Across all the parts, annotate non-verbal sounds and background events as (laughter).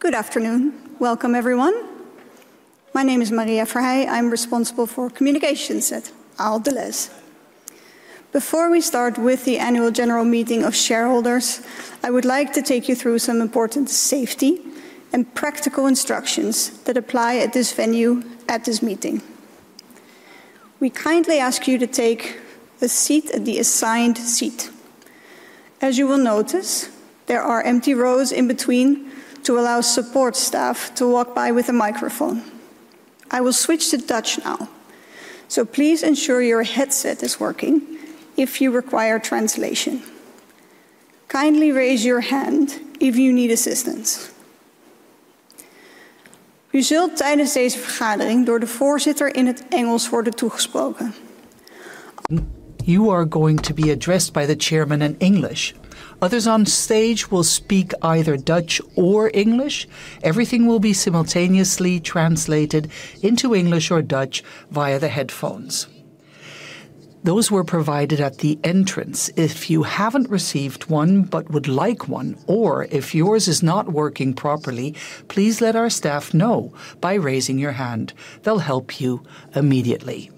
Good afternoon. Welcome, everyone. My name is Maria Verheij. I'm responsible for communications at Ahold Delhaize. Before we start with the annual general meeting of shareholders, I would like to take you through some important safety and practical instructions that apply at this venue at this meeting. We kindly ask you to take a seat at the assigned seat. As you will notice, there are empty rows in between to allow support staff to walk by with a microphone. I will switch to Dutch now, so please ensure your headset is working if you require translation. Kindly raise your hand if you need assistance. U zult tijdens deze vergadering door de voorzitter in het Engels worden toegesproken. You are going to be addressed by the chairman in English. Others on stage will speak either Dutch or English. Everything will be simultaneously translated into English or Dutch via the headphones. Those were provided at the entrance. If you haven't received one but would like one, or if yours is not working properly, please let our staff know by raising your hand. They'll help you immediately.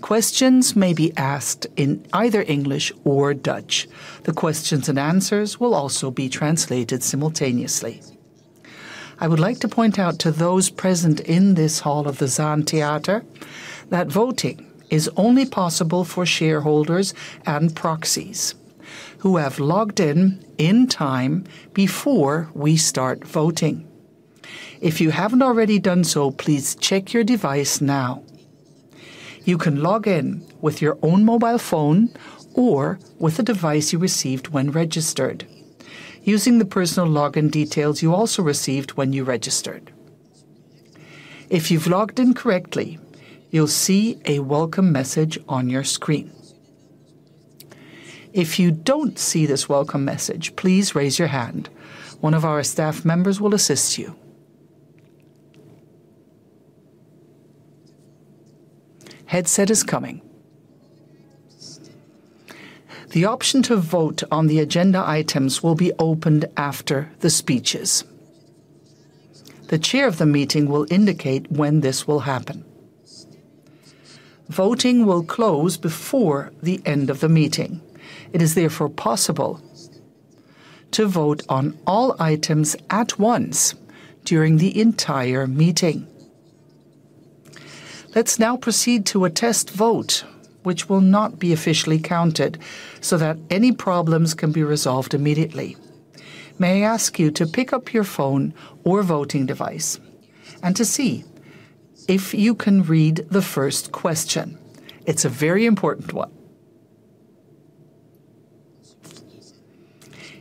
Questions may be asked in either English or Dutch. The questions and answers will also be translated simultaneously. I would like to point out to those present in this hall of the Zaan Theater that voting is only possible for shareholders and proxies who have logged in in time before we start voting. If you haven't already done so, please check your device now. You can log in with your own mobile phone or with a device you received when registered, using the personal login details you also received when you registered. If you've logged in correctly, you'll see a welcome message on your screen. If you don't see this welcome message, please raise your hand. One of our staff members will assist you. Headset is coming. The option to vote on the agenda items will be opened after the speeches. The Chair of the meeting will indicate when this will happen. Voting will close before the end of the meeting. It is therefore possible to vote on all items at once during the entire meeting. Let's now proceed to a test vote, which will not be officially counted so that any problems can be resolved immediately. May I ask you to pick up your phone or voting device and to see if you can read the first question? It's a very important one.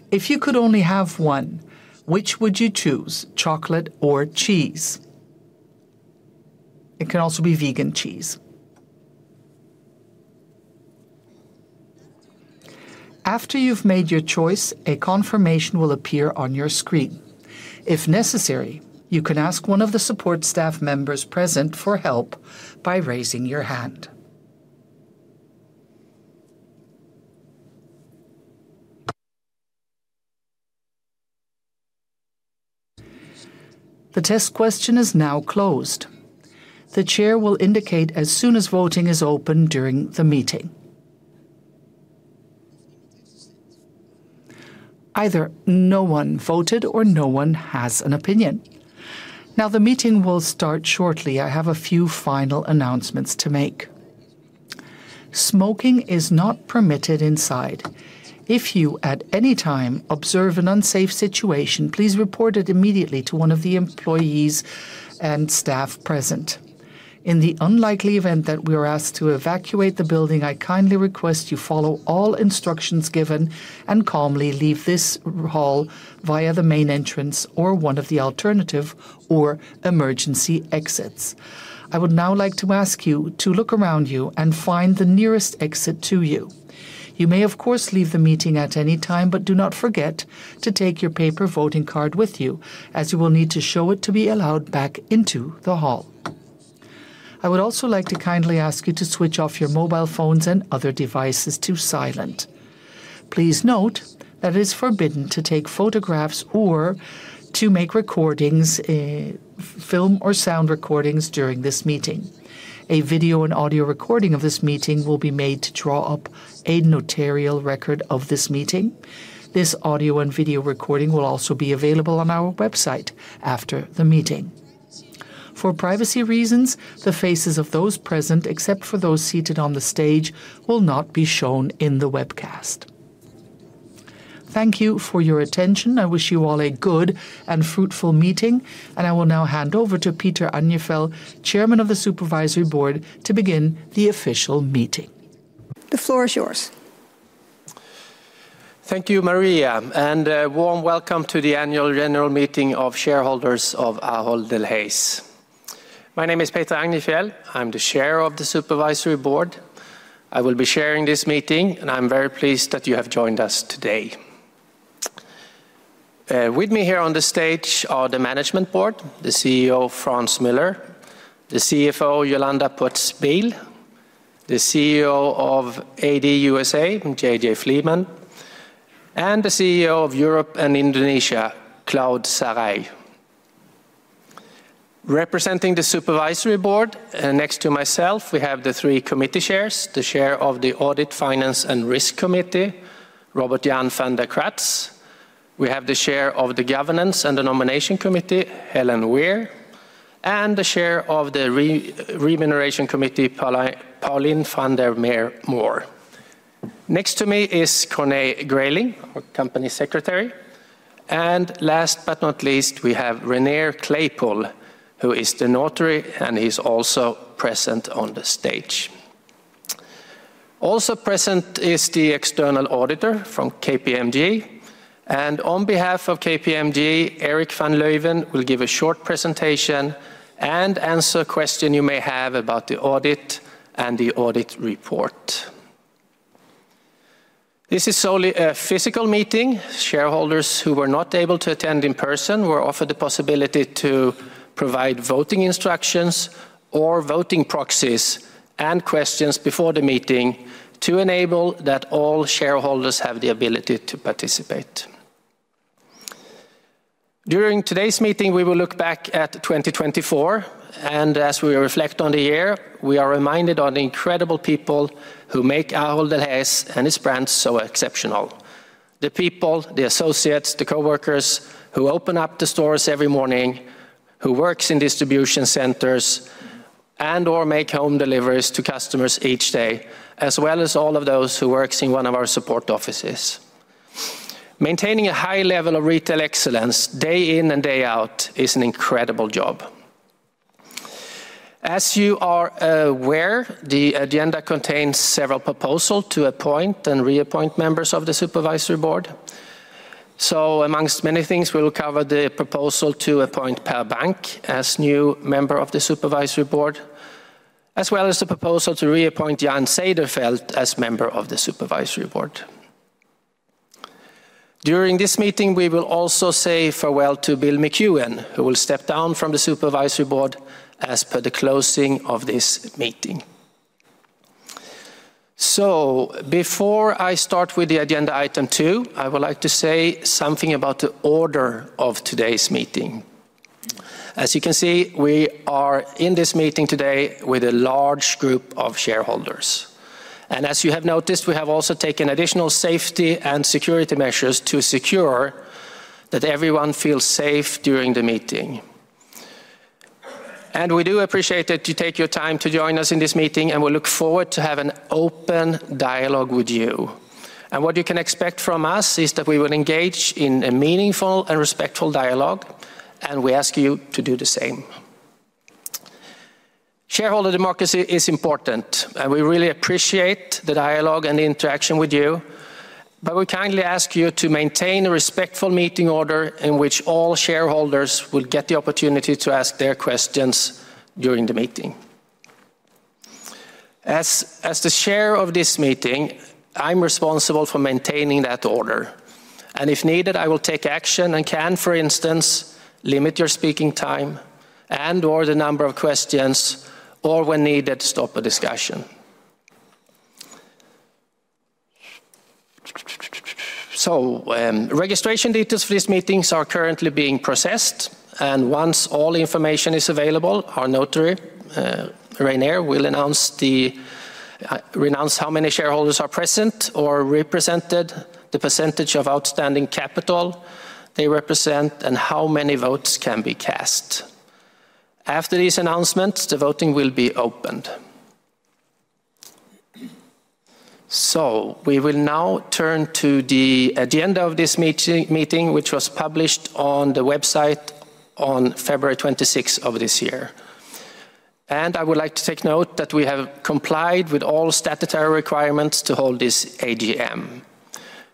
If you could only have one, which would you choose, chocolate or cheese? It can also be vegan cheese. After you've made your choice, a confirmation will appear on your screen. If necessary, you can ask one of the support staff members present for help by raising your hand. The test question is now closed. The chair will indicate as soon as voting is open during the meeting. Either no one voted or no one has an opinion. Now the meeting will start shortly. I have a few final announcements to make. Smoking is not permitted inside. If you, at any time, observe an unsafe situation, please report it immediately to one of the employees and staff present. In the unlikely event that we are asked to evacuate the building, I kindly request you follow all instructions given and calmly leave this hall via the main entrance or one of the alternative or emergency exits. I would now like to ask you to look around you and find the nearest exit to you. You may, of course, leave the meeting at any time, but do not forget to take your paper voting card with you, as you will need to show it to be allowed back into the hall. I would also like to kindly ask you to switch off your mobile phones and other devices to silent. Please note that it is forbidden to take photographs or to make recordings, film or sound recordings during this meeting. A video and audio recording of this meeting will be made to draw up a notarial record of this meeting. This audio and video recording will also be available on our website after the meeting. For privacy reasons, the faces of those present, except for those seated on the stage, will not be shown in the webcast. Thank you for your attention. I wish you all a good and fruitful meeting, and I will now hand over to Peter Agnefjäll, Chairman of the Supervisory Board, to begin the official meeting. The floor is yours. Thank you, Maria, and a warm welcome to the annual general meeting of shareholders of Ahold Delhaize. My name is Peter Agnefjäll. I'm the chair of the Supervisory Board. I will be chairing this meeting, and I'm very pleased that you have joined us today. With me here on the stage are the Management Board, the CEO, Frans Muller, the CFO, Jolanda Poots-Bijl, the CEO of Ahold Delhaize USA, JJ Fleeman, and the CEO of Europe and Indonesia, Claude Sarrailh. Representing the Supervisory Board, next to myself, we have the three committee chairs, the chair of the Audit, Finance and Risk Committee, Robert Jan van de Kratz. We have the chair of the Governance and Nomination Committee, Helen Weir, and the chair of the Remuneration Committee, Pauline van der Meer Mohr. Next to me is Corné Grayling, our company secretary. Last but not least, we have Reinier Kleipool, who is the notary and is also present on the stage. Also present is the external auditor from KPMG. On behalf of KPMG, Erik van Leuven will give a short presentation and answer questions you may have about the audit and the audit report. This is solely a physical meeting. Shareholders who were not able to attend in person were offered the possibility to provide voting instructions or voting proxies and questions before the meeting to enable that all shareholders have the ability to participate. During today's meeting, we will look back at 2024, and as we reflect on the year, we are reminded of the incredible people who make Ahold Delhaize and its brand so exceptional. The people, the associates, the coworkers who open up the stores every morning, who work in distribution centers and/or make home deliveries to customers each day, as well as all of those who work in one of our support offices. Maintaining a high level of retail excellence day in and day out is an incredible job. As you are aware, the agenda contains several proposals to appoint and reappoint members of the Supervisory Board. Amongst many things, we will cover the proposal to appoint Per Bank as new member of the Supervisory Board, as well as the proposal to reappoint Jan Zijderveld as member of the Supervisory Board. During this meeting, we will also say farewell to Bill McEwen, who will step down from the Supervisory Board as per the closing of this meeting. Before I start with the agenda item two, I would like to say something about the order of today's meeting. As you can see, we are in this meeting today with a large group of shareholders. As you have noticed, we have also taken additional safety and security measures to ensure that everyone feels safe during the meeting. We do appreciate that you take your time to join us in this meeting, and we look forward to having an open dialogue with you. What you can expect from us is that we will engage in a meaningful and respectful dialogue, and we ask you to do the same. Shareholder democracy is important, and we really appreciate the dialogue and the interaction with you, but we kindly ask you to maintain a respectful meeting order in which all shareholders will get the opportunity to ask their questions during the meeting. As the Chair of this meeting, I'm responsible for maintaining that order. If needed, I will take action and can, for instance, limit your speaking time and/or the number of questions, or when needed, stop a discussion. Registration details for this meeting are currently being processed, and once all information is available, our notary, Reinier Kleipool, will announce how many shareholders are present or represented, the percentage of outstanding capital they represent, and how many votes can be cast. After these announcements, the voting will be opened. We will now turn to the agenda of this meeting, which was published on the website on February 26 of this year. I would like to take note that we have complied with all statutory requirements to hold this ADM.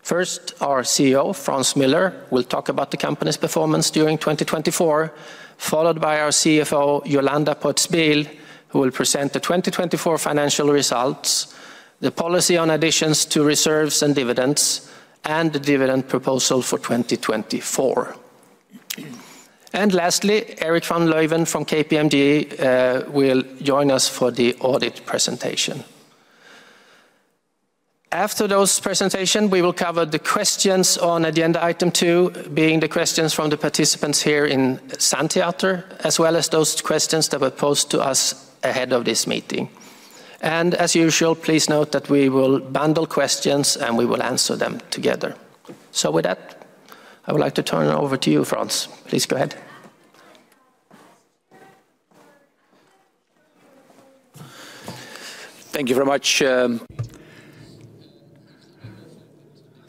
First, our CEO, Frans Muller, will talk about the company's performance during 2024, followed by our CFO, Jolanda Poots-Bijl, who will present the 2024 financial results, the policy on additions to reserves and dividends, and the dividend proposal for 2024. Lastly, Erik van Leuven from KPMG will join us for the audit presentation. After those presentations, we will cover the questions on agenda item two, being the questions from the participants here in Zaan Theater, as well as those questions that were posed to us ahead of this meeting. As usual, please note that we will bundle questions and we will answer them together. With that, I would like to turn it over to you, Frans. Please go ahead. Thank you very much.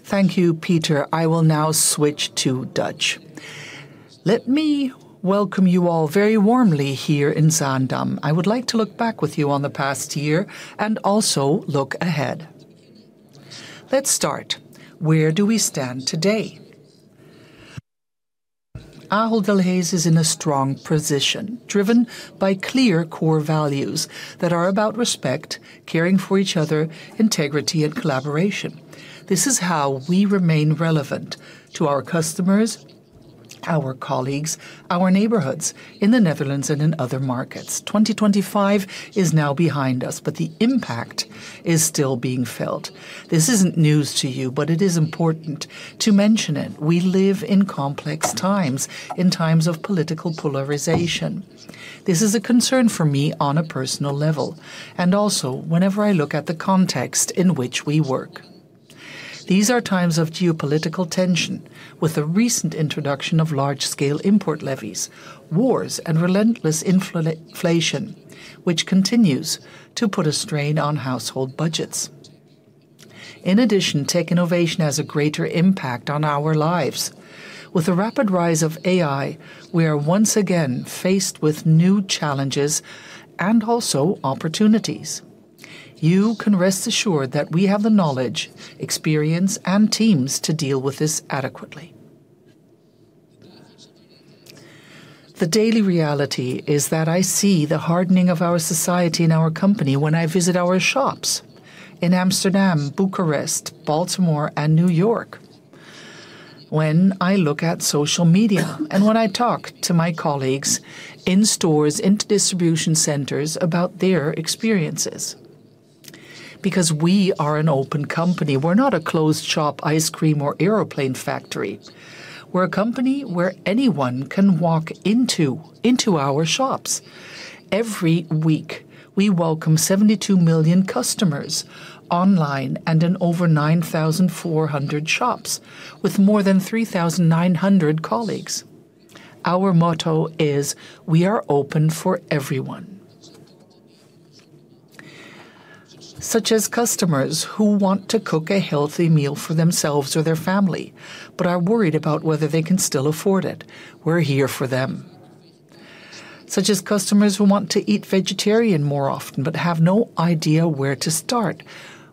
Thank you, Peter. I will now switch to Dutch. Let me welcome you all very warmly here in Zaandam. I would like to look back with you on the past year and also look ahead. Let's start. Where do we stand today? Ahold Delhaize is in a strong position, driven by clear core values that are about respect, caring for each other, integrity, and collaboration. This is how we remain relevant to our customers, our colleagues, our neighborhoods in the Netherlands and in other markets. 2025 is now behind us, but the impact is still being felt. This isn't news to you, but it is important to mention it. We live in complex times, in times of political polarization. This is a concern for me on a personal level, and also whenever I look at the context in which we work. These are times of geopolitical tension, with the recent introduction of large-scale import levies, wars, and relentless inflation, which continues to put a strain on household budgets. In addition, tech innovation has a greater impact on our lives. With the rapid rise of AI, we are once again faced with new challenges and also opportunities. You can rest assured that we have the knowledge, experience, and teams to deal with this adequately. The daily reality is that I see the hardening of our society and our company when I visit our shops in Amsterdam, Bucharest, Baltimore, and New York, when I look at social media and when I talk to my colleagues in stores, in distribution centers about their experiences. Because we are an open company. We're not a closed shop, ice cream, or airplane factory. We're a company where anyone can walk into our shops. Every week, we welcome 72 million customers online and in over 9,400 shops with more than 3,900 colleagues. Our motto is, "We are open for everyone." Such as customers who want to cook a healthy meal for themselves or their family, but are worried about whether they can still afford it. We're here for them. Such as customers who want to eat vegetarian more often, but have no idea where to start.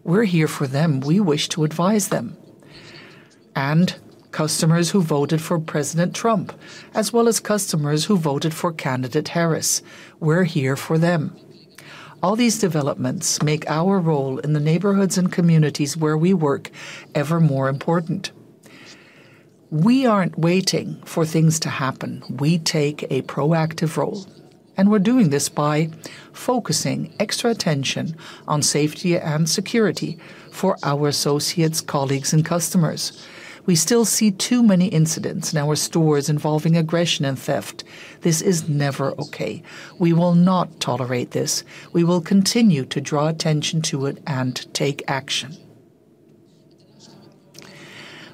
We're here for them. We wish to advise them. And customers who voted for President Trump, as well as customers who voted for candidate Harris. We're here for them. All these developments make our role in the neighborhoods and communities where we work ever more important. We aren't waiting for things to happen. We take a proactive role. We are doing this by focusing extra attention on safety and security for our associates, colleagues, and customers. We still see too many incidents in our stores involving aggression and theft. This is never okay. We will not tolerate this. We will continue to draw attention to it and take action.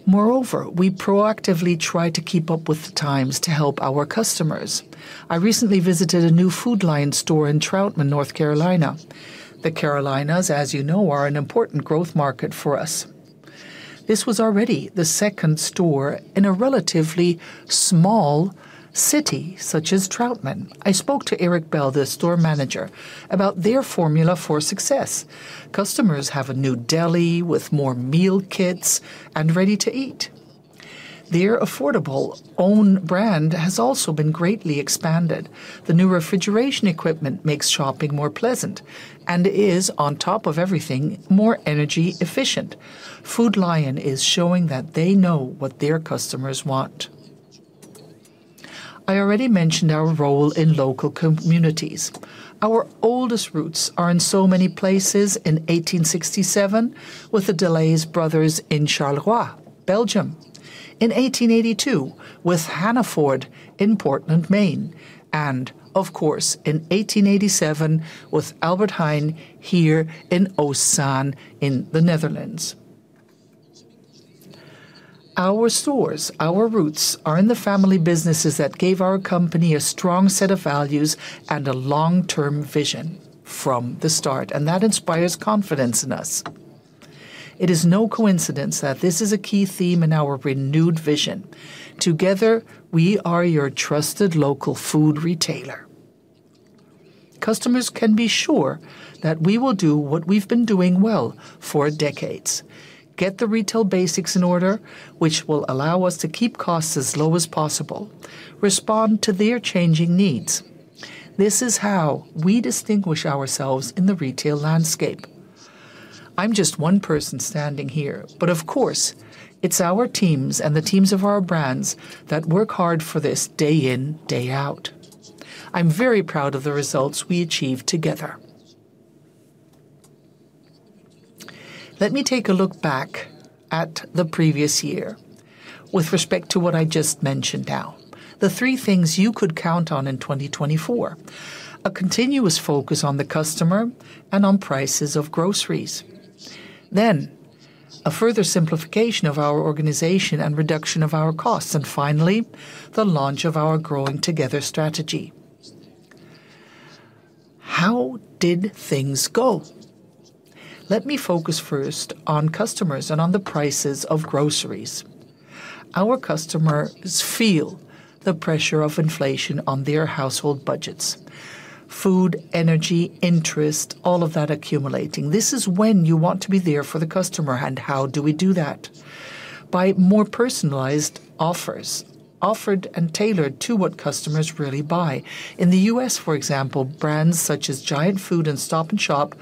Moreover, we proactively try to keep up with the times to help our customers. I recently visited a new Food Lion store in Troutman, North Carolina. The Carolinas, as you know, are an important growth market for us. This was already the second store in a relatively small city such as Troutman. I spoke to Erik Bell, the store manager, about their formula for success. Customers have a new deli with more meal kits and ready-to-eat. Their affordable own brand has also been greatly expanded. The new refrigeration equipment makes shopping more pleasant and is, on top of everything, more energy efficient. Food Lion is showing that they know what their customers want. I already mentioned our role in local communities. Our oldest roots are in so many places in 1867 with the Delhaize brothers in Charleroi, Belgium, in 1882 with Hannaford in Portland, Maine, and of course, in 1887 with Albert Heijn here in Oostzaan in the Netherlands. Our stores, our roots are in the family businesses that gave our company a strong set of values and a long-term vision from the start, and that inspires confidence in us. It is no coincidence that this is a key theme in our renewed vision. Together, we are your trusted local food retailer. Customers can be sure that we will do what we've been doing well for decades: get the retail basics in order, which will allow us to keep costs as low as possible, respond to their changing needs. This is how we distinguish ourselves in the retail landscape. I'm just one person standing here, but of course, it's our teams and the teams of our brands that work hard for this day in, day out. I'm very proud of the results we achieve together. Let me take a look back at the previous year with respect to what I just mentioned now. The three things you could count on in 2024: a continuous focus on the customer and on prices of groceries, a further simplification of our organization and reduction of our costs, and finally, the launch of our Growing Together strategy. How did things go? Let me focus first on customers and on the prices of groceries. Our customers feel the pressure of inflation on their household budgets: food, energy, interest, all of that accumulating. This is when you want to be there for the customer. How do we do that? By more personalized offers offered and tailored to what customers really buy. In the U.S., for example, brands such as Giant Food and Stop & Shop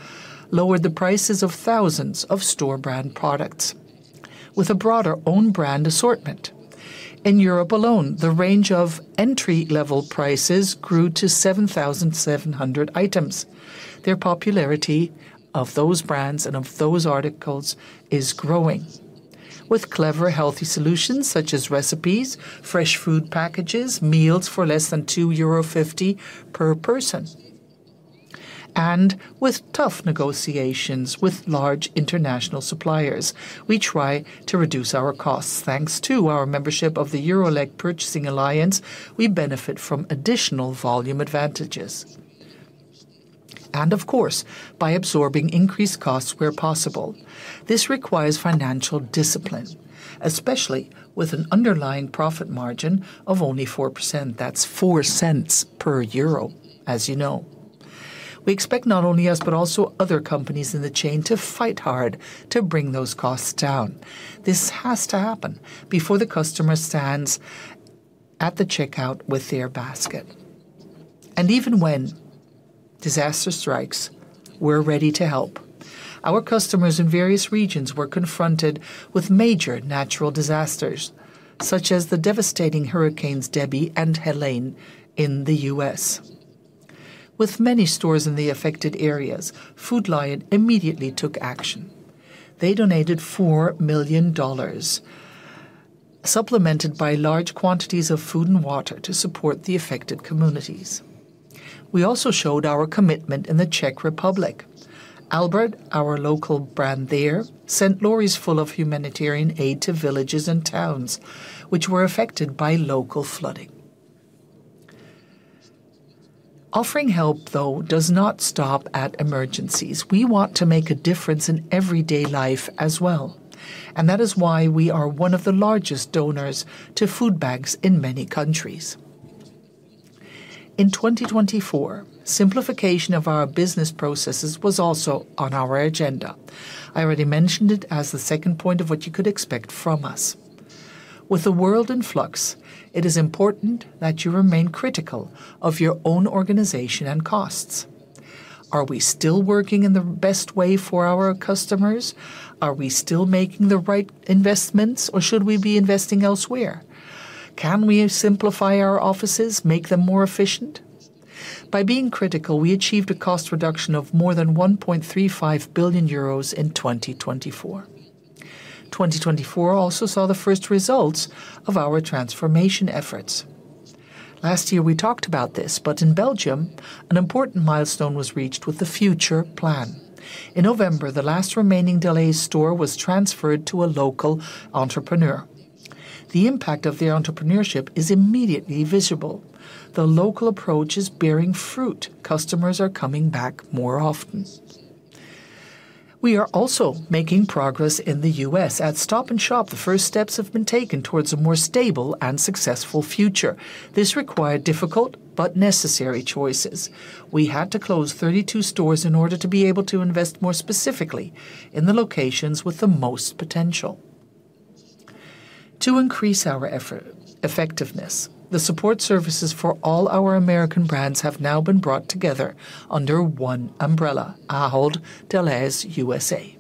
lowered the prices of thousands of store-brand products with a broader own brand assortment. In Europe alone, the range of entry-level prices grew to 7,700 items. Their popularity of those brands and of those articles is growing with clever, healthy solutions such as recipes, fresh food packages, meals for less than 2.50 euro per person, and with tough negotiations with large international suppliers. We try to reduce our costs. Thanks to our membership of the Euroleg Purchasing Alliance, we benefit from additional volume advantages. Of course, by absorbing increased costs where possible. This requires financial discipline, especially with an underlying profit margin of only 4%. That's 0.04, as you know. We expect not only us, but also other companies in the chain to fight hard to bring those costs down. This has to happen before the customer stands at the checkout with their basket. Even when disaster strikes, we're ready to help. Our customers in various regions were confronted with major natural disasters, such as the devastating hurricanes Debbie and Helene in the U.S., With many stores in the affected areas, Food Lion immediately took action. They donated $4 million, supplemented by large quantities of food and water to support the affected communities. We also showed our commitment in the Czech Republic. Albert, our local brand there, sent lorries full of humanitarian aid to villages and towns which were affected by local flooding. Offering help, though, does not stop at emergencies. We want to make a difference in everyday life as well. That is why we are one of the largest donors to food banks in many countries. In 2024, simplification of our business processes was also on our agenda. I already mentioned it as the second point of what you could expect from us. With the world in flux, it is important that you remain critical of your own organization and costs. Are we still working in the best way for our customers? Are we still making the right investments, or should we be investing elsewhere? Can we simplify our offices, make them more efficient? By being critical, we achieved a cost reduction of more than 1.35 billion euros in 2024. 2024 also saw the first results of our transformation efforts. Last-year, we talked about this, but in Belgium, an important milestone was reached with the Future Plan. In November, the last remaining Delhaize store was transferred to a local entrepreneur. The impact of their entrepreneurship is immediately visible. The local approach is bearing fruit. Customers are coming back more often. We are also making progress in the U.S. At Stop & Shop, the first steps have been taken towards a more stable and successful future. This required difficult but necessary choices. We had to close 32 stores in order to be able to invest more specifically in the locations with the most potential. To increase our effectiveness, the support services for all our American brands have now been brought together under one umbrella: Ahold Delhaize USA.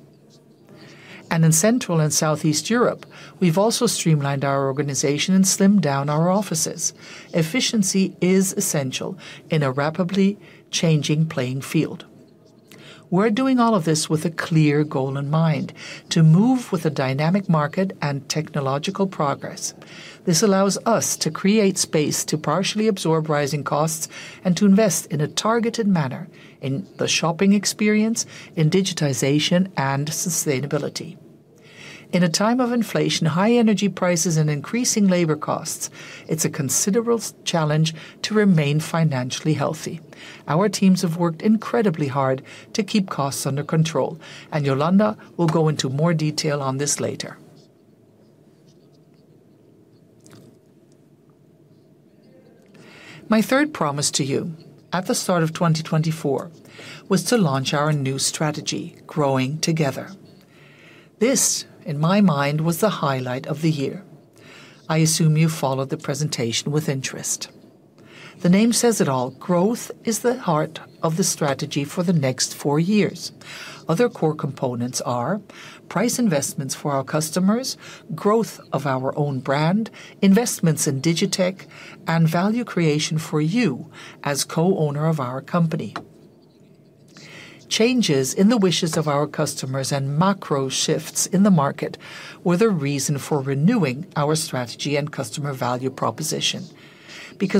In Central and Southeast Europe, we've also streamlined our organization and slimmed down our offices. Efficiency is essential in a rapidly changing playing field. We're doing all of this with a clear goal in mind: to move with a dynamic market and technological progress. This allows us to create space to partially absorb rising costs and to invest in a targeted manner in the shopping experience, in digitization, and sustainability. In a time of inflation, high energy prices, and increasing labor costs, it's a considerable challenge to remain financially healthy. Our teams have worked incredibly hard to keep costs under control, and Jolanda will go into more detail on this later. My third promise to you at the start of 2024 was to launch our new strategy, Growing Together. This, in my mind, was the highlight of the year. I assume you followed the presentation with interest. The name says it all. Growth is the heart of the strategy for the next four years. Other core components are price investments for our customers, growth of our own brand, investments in digitech, and value creation for you as co-owner of our company. Changes in the wishes of our customers and macro shifts in the market were the reason for renewing our strategy and customer value proposition.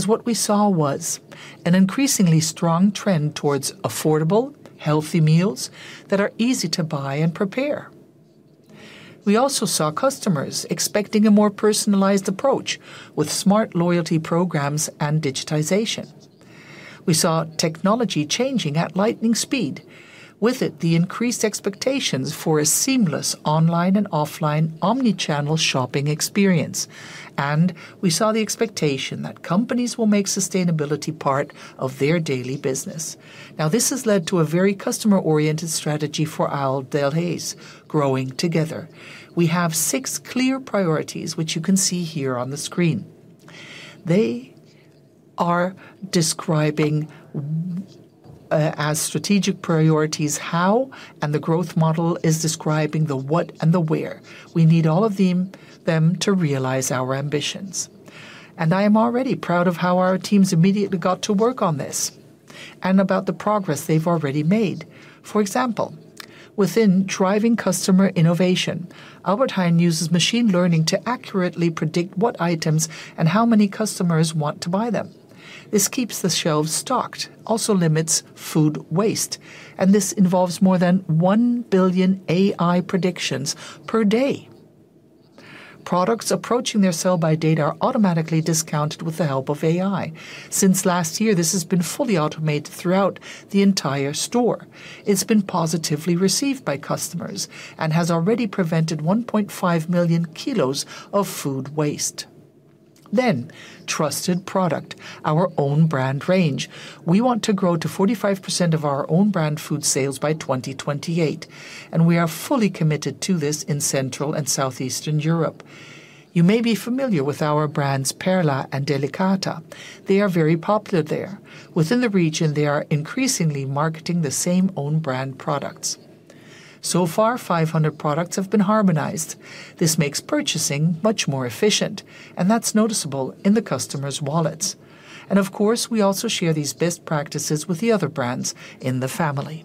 What we saw was an increasingly strong trend towards affordable, healthy meals that are easy to buy and prepare. We also saw customers expecting a more personalized approach with smart loyalty programs and digitization. We saw technology changing at lightning speed. With it, the increased expectations for a seamless online and offline omnichannel shopping experience. We saw the expectation that companies will make sustainability part of their daily business. This has led to a very customer-oriented strategy for our Delhaize, Growing Together. We have six clear priorities, which you can see here on the screen. They are describing as strategic priorities how, and the growth model is describing the what and the where. We need all of them to realize our ambitions. I am already proud of how our teams immediately got to work on this and about the progress they've already made. For example, within driving customer innovation, Albert Heijn uses machine learning to accurately predict what items and how many customers want to buy them. This keeps the shelves stocked, also limits food waste. This involves more than 1 billion AI predictions per day. Products approaching their sale by date are automatically discounted with the help of AI. Since last year, this has been fully automated throughout the entire store. It's been positively received by customers and has already prevented 1.5 million kilos of food waste. Trusted product, our own brand range. We want to grow to 45% of our own-brand food sales by 2028. We are fully committed to this in Central and Southeastern Europe. You may be familiar with our brands Perla and Delicata. They are very popular there. Within the region, they are increasingly marketing the same own-brand products. So far, 500 products have been harmonized. This makes purchasing much more efficient, and that is noticeable in the customer's wallets. Of course, we also share these best practices with the other brands in the family.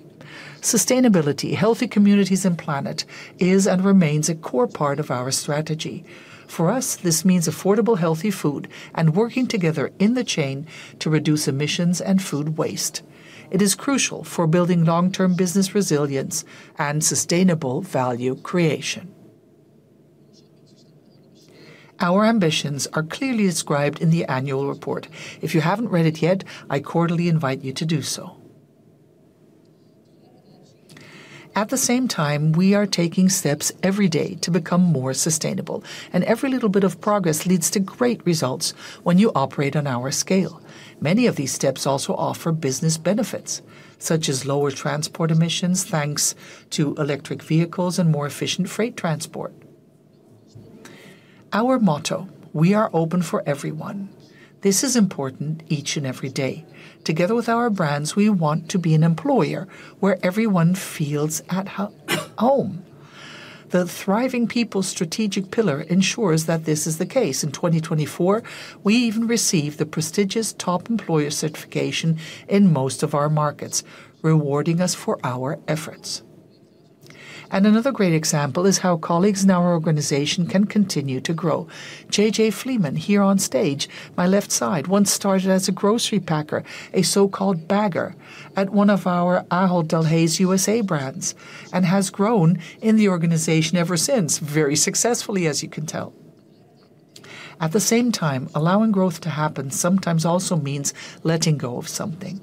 Sustainability, healthy communities, and planet is and remains a core part of our strategy. For us, this means affordable, healthy food and working together in the chain to reduce emissions and food waste. It is crucial for building long-term business resilience and sustainable value creation. Our ambitions are clearly described in the annual report. If you haven't read it yet, I cordially invite you to do so. At the same time, we are taking steps every day to become more sustainable. Every little bit of progress leads to great results when you operate on our scale. Many of these steps also offer business benefits, such as lower transport emissions thanks to electric vehicles and more efficient freight transport. Our motto, we are open for everyone. This is important each and every day. Together with our brands, we want to be an employer where everyone feels at home. The Thriving People Strategic Pillar ensures that this is the case. In 2024, we even received the prestigious Top Employer certification in most of our markets, rewarding us for our efforts. Another great example is how colleagues in our organization can continue to grow. JJ Fleeman, here on stage my left side, once started as a grocery packer, a so-called bagger, at one of our Ahold Delhaize USA brands, and has grown in the organization ever since, very successfully, as you can tell. At the same time, allowing growth to happen sometimes also means letting go of something.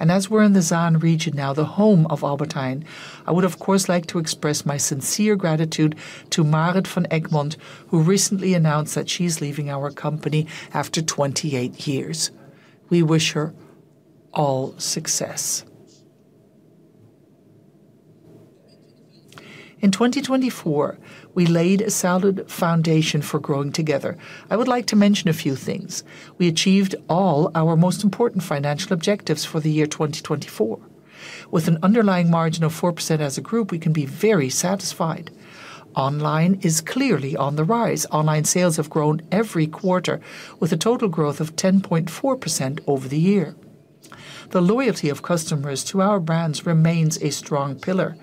As we're in the Zaan region now, the home of Albert Heijn, I would, of course, like to express my sincere gratitude to Marit van Egmond, who recently announced that she's leaving our company after 28 years. We wish her all success. In 2024, we laid a solid foundation for Growing Together. I would like to mention a few things. We achieved all our most important financial objectives for the year 2024. With an underlying margin of 4% as a group, we can be very satisfied. Online is clearly on the rise. Online sales have grown every quarter, with a total growth of 10.4% over the year. The loyalty of customers to our brands remains a strong pillar.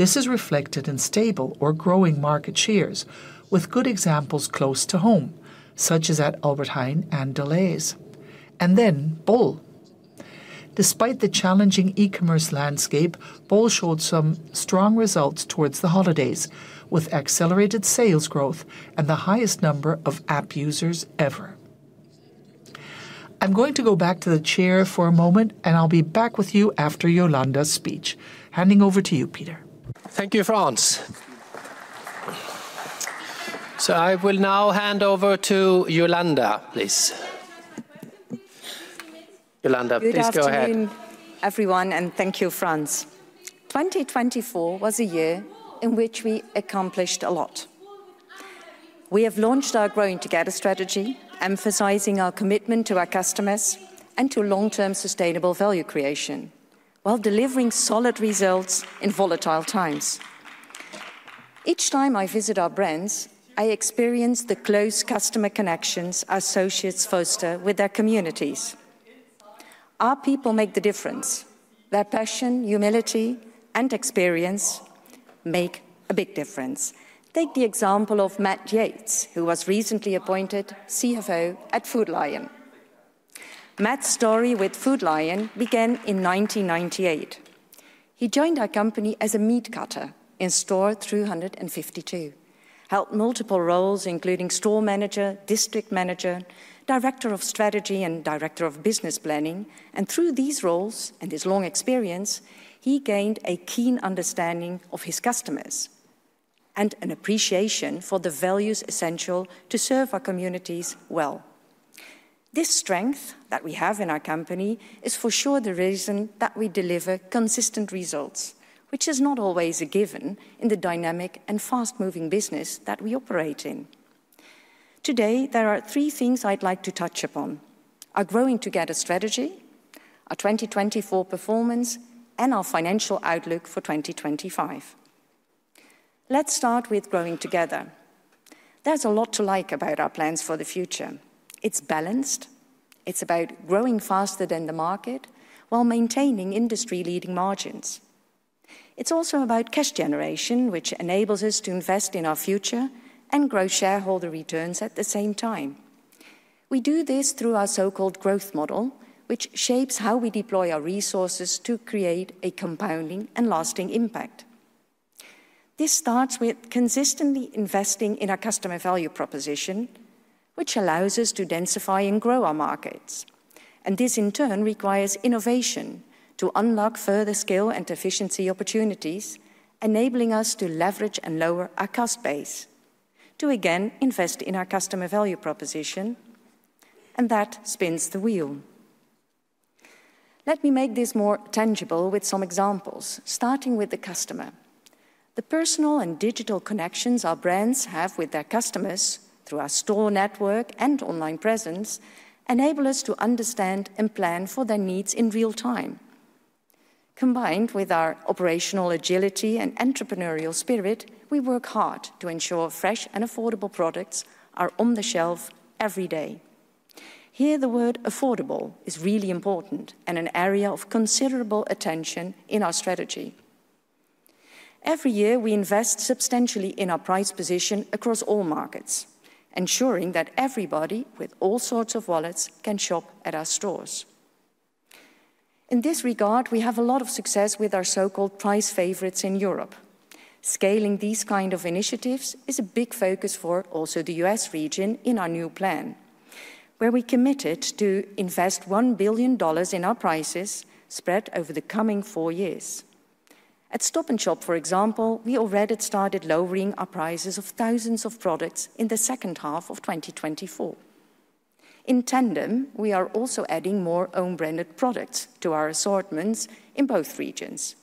This is reflected in stable or growing market shares with good examples close to home, such as at Albert Heijn and Delhaize. And then Bol. Despite the challenging e-commerce landscape, Bol showed some strong results towards the holidays, with accelerated sales growth and the highest number of app users ever. I'm going to go back to the chair for a moment, and I'll be back with you after Jolanda's speech. Handing over to you, Peter. Thank you, Frans. I will now hand over to Jolanda, please. Jolanda, please go ahead. Good afternoon, everyone, and thank you, Frans. 2024 was a year in which we accomplished a lot. We have launched our Growing Together strategy, emphasizing our commitment to our customers and to long-term sustainable value creation, while delivering solid results in volatile times. Each time I visit our brands, I experience the close customer connections our associates foster with their communities. Our people make the difference. Their passion, humility, and experience make a big difference. Take the example of Matt Yates, who was recently appointed CFO at Food Lion. Matt's story with Food Lion began in 1998. He joined our company as a meat cutter in store 352, held multiple roles, including store manager, district manager, director of strategy, and director of business planning. Through these roles and his long experience, he gained a keen understanding of his customers and an appreciation for the values essential to serve our communities well. This strength that we have in our company is for sure the reason that we deliver consistent results, which is not always a given in the dynamic and fast-moving business that we operate in. Today, there are three things I'd like to touch upon: our Growing Together strategy, our 2024 performance, and our financial outlook for 2025. Let's start with Growing Together. There's a lot to like about our plans for the future. It's balanced. It's about growing faster than the market while maintaining industry-leading margins. It's also about cash generation, which enables us to invest in our future and grow shareholder returns at the same time. We do this through our so-called growth model, which shapes how we deploy our resources to create a compounding and lasting impact. This starts with consistently investing in our customer value proposition, which allows us to densify and grow our markets. This, in turn, requires innovation to unlock further skill and efficiency opportunities, enabling us to leverage and lower our cost base to again invest in our customer value proposition. That spins the wheel. Let me make this more tangible with some examples, starting with the customer. The personal and digital connections our brands have with their customers through our store network and online presence enable us to understand and plan for their needs in real time. Combined with our operational agility and entrepreneurial spirit, we work hard to ensure fresh and affordable products are on the shelf every day. Here, the word affordable is really important and an area of considerable attention in our strategy. Every year, we invest substantially in our price position across all markets, ensuring that everybody with all sorts of wallets can shop at our stores. In this regard, we have a lot of success with our so-called price favorites in Europe. Scaling these kinds of initiatives is a big focus for also the U.S. region in our new plan, where we committed to invest $1 billion in our prices spread over the coming four years. At Stop & Shop, for example, we already started lowering our prices of thousands of products in the second half of 2024. In tandem, we are also adding more own-brand products to our assortments in both regions,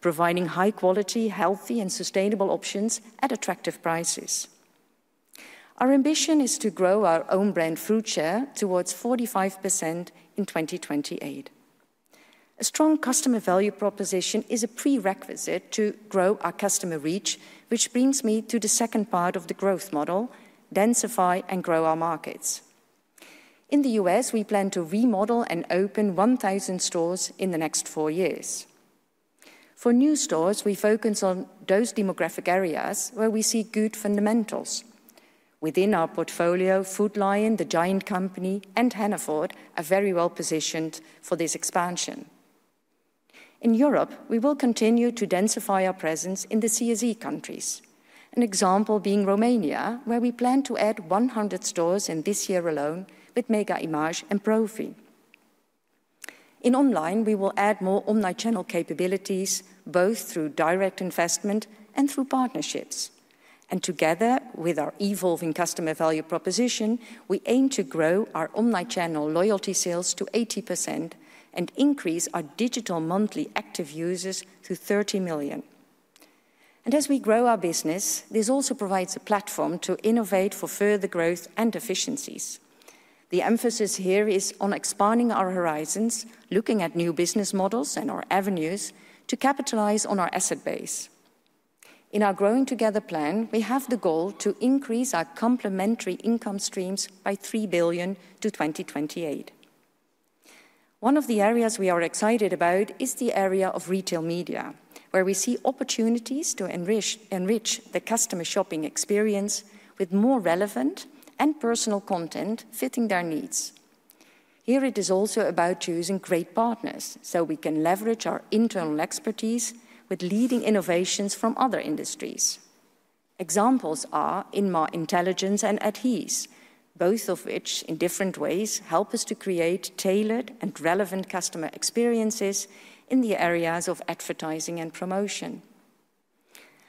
providing high-quality, healthy, and sustainable options at attractive prices. Our ambition is to grow our own brand food share towards 45% in 2028. A strong customer value proposition is a prerequisite to grow our customer reach, which brings me to the second part of the growth model: densify and grow our markets. In the U.S., we plan to remodel and open 1,000 stores in the next four years. For new stores, we focus on those demographic areas where we see good fundamentals. Within our portfolio, Food Lion, the Giant company, and Hannaford are very well positioned for this expansion. In Europe, we will continue to densify our presence in the CSE countries, an example being Romania, where we plan to add 100 stores in this year alone with Mega Image and Profi. In online, we will add more omnichannel capabilities, both through direct investment and through partnerships. Together with our evolving customer value proposition, we aim to grow our omnichannel loyalty sales to 80% and increase our digital monthly active users to 30 million. As we grow our business, this also provides a platform to innovate for further growth and efficiencies. The emphasis here is on expanding our horizons, looking at new business models and our avenues to capitalize on our asset base. In our Growing Together plan, we have the goal to increase our complementary income streams by $3 billion to 2028. One of the areas we are excited about is the area of retail media, where we see opportunities to enrich the customer shopping experience with more relevant and personal content fitting their needs. Here, it is also about choosing great partners so we can leverage our internal expertise with leading innovations from other industries. Examples are Inmar Intelligence and AdTheses, both of which, in different ways, help us to create tailored and relevant customer experiences in the areas of advertising and promotion.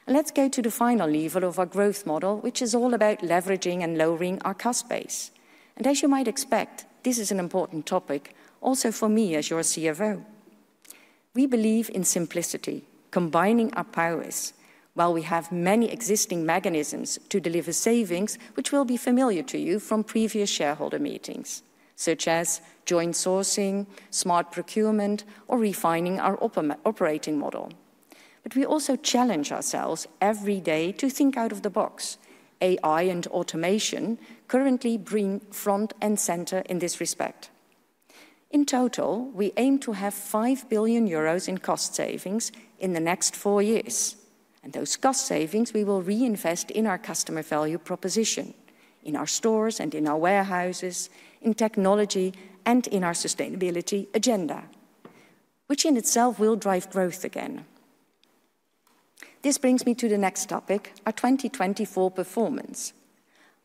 Let's go to the final level of our growth model, which is all about leveraging and lowering our cost base. As you might expect, this is an important topic also for me as your CFO. We believe in simplicity, combining our powers while we have many existing mechanisms to deliver savings, which will be familiar to you from previous shareholder meetings, such as joint sourcing, smart procurement, or refining our operating model. We also challenge ourselves every day to think out of the box. AI and automation currently bring front and center in this respect. In total, we aim to have 5 billion euros in cost savings in the next four years. Those cost savings, we will reinvest in our customer value proposition, in our stores and in our warehouses, in technology, and in our sustainability agenda, which in itself will drive growth again. This brings me to the next topic, our 2024 performance.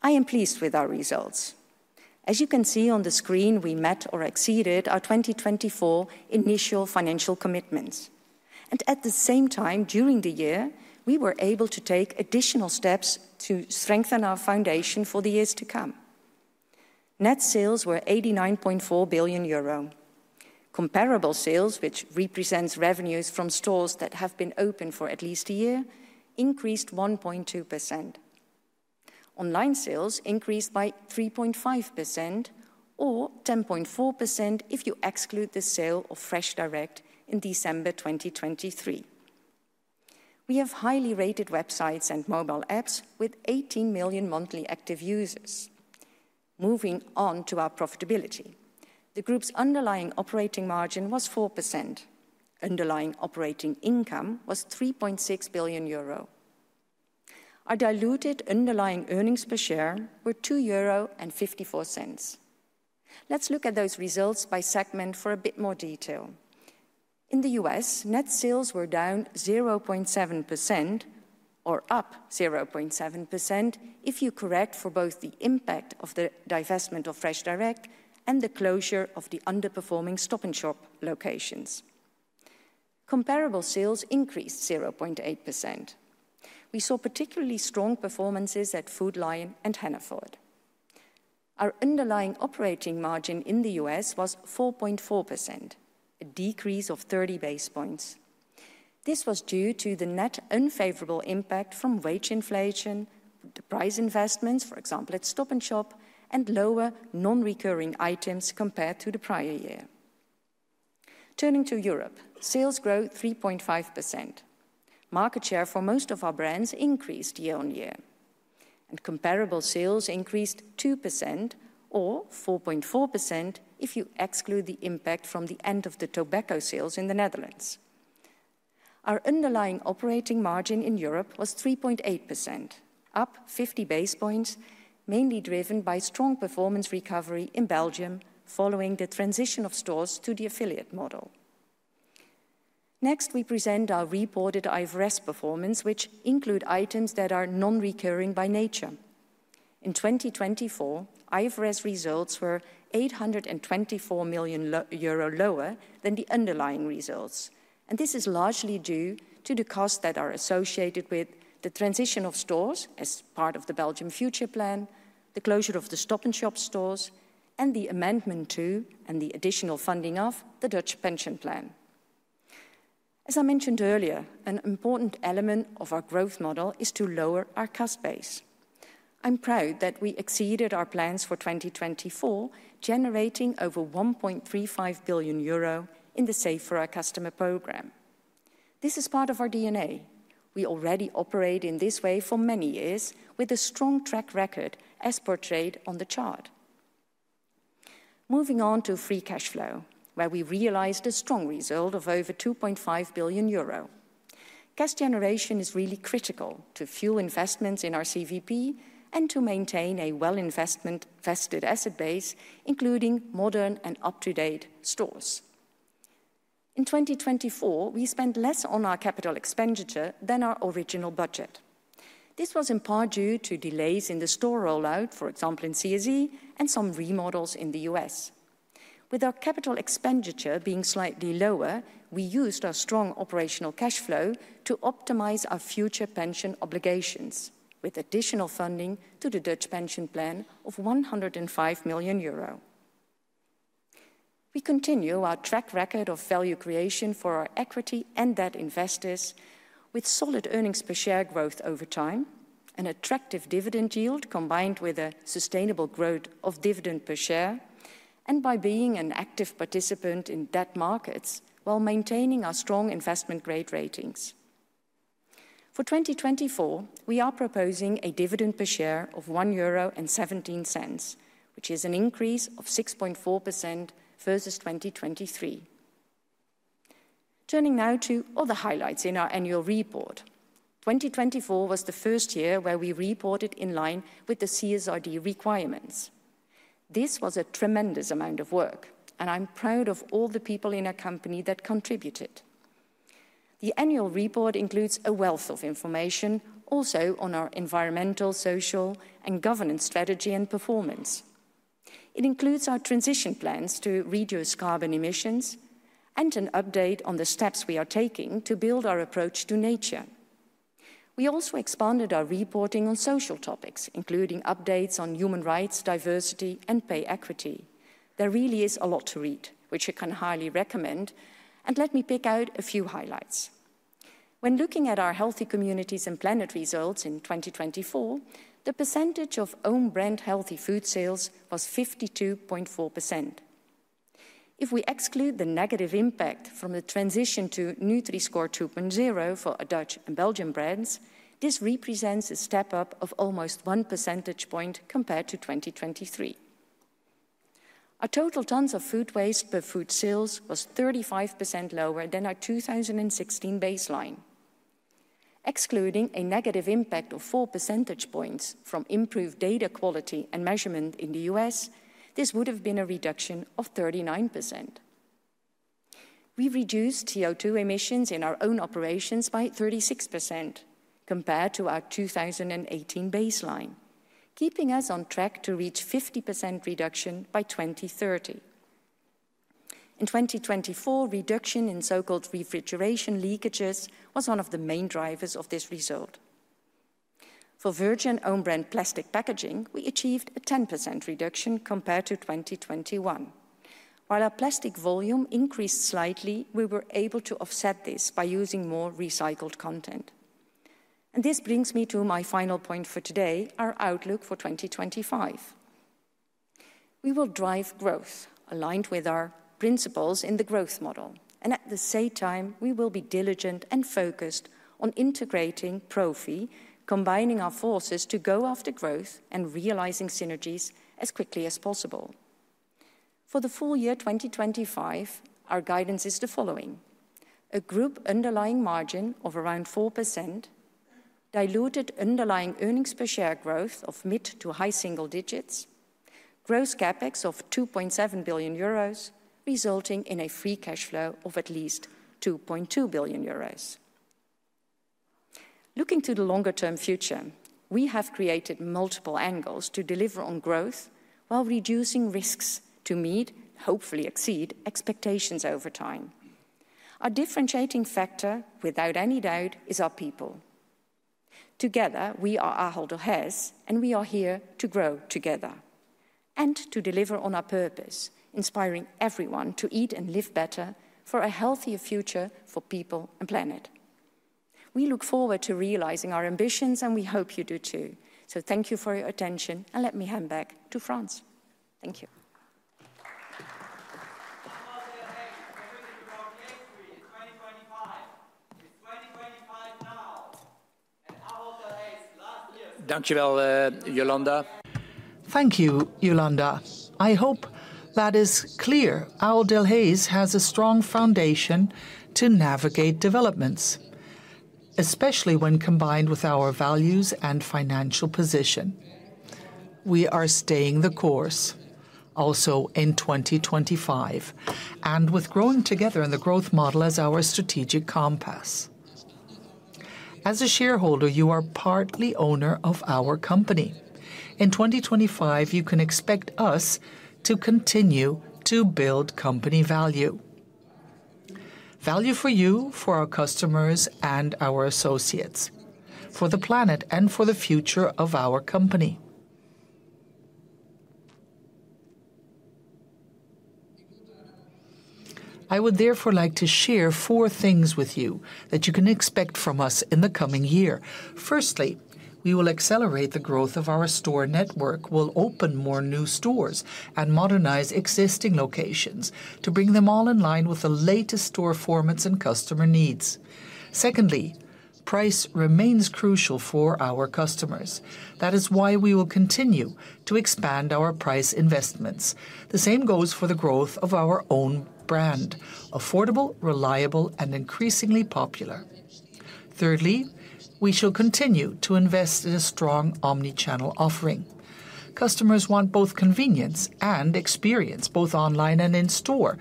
I am pleased with our results. As you can see on the screen, we met or exceeded our 2024 initial financial commitments. At the same time, during the year, we were able to take additional steps to strengthen our foundation for the years to come. Net sales were 89.4 billion euro. Comparable sales, which represents revenues from stores that have been open for at least a year, increased 1.2%. Online sales increased by 3.5% or 10.4% if you exclude the sale of FreshDirect in December 2023. We have highly rated websites and mobile apps with 18 million monthly active users. Moving on to our profitability, the group's underlying operating margin was 4%. Underlying operating income was 3.6 billion euro. Our diluted underlying earnings per share were 2.54 euro. Let's look at those results by segment for a bit more detail. In the U.S., net sales were down 0.7% or up 0.7% if you correct for both the impact of the divestment of FreshDirect and the closure of the underperforming Stop & Shop locations. Comparable sales increased 0.8%. We saw particularly strong performances at Food Lion and Hannaford. Our underlying operating margin in the U.S. was 4.4%, a decrease of 30 basis points. This was due to the net unfavorable impact from wage inflation, the price investments, for example, at Stop & Shop, and lower non-recurring items compared to the prior-year. Turning to Europe, sales grew 3.5%. Market share for most of our brands increased year-on-year. Comparable sales increased 2% or 4.4% if you exclude the impact from the end of the tobacco sales in the Netherlands. Our underlying operating margin in Europe was 3.8%, up 50 basis points, mainly driven by strong performance recovery in Belgium following the transition of stores to the affiliate model. Next, we present our reported IFRS performance, which includes items that are non-recurring by nature. In 2024, IFRS results were 824 million euro lower than the underlying results. This is largely due to the costs that are associated with the transition of stores as part of the Belgium Future Plan, the closure of the Stop & Shop stores, and the amendment to and the additional funding of the Dutch Pension Plan. As I mentioned earlier, an important element of our growth model is to lower our cost base. I'm proud that we exceeded our plans for 2024, generating over 1.35 billion euro in the Save for Our Customer program. This is part of our DNA. We already operate in this way for many years, with a strong track record as portrayed on the chart. Moving on to free cash flow, where we realized a strong result of over 2.5 billion euro. Cash generation is really critical to fuel investments in our CVP and to maintain a well-invested asset base, including modern and up-to-date stores. In 2024, we spent less on our capital expenditure than our original budget. This was in part due to delays in the store rollout, for example, in CSE and some remodels in the U.S., With our capital expenditure being slightly lower, we used our strong operational cash flow to optimize our future pension obligations with additional funding to the Dutch Pension Plan of 105 million euro. We continue our track record of value creation for our equity and debt investors, with solid earnings per share growth over time, an attractive dividend yield combined with a sustainable growth of dividend per share, and by being an active participant in debt markets while maintaining our strong investment grade ratings. For 2024, we are proposing a dividend per share of 1.17 euro, which is an increase of 6.4% versus 2023. Turning now to other highlights in our annual report, 2024 was the first year where we reported in line with the CSRD requirements. This was a tremendous amount of work, and I'm proud of all the people in our company that contributed. The annual report includes a wealth of information also on our environmental, social, and governance strategy and performance. It includes our transition plans to reduce carbon emissions and an update on the steps we are taking to build our approach to nature. We also expanded our reporting on social topics, including updates on human rights, diversity, and pay equity. There really is a lot to read, which I can highly recommend. Let me pick out a few highlights. When looking at our healthy communities and planet results in 2024, the percentage of own-brand healthy food sales was 52.4%. If we exclude the negative impact from the transition to Nutri-Score 2.0 for Dutch and Belgian brands, this represents a step up of almost one percentage point compared to 2023. Our total tons of food waste per food sales was 35% lower than our 2016 baseline. Excluding a negative impact of four percentage points from improved data quality and measurement in the US, this would have been a reduction of 39%. We reduced CO2 emissions in our own operations by 36% compared to our 2018 baseline, keeping us on track to reach 50% reduction by 2030. In 2024, reduction in so-called refrigeration leakages was one of the main drivers of this result. For virgin own-brand plastic packaging, we achieved a 10% reduction compared to 2021. While our plastic volume increased slightly, we were able to offset this by using more recycled content. This brings me to my final point for today, our outlook for 2025. We will drive growth aligned with our principles in the growth model. At the same time, we will be diligent and focused on integrating Profi, combining our forces to go after growth and realizing synergies as quickly as possible. For the full year 2025, our guidance is the following: a group underlying margin of around 4%, diluted underlying earnings per share growth of mid to high single digits, gross CapEx of 2.7 billion euros, resulting in a free cash flow of at least 2.2 billion euros. Looking to the longer-term future, we have created multiple angles to deliver on growth while reducing risks to meet and hopefully exceed expectations over time. Our differentiating factor, without any doubt, is our people. Together, we are Ahold Delhaize, and we are here to grow together and to deliver on our purpose, inspiring everyone to eat and live better for a healthier future for people and planet. We look forward to realizing our ambitions, and we hope you do too. Thank you for your attention, and let me hand back to Frans. Thank you. Thank you, Jolanda. Thank you, Jolanda. I hope that is clear. Ahold Delhaize has a strong foundation to navigate developments, especially when combined with our values and financial position. We are staying the course also in 2025 and with Growing Together in the growth model as our strategic compass. As a shareholder, you are partly owner of our company. In 2025, you can expect us to continue to build company value. Value for you, for our customers, and our associates, for the planet and for the future of our company. I would therefore like to share four things with you that you can expect from us in the coming year. Firstly, we will accelerate the growth of our store network, will open more new stores, and modernize existing locations to bring them all in line with the latest store formats and customer needs. Secondly, price remains crucial for our customers. That is why we will continue to expand our price investments. The same goes for the growth of our own brand: affordable, reliable, and increasingly popular. Thirdly, we shall continue to invest in a strong omnichannel offering. Customers want both convenience and experience, both online and in store.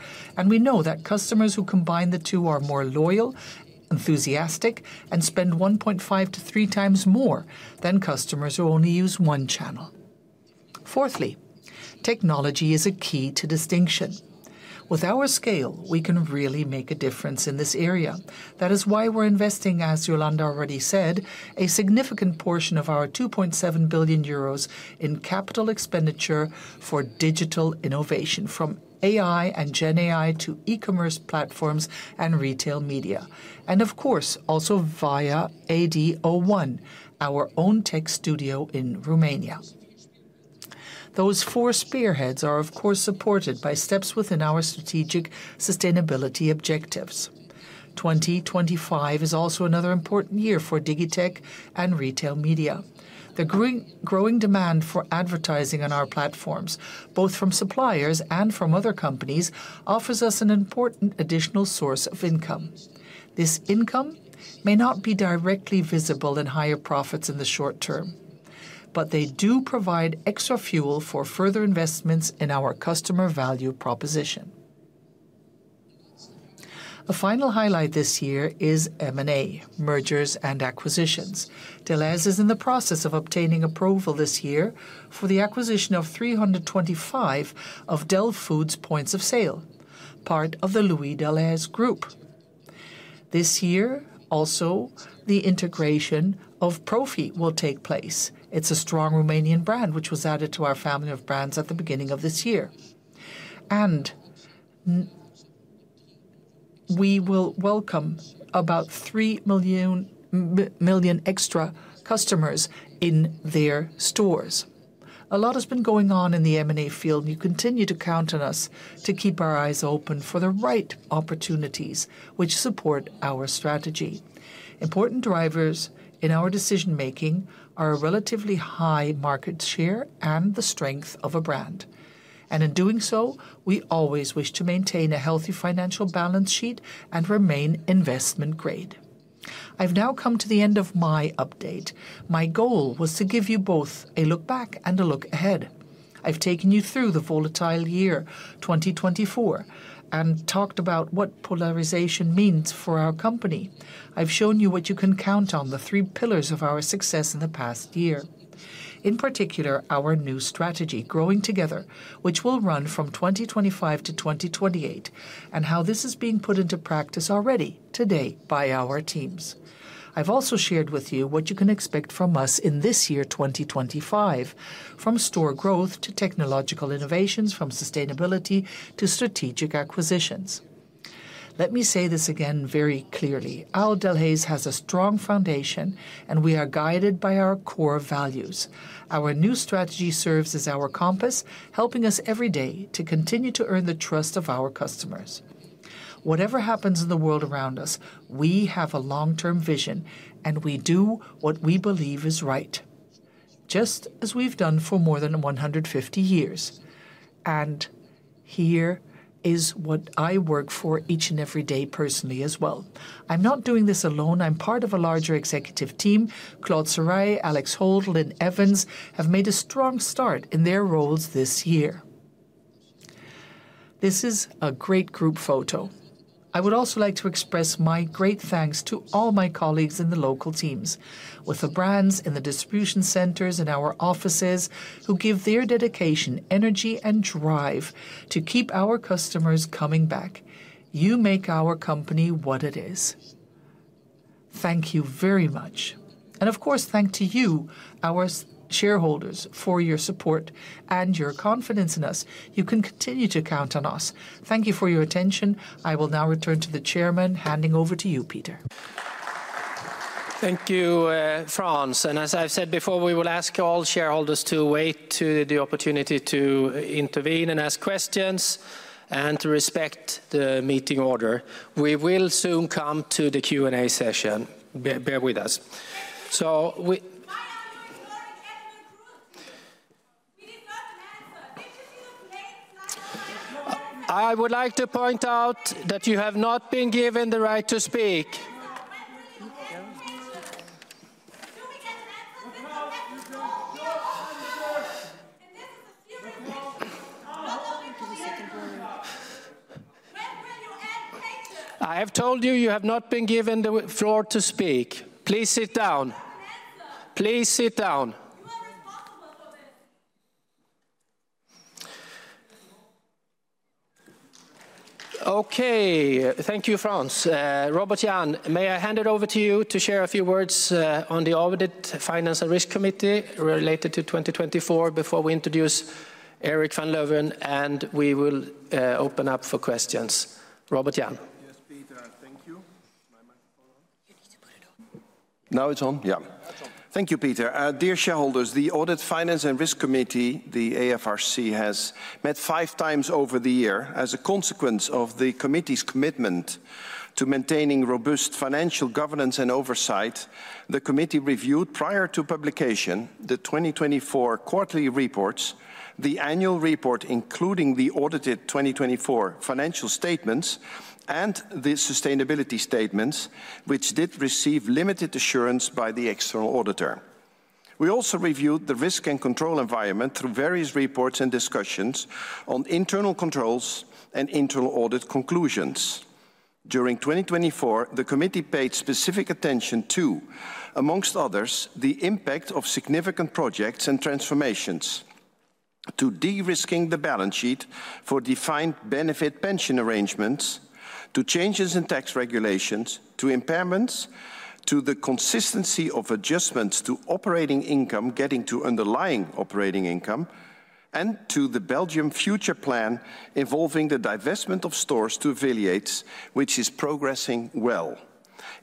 We know that customers who combine the two are more loyal, enthusiastic, and spend 1.5-3 times more than customers who only use one channel. Fourthly, technology is a key to distinction. With our scale, we can really make a difference in this area. That is why we're investing, as Jolanda already said, a significant portion of our 2.7 billion euros in capital expenditure for digital innovation from AI and GenAI to e-commerce platforms and retail media. Of course, also via ADO1, our own tech studio in Romania. Those four spearheads are, of course, supported by steps within our strategic sustainability objectives. 2025 is also another important year for digitech and retail media. The growing demand for advertising on our platforms, both from suppliers and from other companies, offers us an important additional source of income. This income may not be directly visible in higher profits in the short term, but they do provide extra fuel for further investments in our customer value proposition. A final highlight this year is M&A, mergers and acquisitions. Delhaize is in the process of obtaining approval this year for the acquisition of 325 of Del Foods points of sale, part of the Louis Delhaize Group. This year, also, the integration of Profi will take place. It's a strong Romanian brand, which was added to our family of brands at the beginning of this year. We will welcome about 3 million extra customers in their stores. A lot has been going on in the M&A field. You continue to count on us to keep our eyes open for the right opportunities, which support our strategy. Important drivers in our decision-making are a relatively high market share and the strength of a brand. In doing so, we always wish to maintain a healthy financial balance sheet and remain investment grade. I have now come to the end of my update. My goal was to give you both a look back and a look ahead. I have taken you through the volatile year, 2024, and talked about what polarization means for our company. I've shown you what you can count on, the three pillars of our success in the past year, in particular our new strategy, Growing Together, which will run from 2025-2028, and how this is being put into practice already today by our teams. I've also shared with you what you can expect from us in this year, 2025, from store growth to technological innovations, from sustainability to strategic acquisitions. Let me say this again very clearly: Ahold Delhaize has a strong foundation, and we are guided by our core values. Our new strategy serves as our compass, helping us every day to continue to earn the trust of our customers. Whatever happens in the world around us, we have a long-term vision, and we do what we believe is right, just as we've done for more than 150 years. Here is what I work for each and every day personally as well. I'm not doing this alone. I'm part of a larger executive team. Claude Sarai, Alex Holt, Lynne Evans have made a strong start in their roles this year. This is a great group photo. I would also like to express my great thanks to all my colleagues in the local teams, with the brands in the distribution centers and our offices, who give their dedication, energy, and drive to keep our customers coming back. You make our company what it is. Thank you very much. Of course, thanks to you, our shareholders, for your support and your confidence in us. You can continue to count on us. Thank you for your attention. I will now return to the chairman, handing over to you, Peter. Thank you, Frans. As I have said before, we will ask all shareholders to wait for the opportunity to intervene and ask questions and to respect the meeting order. We will soon come to the Q&A session. Bear with us. We did not get an answer. Did you not see the plates slide all the way out? I would like to point out that you have not been given the right to speak. I have told you you have not been given the floor to speak. Please sit down. Please sit down. You are responsible for this. Okay. Thank you, Frans. Robert Jan, may I hand it over to you to share a few words on the Audit, Finance and Risk Committee related to 2024 before we introduce Erik van Leuven, and we will open up for questions. Robert Jan. Yes, Peter, thank you. (crosstalk) Now it is on? Yeah. Thank you, Peter. Dear shareholders, the Audit, Finance and Risk Committee, the AFRC, has met five times over the year. As a consequence of the committee's commitment to maintaining robust financial governance and oversight, the committee reviewed prior to publication the 2024 quarterly reports, the annual report, including the audited 2024 financial statements and the sustainability statements, which did receive limited assurance by the external auditor. We also reviewed the risk and control environment through various reports and discussions on internal controls and internal audit conclusions. During 2024, the committee paid specific attention to, amongst others, the impact of significant projects and transformations to de-risking the balance sheet for defined benefit pension arrangements, to changes in tax regulations, to impairments, to the consistency of adjustments to operating income getting to underlying operating income, and to the Belgium Future Plan involving the divestment of stores to affiliates, which is progressing well.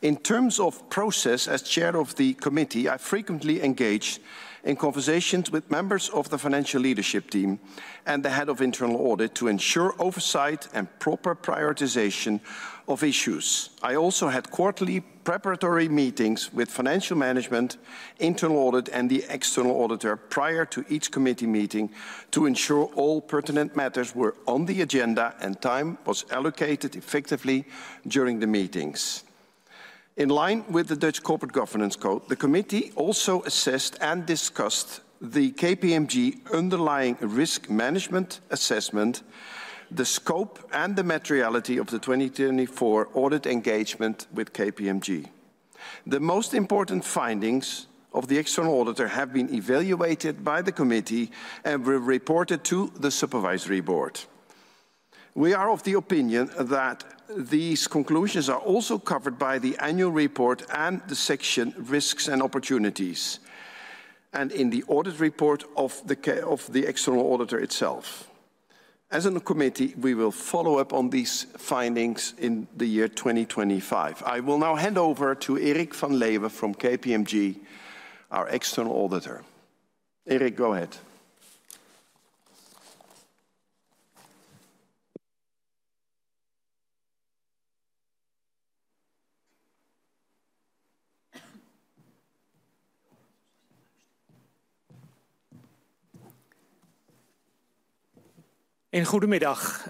In terms of process, as chair of the committee, I frequently engaged in conversations with members of the financial leadership team and the head of internal audit to ensure oversight and proper prioritization of issues. I also had quarterly preparatory meetings with financial management, internal audit, and the external auditor prior to each committee meeting to ensure all pertinent matters were on the agenda and time was allocated effectively during the meetings. In line with the Dutch Corporate Governance Code, the committee also assessed and discussed the KPMG underlying risk management assessment, the scope, and the materiality of the 2024 audit engagement with KPMG. The most important findings of the external auditor have been evaluated by the committee and were reported to the supervisory board. We are of the opinion that these conclusions are also covered by the annual report and the section risks and opportunities and in the audit report of the external auditor itself. As a committee, we will follow up on these findings in the year 2025. I will now hand over to Erik van Leuven from KPMG, our external auditor. Erik, go ahead. Goedemiddag.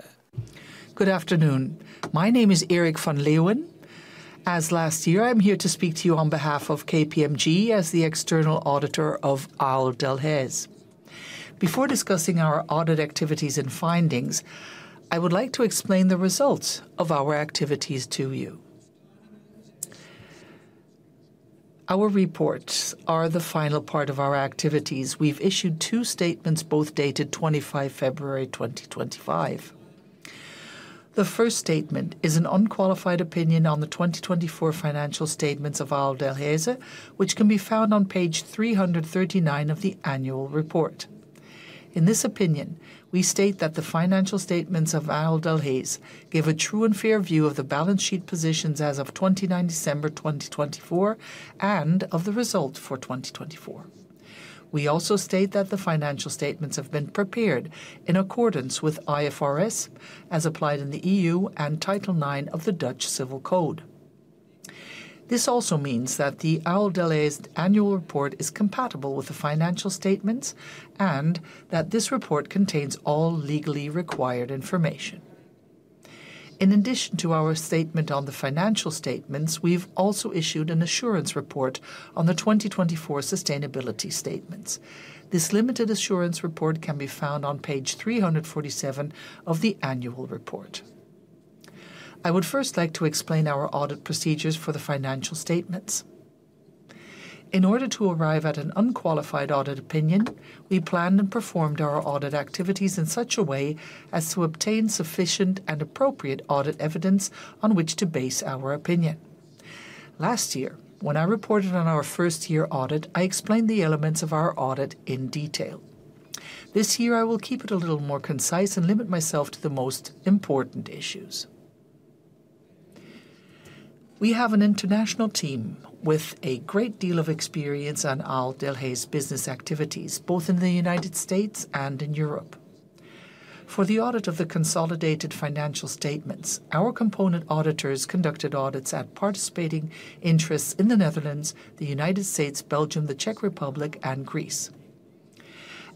Good afternoon. My name is Erik van Leuven. As last year, I'm here to speak to you on behalf of KPMG as the external auditor of Ahold Delhaize. Before discussing our audit activities and findings, I would like to explain the results of our activities to you. Our reports are the final part of our activities. We've issued two statements, both dated 25 February 2025. The first statement is an unqualified opinion on the 2024 financial statements of Ahold Delhaize, which can be found on page 339 of the annual report. In this opinion, we state that the financial statements of Ahold Delhaize give a true and fair view of the balance sheet positions as of 29 December 2024 and of the result for 2024. We also state that the financial statements have been prepared in accordance with IFRS, as applied in the EU, and Title IX of the Dutch Civil Code. This also means that the Ahold Delhaize annual report is compatible with the financial statements and that this report contains all legally required information. In addition to our statement on the financial statements, we've also issued an assurance report on the 2024 sustainability statements. This limited assurance report can be found on page 347 of the annual report. I would first like to explain our audit procedures for the financial statements. In order to arrive at an unqualified audit opinion, we planned and performed our audit activities in such a way as to obtain sufficient and appropriate audit evidence on which to base our opinion. Last year, when I reported on our first year audit, I explained the elements of our audit in detail. This year, I will keep it a little more concise and limit myself to the most important issues. We have an international team with a great deal of experience on Ahold Delhaize' business activities, both in the United States and in Europe. For the audit of the consolidated financial statements, our component auditors conducted audits at participating interests in the Netherlands, the United States, Belgium, the Czech Republic, and Greece.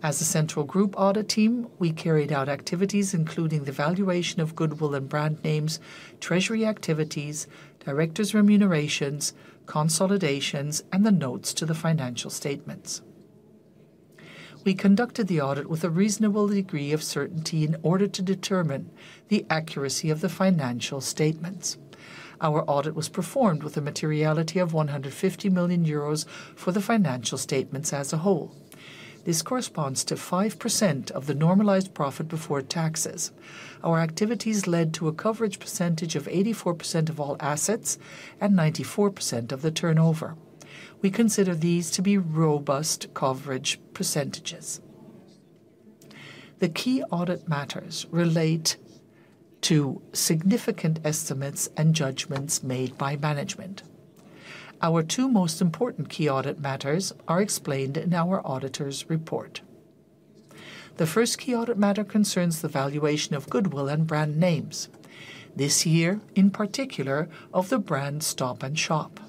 As a central group audit team, we carried out activities including the valuation of goodwill and brand names, treasury activities, directors' remunerations, consolidations, and the notes to the financial statements. We conducted the audit with a reasonable degree of certainty in order to determine the accuracy of the financial statements. Our audit was performed with a materiality of 150 million euros for the financial statements as a whole. This corresponds to 5% of the normalized profit before taxes. Our activities led to a coverage percentage of 84% of all assets and 94% of the turnover. We consider these to be robust coverage percentages. The key audit matters relate to significant estimates and judgments made by management. Our two most important key audit matters are explained in our auditor's report. The first key audit matter concerns the valuation of goodwill and brand names, this year in particular of the brand Stop & Shop.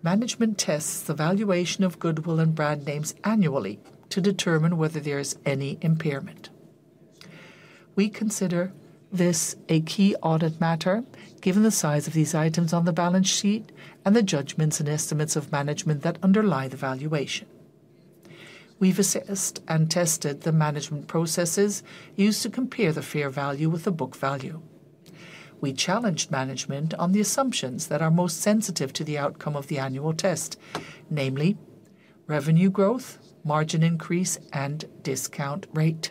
Management tests the valuation of goodwill and brand names annually to determine whether there is any impairment. We consider this a key audit matter given the size of these items on the balance sheet and the judgments and estimates of management that underlie the valuation. We've assessed and tested the management processes used to compare the fair value with the book value. We challenged management on the assumptions that are most sensitive to the outcome of the annual test, namely revenue growth, margin increase, and discount rate.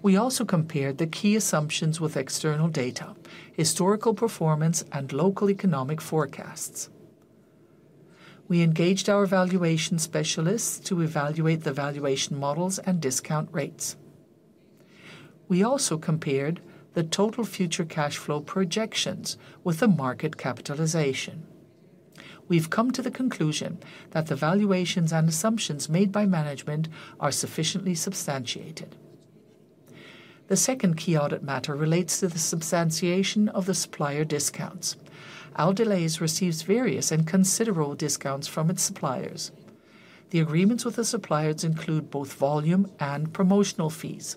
We also compared the key assumptions with external data, historical performance, and local economic forecasts. We engaged our valuation specialists to evaluate the valuation models and discount rates. We also compared the total future cash flow projections with the market capitalization. We've come to the conclusion that the valuations and assumptions made by management are sufficiently substantiated. The second key audit matter relates to the substantiation of the supplier discounts. Ahold Delhaize receives various and considerable discounts from its suppliers. The agreements with the suppliers include both volume and promotional fees.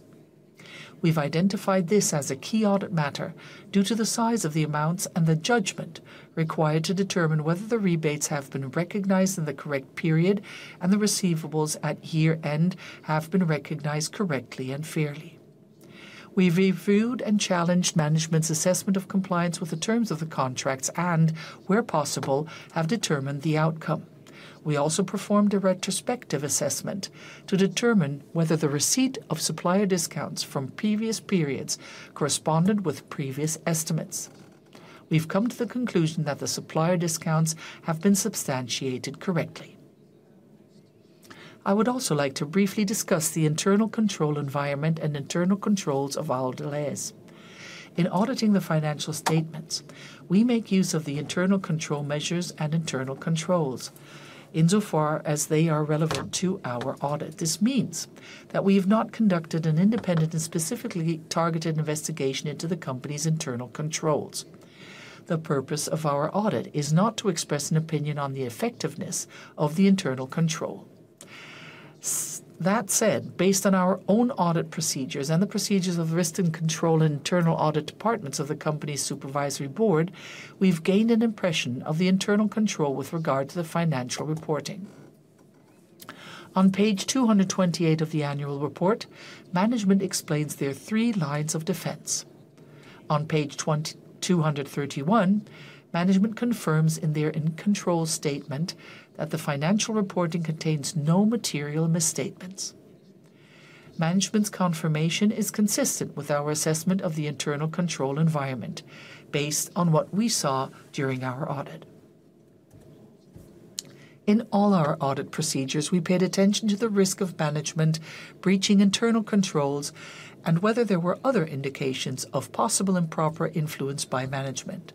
We've identified this as a key audit matter due to the size of the amounts and the judgment required to determine whether the rebates have been recognized in the correct period and the receivables at year-end have been recognized correctly and fairly. We've reviewed and challenged management's assessment of compliance with the terms of the contracts and, where possible, have determined the outcome. We also performed a retrospective assessment to determine whether the receipt of supplier discounts from previous periods corresponded with previous estimates. We've come to the conclusion that the supplier discounts have been substantiated correctly. I would also like to briefly discuss the internal control environment and internal controls of Ahold Delhaize. In auditing the financial statements, we make use of the internal control measures and internal controls insofar as they are relevant to our audit. This means that we have not conducted an independent and specifically targeted investigation into the company's internal controls. The purpose of our audit is not to express an opinion on the effectiveness of the internal control. That said, based on our own audit procedures and the procedures of the risk and control internal audit departments of the company's supervisory board, we've gained an impression of the internal control with regard to the financial reporting. On page 228 of the annual report, management explains their three lines of defense. On page 231, management confirms in their control statement that the financial reporting contains no material misstatements. Management's confirmation is consistent with our assessment of the internal control environment based on what we saw during our audit. In all our audit procedures, we paid attention to the risk of management breaching internal controls and whether there were other indications of possible improper influence by management.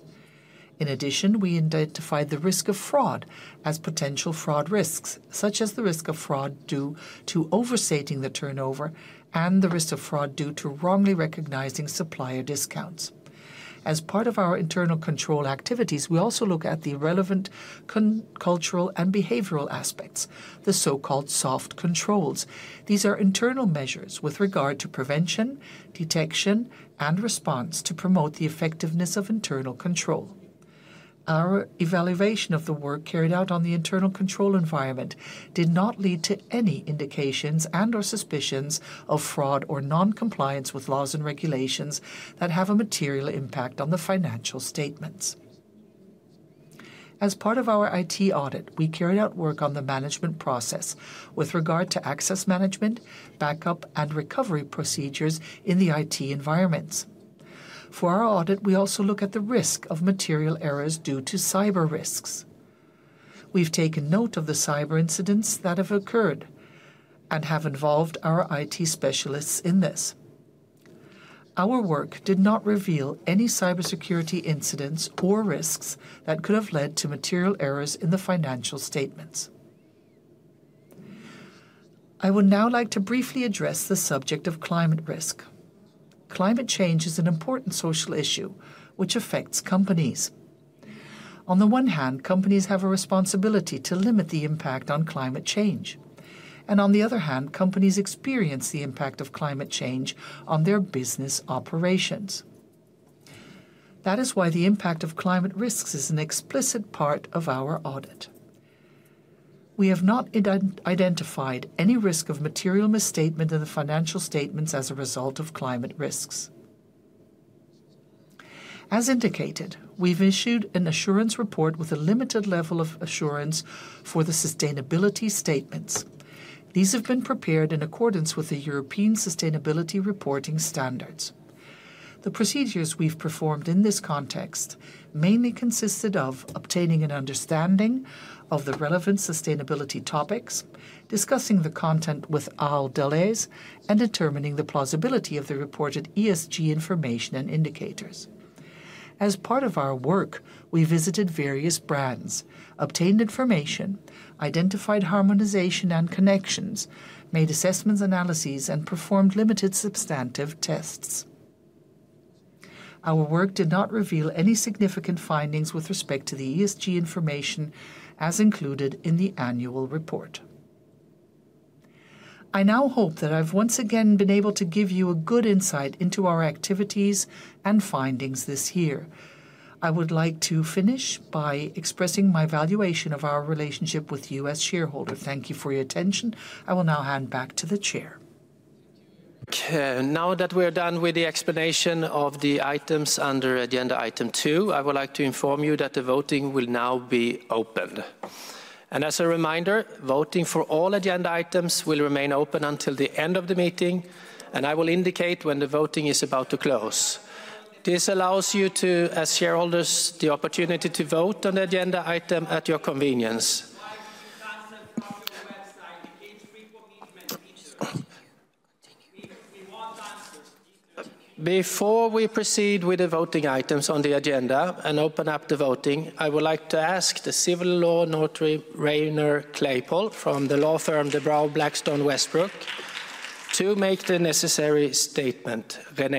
In addition, we identified the risk of fraud as potential fraud risks, such as the risk of fraud due to overstating the turnover and the risk of fraud due to wrongly recognizing supplier discounts. As part of our internal control activities, we also look at the relevant cultural and behavioral aspects, the so-called soft controls. These are internal measures with regard to prevention, detection, and response to promote the effectiveness of internal control. Our evaluation of the work carried out on the internal control environment did not lead to any indications and/or suspicions of fraud or non-compliance with laws and regulations that have a material impact on the financial statements. As part of our IT audit, we carried out work on the management process with regard to access management, backup, and recovery procedures in the IT environments. For our audit, we also look at the risk of material errors due to cyber risks. We've taken note of the cyber incidents that have occurred and have involved our IT specialists in this. Our work did not reveal any cybersecurity incidents or risks that could have led to material errors in the financial statements. I would now like to briefly address the subject of climate risk. Climate change is an important social issue which affects companies. On the one hand, companies have a responsibility to limit the impact on climate change. On the other hand, companies experience the impact of climate change on their business operations. That is why the impact of climate risks is an explicit part of our audit. We have not identified any risk of material misstatement in the financial statements as a result of climate risks. As indicated, we've issued an assurance report with a limited level of assurance for the sustainability statements. These have been prepared in accordance with the European Sustainability Reporting Standards. The procedures we've performed in this context mainly consisted of obtaining an understanding of the relevant sustainability topics, discussing the content with Ahold Delhaize, and determining the plausibility of the reported ESG information and indicators. As part of our work, we visited various brands, obtained information, identified harmonization and connections, made assessments, analyses, and performed limited substantive tests. Our work did not reveal any significant findings with respect to the ESG information as included in the annual report. I now hope that I've once again been able to give you a good insight into our activities and findings this year. I would like to finish by expressing my valuation of our relationship with U.S. shareholders. Thank you for your attention. I will now hand back to the chair. Now that we are done with the explanation of the items under agenda item two, I would like to inform you that the voting will now be opened. And as a reminder, voting for all agenda items will remain open until the end of the meeting, and I will indicate when the voting is about to close. This allows you to, as shareholders, the opportunity to vote on the agenda item at your convenience. Before we proceed with the voting items on the agenda and open up the voting, I would like to ask the civil law notary Reinier Kleipool from the law firm De Brouwer Blackstone Westbroek to make the necessary statement. Thank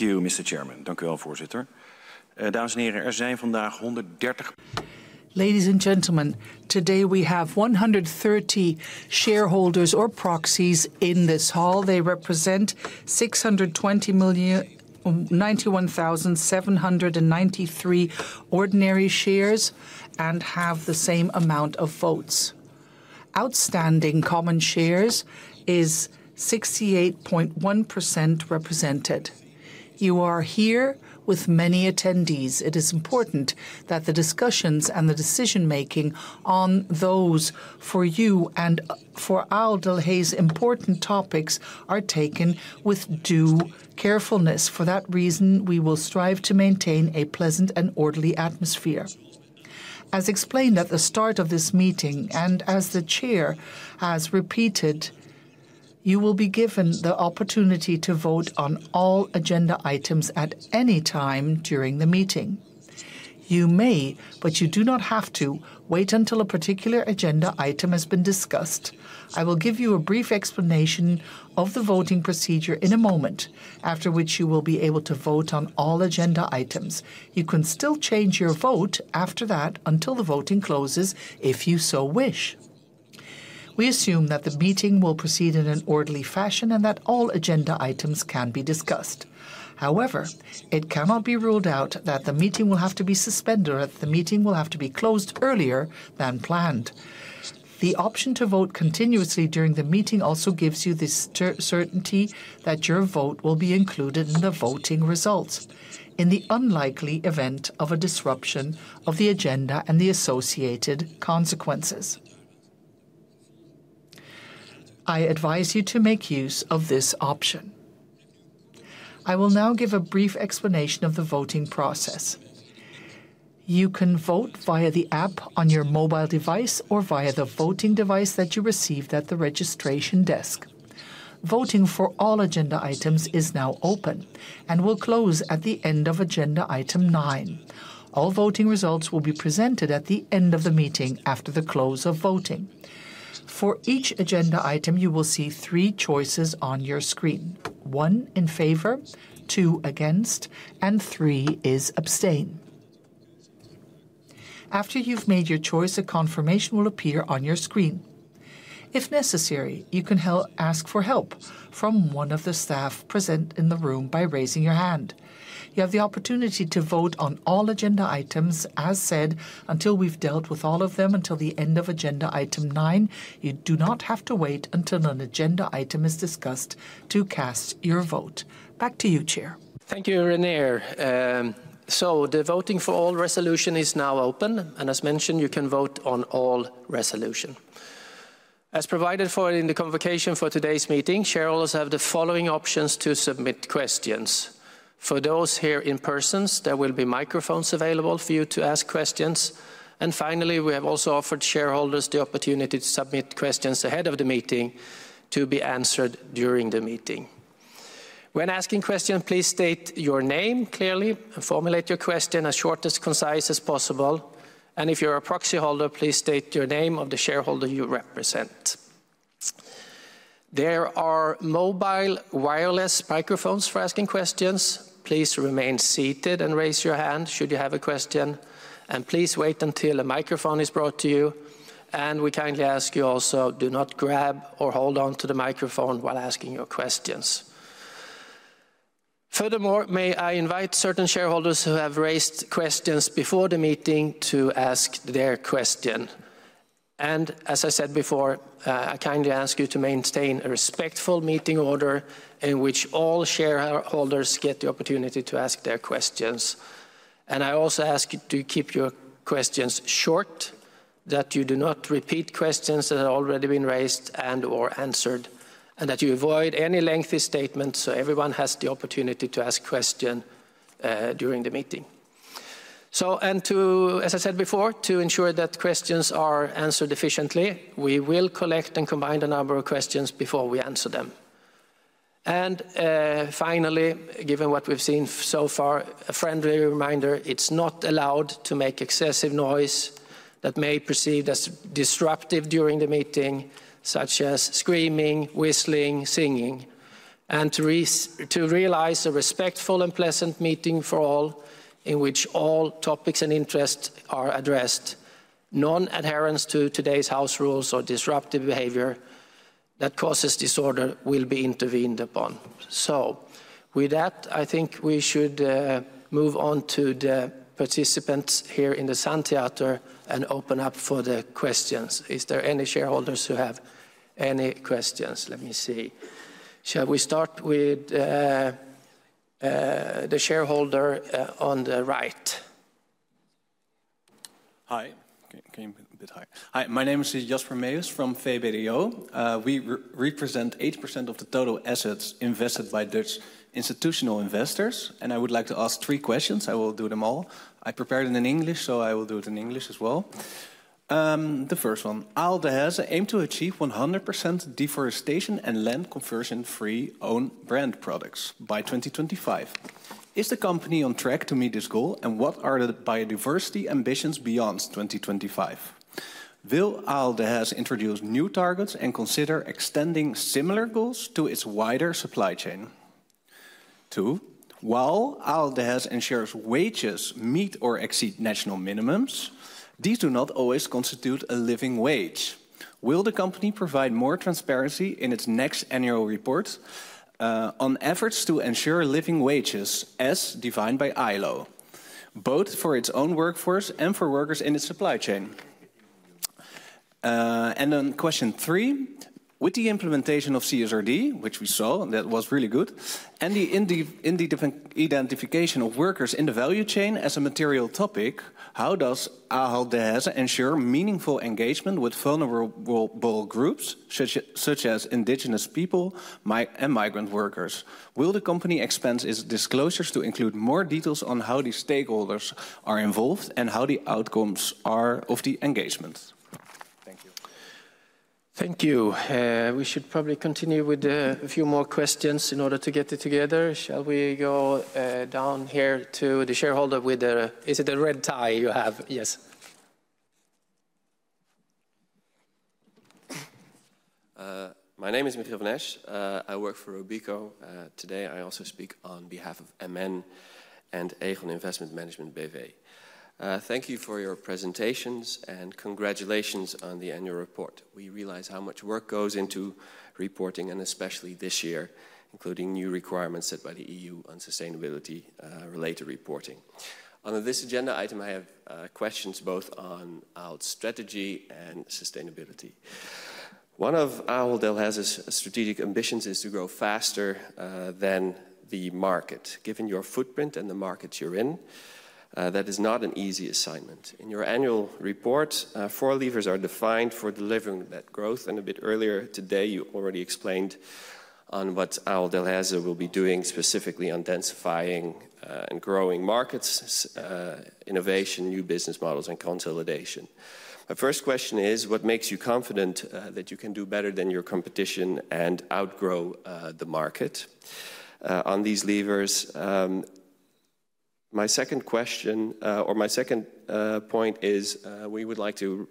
you, Mr. Chairman. Dank u wel, voorzitter. Dames en heren, zijn vandaag 130. Ladies and gentlemen, today we have 130 shareholders or proxies in this hall. They represent 620,091,793 ordinary shares and have the same amount of votes. Outstanding common shares is 68.1% represented. You are here with many attendees. It is important that the discussions and the decision-making on those for you and for Ahold Delhaize's important topics are taken with due carefulness. For that reason, we will strive to maintain a pleasant and orderly atmosphere. As explained at the start of this meeting and as the chair has repeated, you will be given the opportunity to vote on all agenda items at any time during the meeting. You may, but you do not have to, wait until a particular agenda item has been discussed. I will give you a brief explanation of the voting procedure in a moment, after which you will be able to vote on all agenda items. You can still change your vote after that until the voting closes if you so wish. We assume that the meeting will proceed in an orderly fashion and that all agenda items can be discussed. However, it cannot be ruled out that the meeting will have to be suspended or that the meeting will have to be closed earlier than planned. The option to vote continuously during the meeting also gives you the certainty that your vote will be included in the voting results in the unlikely event of a disruption of the agenda and the associated consequences. I advise you to make use of this option. I will now give a brief explanation of the voting process. You can vote via the app on your mobile device or via the voting device that you received at the registration desk. Voting for all agenda items is now open and will close at the end of agenda item nine. All voting results will be presented at the end of the meeting after the close of voting. For each agenda item, you will see three choices on your screen: one in favor, two against, and three is abstain. After you've made your choice, a confirmation will appear on your screen. If necessary, you can ask for help from one of the staff present in the room by raising your hand. You have the opportunity to vote on all agenda items as said until we've dealt with all of them until the end of agenda item nine. You do not have to wait until an agenda item is discussed to cast your vote. Back to you, chair. Thank you, Reiner. So the voting for all resolution is now open. And as mentioned, you can vote on all resolution. As provided for in the convocation for today's meeting, shareholders have the following options to submit questions. For those here in persons, there will be microphones available for you to ask questions. And finally, we have also offered shareholders the opportunity to submit questions ahead of the meeting to be answered during the meeting. When asking questions, please state your name clearly and formulate your question as short as concise as possible. And if you're a proxy holder, please state your name of the shareholder you represent. There are mobile wireless microphones for asking questions. Please remain seated and raise your hand should you have a question. And please wait until a microphone is brought to you. And we kindly ask you also do not grab or hold on to the microphone while asking your questions. Furthermore, may I invite certain shareholders who have raised questions before the meeting to ask their question. And as I said before, I kindly ask you to maintain a respectful meeting order in which all shareholders get the opportunity to ask their questions. I also ask you to keep your questions short, that you do not repeat questions that have already been raised and/or answered, and that you avoid any lengthy statements so everyone has the opportunity to ask questions during the meeting. To ensure that questions are answered efficiently, we will collect and combine the number of questions before we answer them. Finally, given what we've seen so far, a friendly reminder, it's not allowed to make excessive noise that may be perceived as disruptive during the meeting, such as screaming, whistling, singing. To realize a respectful and pleasant meeting for all in which all topics and interests are addressed, non-adherence to today's house rules or disruptive behavior that causes disorder will be intervened upon. So with that, I think we should move on to the participants here in the San Theater and open up for the questions. Is there any shareholders who have any questions? Let me see. Shall we start with the shareholder on the right? Hi. My name is Jasper Meyers from Feberio. We represent 8% of the total assets invested by Dutch institutional investors. And I would like to ask three questions. I will do them all. I prepared them in English, so I will do it in English as well. The first one. Ahold Delhaize aims to achieve 100% deforestation and land conversion-free own brand products by 2025. Is the company on track to meet this goal? And what are the biodiversity ambitions beyond 2025? Will Ahold Delhaize introduce new targets and consider extending similar goals to its wider supply chain? Two, while Ahold Delhaize ensures wages meet or exceed national minimums, these do not always constitute a living wage. Will the company provide more transparency in its next annual report on efforts to ensure living wages as defined by ILO, both for its own workforce and for workers in its supply chain? Question three, with the implementation of CSRD, which we saw, that was really good, and the identification of workers in the value chain as a material topic, how does Ahold Delhaize ensure meaningful engagement with vulnerable groups such as indigenous people and migrant workers? Will the company expand its disclosures to include more details on how these stakeholders are involved and how the outcomes are of the engagement? Thank you. Thank you. We should probably continue with a few more questions in order to get it together. Shall we go down here to the shareholder with the, is it the red tie you have? Yes. My name is Mitchell Vaness. I work for Obico. Today, I also speak on behalf of MN and Aegon Investment Management BV. Thank you for your presentations and congratulations on the annual report. We realize how much work goes into reporting, and especially this year, including new requirements set by the EU on sustainability-related reporting. Under this agenda item, I have questions both on our strategy and sustainability. One of Ahold Delhaize's strategic ambitions is to grow faster than the market. Given your footprint and the markets you're in, that is not an easy assignment. In your annual report, four levers are defined for delivering that growth. And a bit earlier today, you already explained on what Ahold Delhaize will be doing specifically on densifying and growing markets, innovation, new business models, and consolidation. My first question is, what makes you confident that you can do better than your competition and outgrow the market on these levers? My second question, or my second point is, we would like to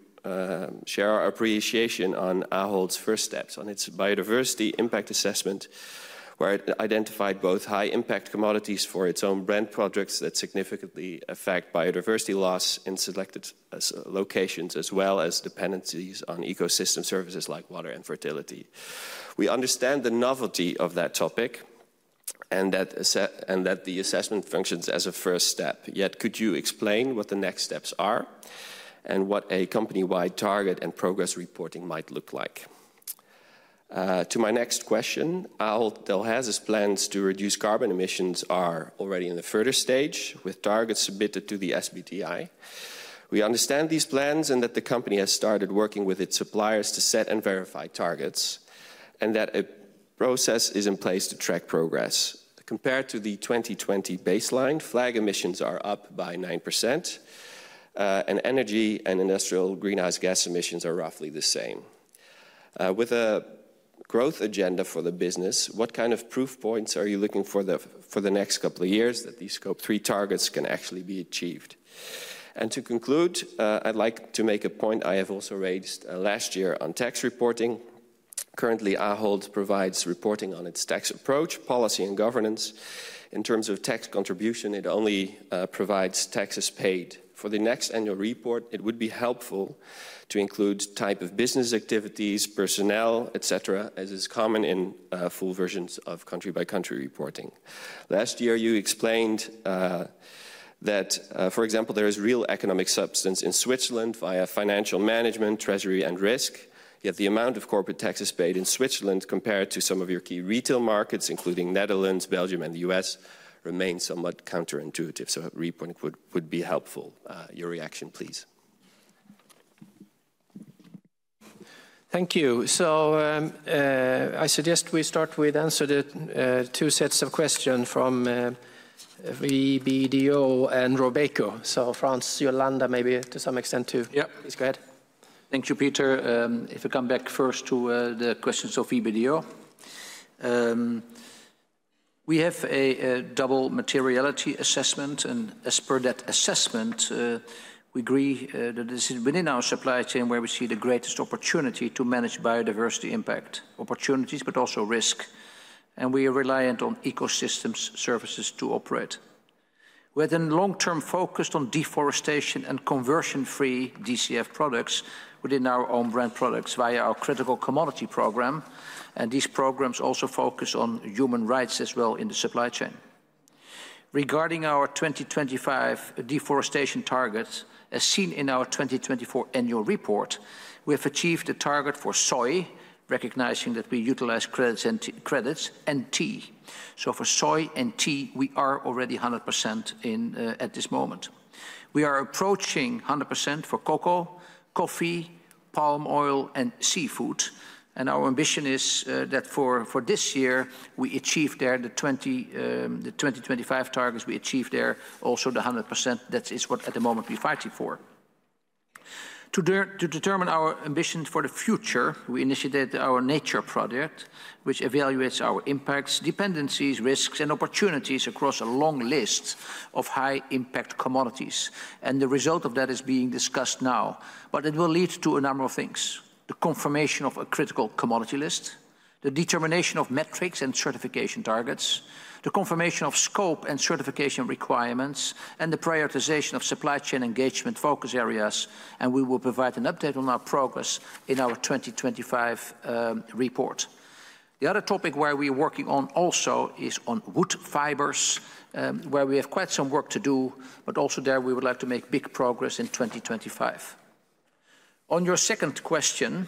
share our appreciation on Ahold Delhaize's first steps on its biodiversity impact assessment, where it identified both high-impact commodities for its own brand projects that significantly affect biodiversity loss in selected locations, as well as dependencies on ecosystem services like water and fertility. We understand the novelty of that topic and that the assessment functions as a first step. Yet, could you explain what the next steps are and what a company-wide target and progress reporting might look like? To my next question, Ahold Delhaize's plans to reduce carbon emissions are already in the further stage with targets submitted to the SBTI. We understand these plans and that the company has started working with its suppliers to set and verify targets and that a process is in place to track progress. Compared to the 2020 baseline, flag emissions are up by 9%, and energy and industrial greenhouse gas emissions are roughly the same. With a growth agenda for the business, what kind of proof points are you looking for the next couple of years that these scope three targets can actually be achieved? And to conclude, I'd like to make a point I have also raised last year on tax reporting. Currently, Ahold Delhaize provides reporting on its tax approach, policy, and governance. In terms of tax contribution, it only provides taxes paid. For the next annual report, it would be helpful to include type of business activities, personnel, etc., as is common in full versions of country-by-country reporting. Last year, you explained that, for example, there is real economic substance in Switzerland via financial management, treasury, and risk. Yet the amount of corporate taxes paid in Switzerland compared to some of your key retail markets, including Netherlands, Belgium, and the U.S., remains somewhat counterintuitive. So a report would be helpful. Your reaction, please. Thank you. So I suggest we start with answering two sets of questions from Feberio and Robico. So Frans, Jolanda, maybe to some extent too. Yep. Please go ahead. Thank you, Peter. If I come back first to the questions of Feberio. We have a double materiality assessment, and as per that assessment, we agree that this is within our supply chain where we see the greatest opportunity to manage biodiversity impact opportunities, but also risk. And we are reliant on ecosystem services to operate. We have a long-term focus on deforestation and conversion-free DCF products within our own brand products via our critical commodity program. And these programs also focus on human rights as well in the supply chain. Regarding our 2025 deforestation targets, as seen in our 2024 annual report, we have achieved a target for soy, recognizing that we utilize credits and tea. So for soy and tea, we are already 100% at this moment. We are approaching 100% for cocoa, coffee, palm oil, and seafood. And our ambition is that for this year, we achieve there the 2025 targets we achieved there, also the 100%. That is what at the moment we're fighting for. To determine our ambitions for the future, we initiated our nature project, which evaluates our impacts, dependencies, risks, and opportunities across a long list of high-impact commodities. The result of that is being discussed now. But it will lead to a number of things: the confirmation of a critical commodity list, the determination of metrics and certification targets, the confirmation of scope and certification requirements, and the prioritization of supply chain engagement focus areas. We will provide an update on our progress in our 2025 report. The other topic where we are working on also is on wood fibers, where we have quite some work to do, but also there we would like to make big progress in 2025. On your second question,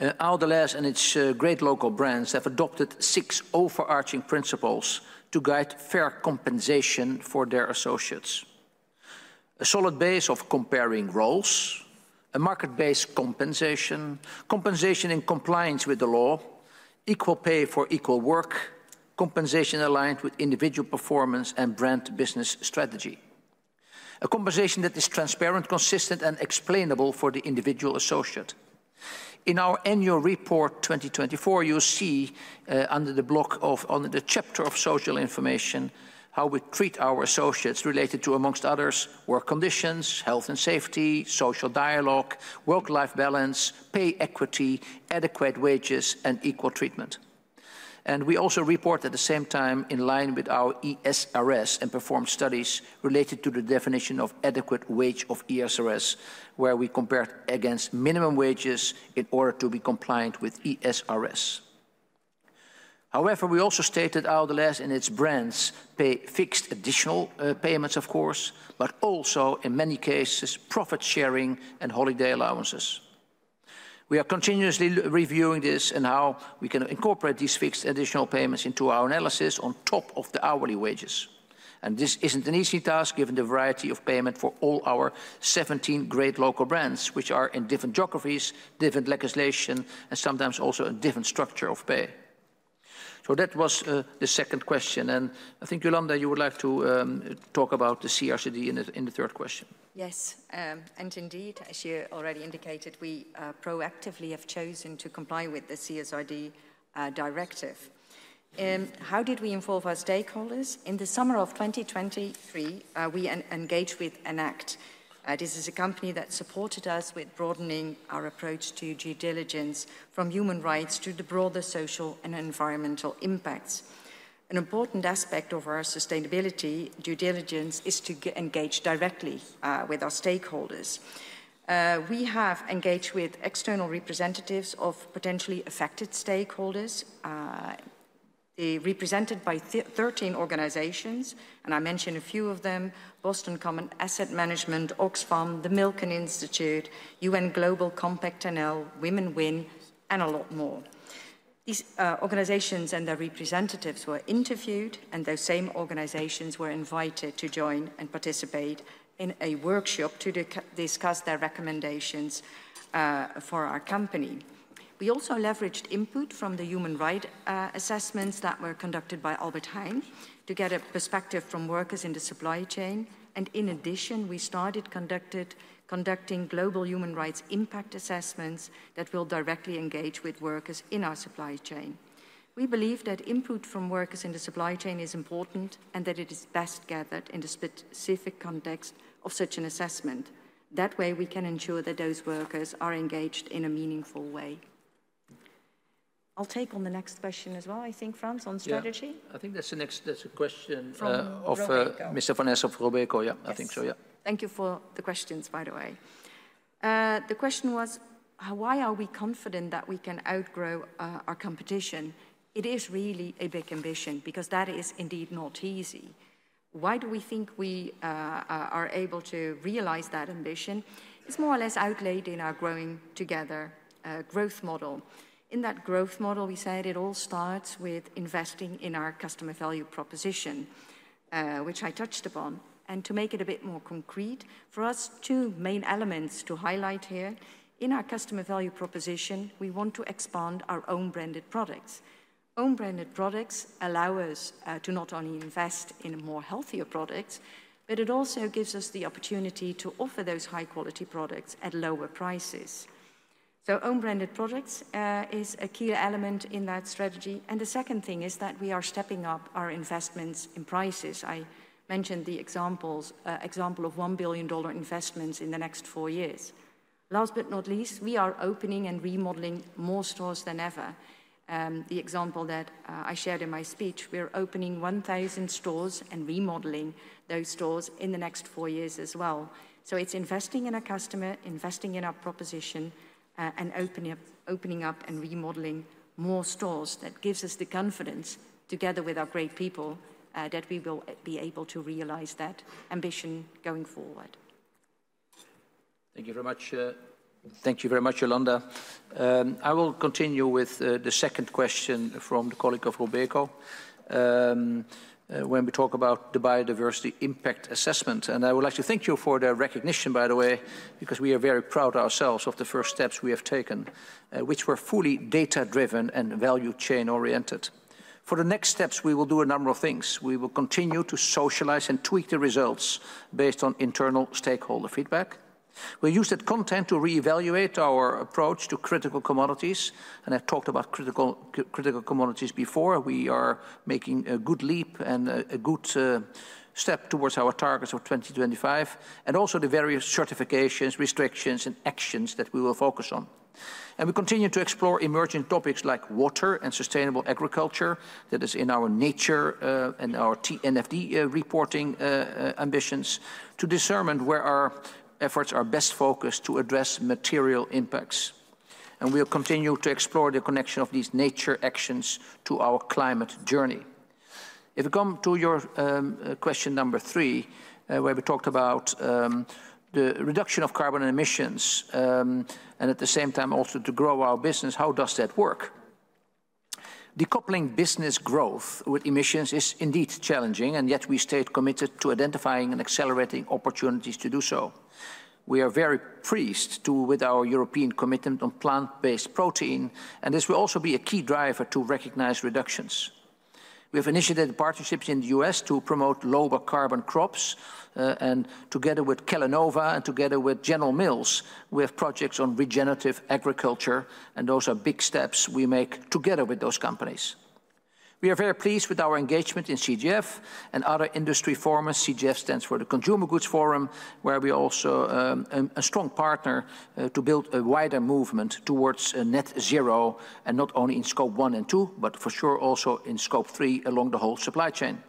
Ahold Delhaize and its great local brands have adopted six overarching principles to guide fair compensation for their associates: a solid base of comparing roles, a market-based compensation, compensation in compliance with the law, equal pay for equal work, compensation aligned with individual performance and brand business strategy, a compensation that is transparent, consistent, and explainable for the individual associate. In our annual report 2024, you'll see under the block of under the chapter of social information how we treat our associates related to, amongst others, work conditions, health and safety, social dialogue, work-life balance, pay equity, adequate wages, and equal treatment. And we also report at the same time in line with our ESRS and perform studies related to the definition of adequate wage of ESRS, where we compared against minimum wages in order to be compliant with ESRS. However, we also stated Ahold Delhaize and its brands pay fixed additional payments, of course, but also in many cases profit sharing and holiday allowances. We are continuously reviewing this and how we can incorporate these fixed additional payments into our analysis on top of the hourly wages. And this isn't an easy task given the variety of payment for all our 17 great local brands, which are in different geographies, different legislation, and sometimes also a different structure of pay. So that was the second question. And I think, Jolanda, you would like to talk about the CRCD in the third question. Yes. And indeed, as you already indicated, we proactively have chosen to comply with the CSRD directive. How did we involve our stakeholders? In the summer of 2023, we engaged with Enact. This is a company that supported us with broadening our approach to due diligence from human rights to the broader social and environmental impacts. An important aspect of our sustainability due diligence is to engage directly with our stakeholders. We have engaged with external representatives of potentially affected stakeholders. They're represented by 13 organizations, and I mentioned a few of them: Boston Common Asset Management, Oxfam, the Milken Institute, UN Global Compact NL, Women Win, and a lot more. These organizations and their representatives were interviewed, and those same organizations were invited to join and participate in a workshop to discuss their recommendations for our company. We also leveraged input from the human rights assessments that were conducted by Albert Heijn to get a perspective from workers in the supply chain. In addition, we started conducting global human rights impact assessments that will directly engage with workers in our supply chain. We believe that input from workers in the supply chain is important and that it is best gathered in the specific context of such an assessment. That way, we can ensure that those workers are engaged in a meaningful way. I'll take on the next question as well, I think, Frans, on strategy. Yeah, I think that's the next question of Mr. Vaness of Robeco. Yeah, I think so. Yeah. Thank you for the questions, by the way. The question was, why are we confident that we can outgrow our competition? It is really a big ambition because that is indeed not easy. Why do we think we are able to realize that ambition? It's more or less outlaid in our Growing Together growth model. In that growth model, we said it all starts with investing in our customer value proposition, which I touched upon. And to make it a bit more concrete, for us, two main elements to highlight here. In our customer value proposition, we want to expand our own branded products. Own branded products allow us to not only invest in more healthier products, but it also gives us the opportunity to offer those high-quality products at lower prices. So own branded products is a key element in that strategy. And the second thing is that we are stepping up our investments in prices. I mentioned the example of $1 billion investments in the next four years. Last but not least, we are opening and remodeling more stores than ever. The example that I shared in my speech, we're opening 1,000 stores and remodeling those stores in the next four years as well. So it's investing in our customer, investing in our proposition, and opening up and remodeling more stores that gives us the confidence, together with our great people, that we will be able to realize that ambition going forward. Thank you very much. Thank you very much, Jolanda. I will continue with the second question from the colleague of Robico. When we talk about the biodiversity impact assessment, and I would like to thank you for the recognition, by the way, because we are very proud ourselves of the first steps we have taken, which were fully data-driven and value chain-oriented. For the next steps, we will do a number of things. We will continue to socialize and tweak the results based on internal stakeholder feedback. We'll use that content to reevaluate our approach to critical commodities. And I talked about critical commodities before. We are making a good leap and a good step towards our targets of 2025, and also the various certifications, restrictions, and actions that we will focus on. And we continue to explore emerging topics like water and sustainable agriculture that is in our nature and our TNFD reporting ambitions to determine where our efforts are best focused to address material impacts. And we'll continue to explore the connection of these nature actions to our climate journey. If we come to your question number three, where we talked about the reduction of carbon emissions and at the same time also to grow our business, how does that work? Decoupling business growth with emissions is indeed challenging, and yet we stayed committed to identifying and accelerating opportunities to do so. We are very prized to with our European commitment on plant-based protein, and this will also be a key driver to recognize reductions. We have initiated partnerships in the U.S. to promote lower carbon crops, and together with Kellanova and together with General Mills, we have projects on regenerative agriculture, and those are big steps we make together with those companies. We are very pleased with our engagement in CGF and other industry forums. CGF stands for the Consumer Goods Forum, where we are also a strong partner to build a wider movement towards net zero, and not only in scope one and two, but for sure also in scope three along the whole supply chain.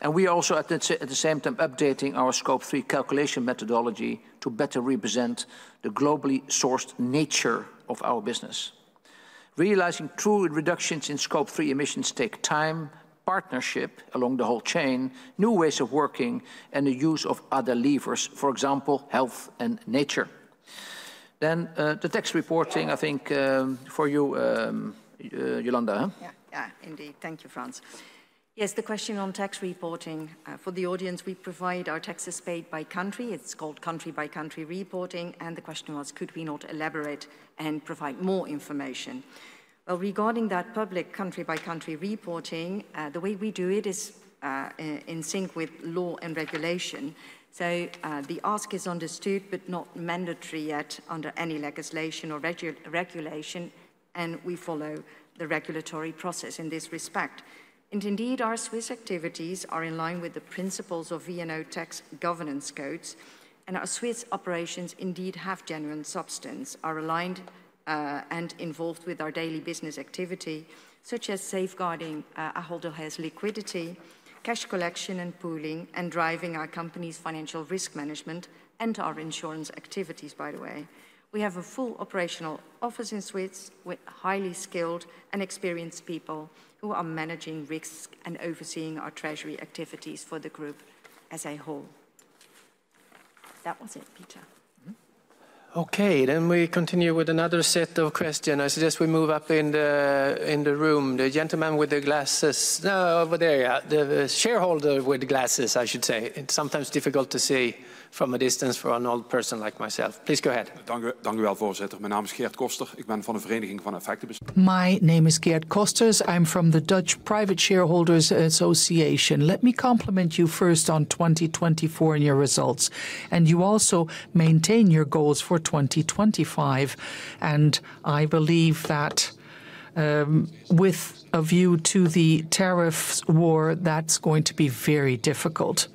And we are also at the same time updating our scope three calculation methodology to better represent the globally sourced nature of our business. Realizing true reductions in scope three emissions take time, partnership along the whole chain, new ways of working, and the use of other levers, for example, health and nature. Then the tax reporting, I think for you, Jolanda. Yeah, indeed. Thank you, Frans. Yes, the question on tax reporting. For the audience, we provide our taxes paid by country. It's called country-by-country reporting. And the question was, could we not elaborate and provide more information? Well, regarding that public country-by-country reporting, the way we do it is in sync with law and regulation. So the ask is understood, but not mandatory yet under any legislation or regulation, and we follow the regulatory process in this respect. Indeed, our Swiss activities are in line with the principles of VNO tax governance codes. Our Swiss operations indeed have genuine substance, are aligned and involved with our daily business activity, such as safeguarding Ahold Delhaize's liquidity, cash collection and pooling, and driving our company's financial risk management and our insurance activities, by the way. We have a full operational office in Switzerland with highly skilled and experienced people who are managing risk and overseeing our treasury activities for the group as a whole. That was it, Peter. We continue with another set of questions. I suggest we move up in the room. The gentleman with the glasses over there, the shareholder with the glasses, I should say. It is sometimes difficult to see from a distance for an old person like myself. Please go ahead. Dank u wel, voorzitter. Mijn naam is Geert Kosters.Ik ben van de vereniging van effecten. My name is Geert Kosters. I'm from the Dutch Private Shareholders Association. Let me compliment you first on 2024 and your results. And you also maintain your goals for 2025. And I believe that with a view to the tariffs war, that's going to be very difficult.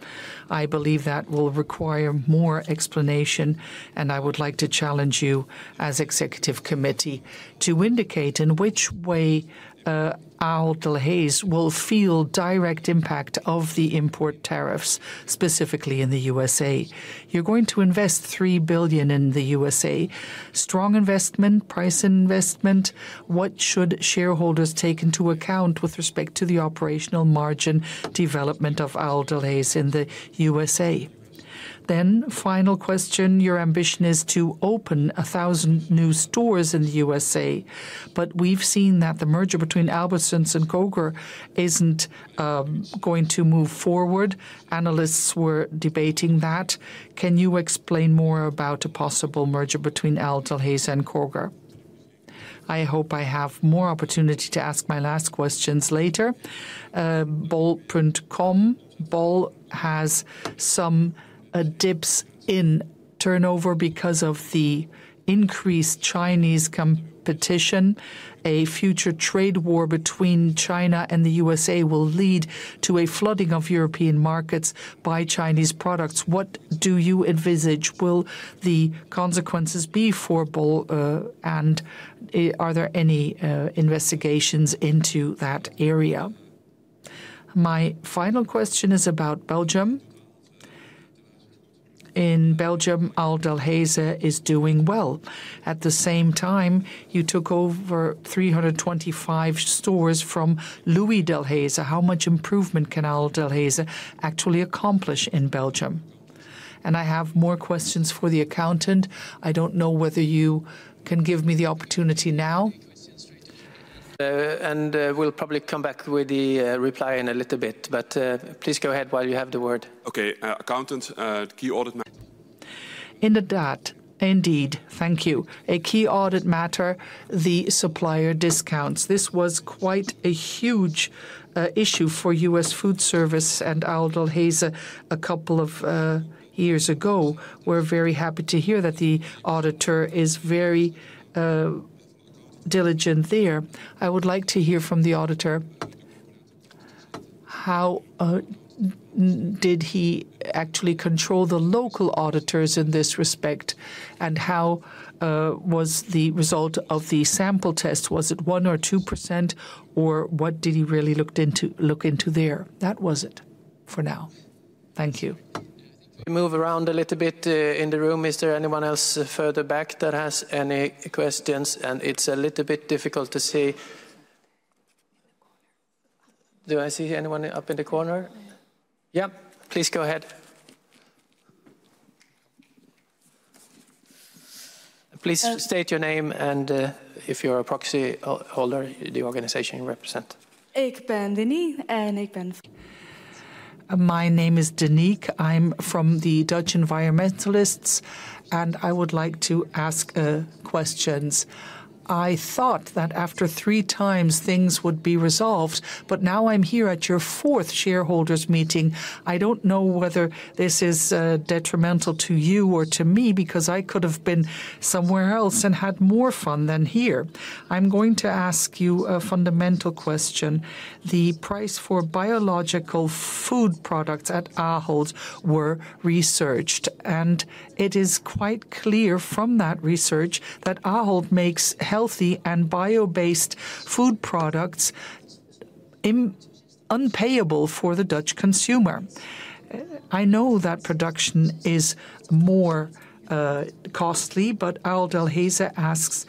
I believe that will require more explanation. And I would like to challenge you as executive committee to indicate in which way Ahold Delhaize will feel direct impact of the import tariffs, specifically in the USA. You're going to invest 3 billion in the USA. Strong investment, price investment. What should shareholders take into account with respect to the operational margin development of Ahold Delhaize in the USA? Then final question, your ambition is to open 1,000 new stores in the USA, but we've seen that the merger between Albertsons and Koger isn't going to move forward. Analysts were debating that. Can you explain more about a possible merger between Ahold Delhaize and Koger? I hope I have more opportunity to ask my last questions later. Bol.com, Bol has some dips in turnover because of the increased Chinese competition. A future trade war between China and the USA will lead to a flooding of European markets by Chinese products. What do you envisage? Will the consequences be for Bol? And are there any investigations into that area? My final question is about Belgium. In Belgium, Ahold Delhaize is doing well. At the same time, you took over 325 stores from Louis Delhaize. How much improvement can Ahold Delhaize actually accomplish in Belgium? And I have more questions for the accountant. I don't know whether you can give me the opportunity now. And we'll probably come back with the reply in a little bit, but please go ahead while you have the word. Okay, accountant, key audit matter. In the data, indeed, thank you. A key audit matter, the supplier discounts. This was quite a huge issue for US Food Service and Ahold Delhaize a couple of years ago. We're very happy to hear that the auditor is very diligent there. I would like to hear from the auditor. How did he actually control the local auditors in this respect? And how was the result of the sample test? Was it 1 or 2 percent, or what did he really look into there? That was it for now. Thank you. We move around a little bit in the room. Is there anyone else further back that has any questions? And it's a little bit difficult to see. Do I see anyone up in the corner? Yeah, please go ahead. Please state your name and if you're a proxy holder, the organization you represent. Ik ben Denique en ik ben. My name is Denique. I'm from the Dutch Environmentalists, and I would like to ask questions. I thought that after three times, things would be resolved, but now I'm here at your fourth shareholders meeting. I don't know whether this is detrimental to you or to me because I could have been somewhere else and had more fun than here. I'm going to ask you a fundamental question. The price for biological food products at Ahold were researched, and it is quite clear from that research that Ahold makes healthy and bio-based food products unpayable for the Dutch consumer. I know that production is more costly, but Ahold Delhaize asks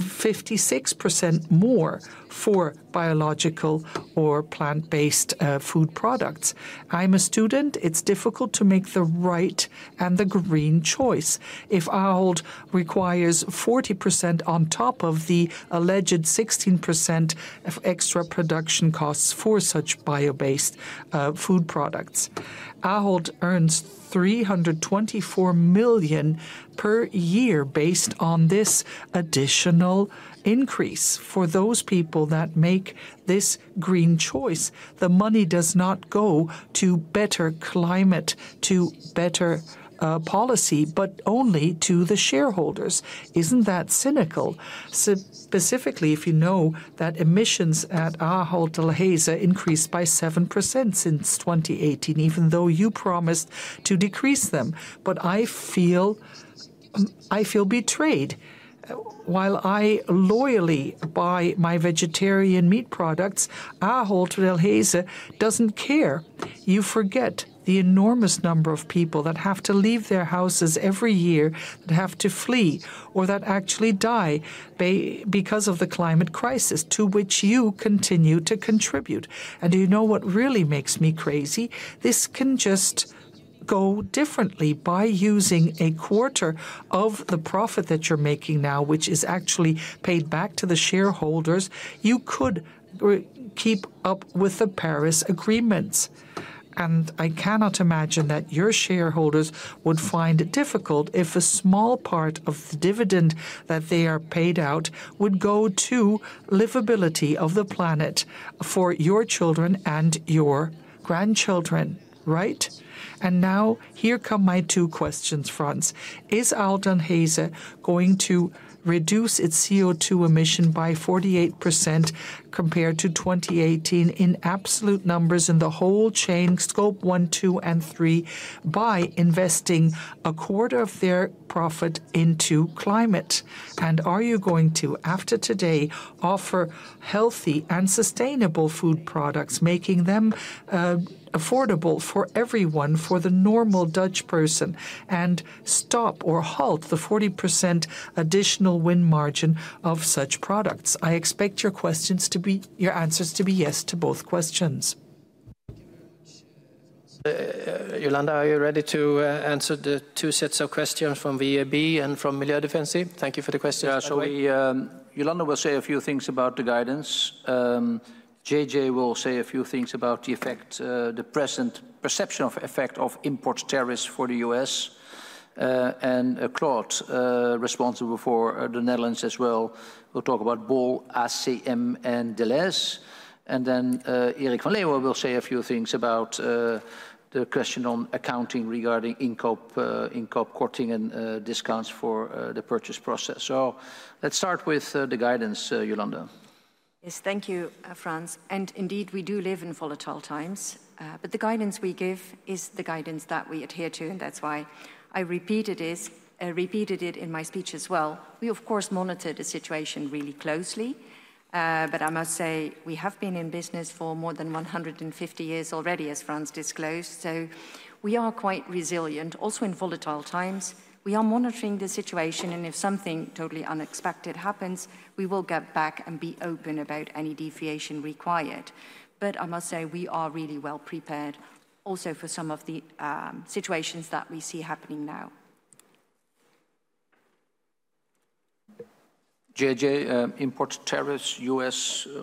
56% more for biological or plant-based food products. I'm a student. It's difficult to make the right and the green choice. If Ahold requires 40% on top of the alleged 16% extra production costs for such bio-based food products, Ahold earns 324 million per year based on this additional increase for those people that make this green choice. The money does not go to better climate, to better policy, but only to the shareholders. Isn't that cynical? Specifically, if you know that emissions at Ahold Delhaize increased by 7% since 2018, even though you promised to decrease them. But I feel betrayed. While I loyally buy my vegetarian meat products, Ahold Delhaize doesn't care. You forget the enormous number of people that have to leave their houses every year, that have to flee or that actually die because of the climate crisis, to which you continue to contribute. And do you know what really makes me crazy? This can just go differently by using a quarter of the profit that you're making now, which is actually paid back to the shareholders. You could keep up with the Paris agreements. And I cannot imagine that your shareholders would find it difficult if a small part of the dividend that they are paid out would go to the livability of the planet for your children and your grandchildren, right? And now here come my two questions, Frans. Is Ahold Delhaize going to reduce its CO2 emission by 48% compared to 2018 in absolute numbers in the whole chain, scope one, two, and three, by investing a quarter of their profit into climate? And are you going to, after today, offer healthy and sustainable food products, making them affordable for everyone, for the normal Dutch person, and stop or halt the 40% additional win margin of such products? I expect your questions to be, your answers to be yes to both questions. Jolanda, are you ready to answer the two sets of questions from VAB and from Milieu Defensie? Thank you for the questions. Jolanda will say a few things about the guidance. JJ will say a few things about the effect, the present perception of effect of import tariffs for the U.S., And Claude, responsible for the Netherlands as well, will talk about Bol, ACM, and Delhaize. And then Erik van Leuven will say a few things about the question on accounting regarding income cutting and discounts for the purchase process. So let's start with the guidance, Jolanda. Yes, thank you, Frans. And indeed, we do live in volatile times, but the guidance we give is the guidance that we adhere to. And that's why I repeated it in my speech as well. We, of course, monitor the situation really closely, but I must say we have been in business for more than 150 years already, as Frans disclosed. So we are quite resilient, also in volatile times. We are monitoring the situation, and if something totally unexpected happens, we will get back and be open about any deviation required. But I must say we are really well prepared also for some of the situations that we see happening now. JJ, import tariffs, US,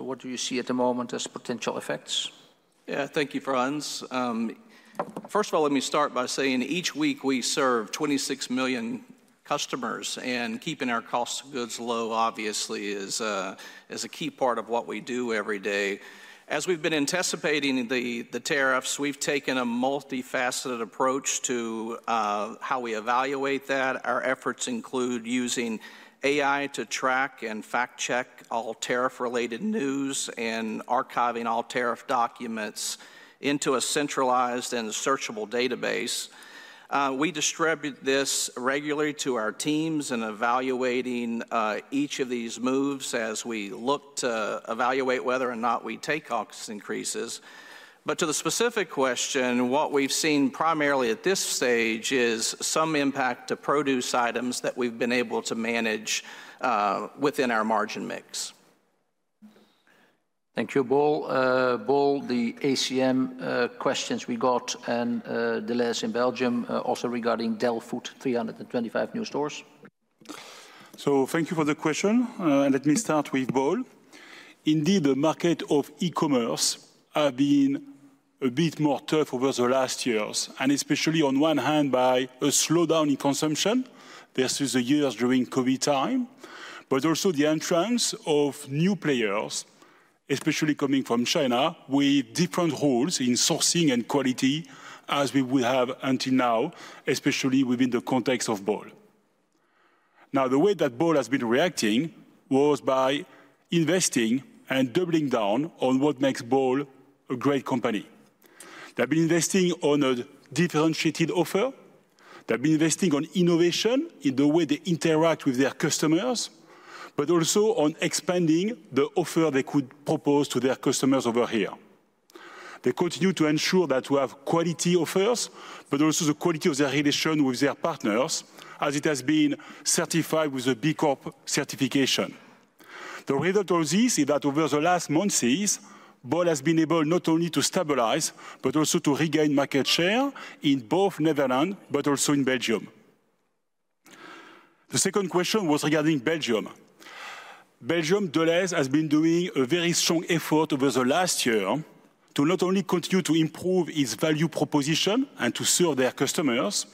what do you see at the moment as potential effects? Yeah, thank you, Frans. First of all, let me start by saying each week we serve 26 million customers, and keeping our cost of goods low, obviously, is a key part of what we do every day. As we've been anticipating the tariffs, we've taken a multifaceted approach to how we evaluate that. Our efforts include using AI to track and fact-check all tariff-related news and archiving all tariff documents into a centralized and searchable database. We distribute this regularly to our teams and evaluating each of these moves as we look to evaluate whether or not we take cost increases. But to the specific question, what we've seen primarily at this stage is some impact to produce items that we've been able to manage within our margin mix. Thank you, Bol. Bol, the ACM questions we got and Delhaize in Belgium also regarding Del Food, 325 new stores. So thank you for the question. And let me start with Bol. Indeed, the market of e-commerce has been a bit more tough over the last years, and especially on one hand by a slowdown in consumption versus the years during COVID time, but also the entrance of new players, especially coming from China, with different rules in sourcing and quality as we would have until now, especially within the context of Bol. Now, the way that Bol has been reacting was by investing and doubling down on what makes Bol a great company. They've been investing on a differentiated offer. They've been investing on innovation in the way they interact with their customers, but also on expanding the offer they could propose to their customers over here. They continue to ensure that we have quality offers, but also the quality of their relation with their partners, as it has been certified with a B Corp certification. The result of this is that over the last months, Bol has been able not only to stabilize, but also to regain market share in both Netherlands, but also in Belgium. The second question was regarding Belgium. Belgium, Delhaize has been doing a very strong effort over the last year to not only continue to improve its value proposition and to serve their customers,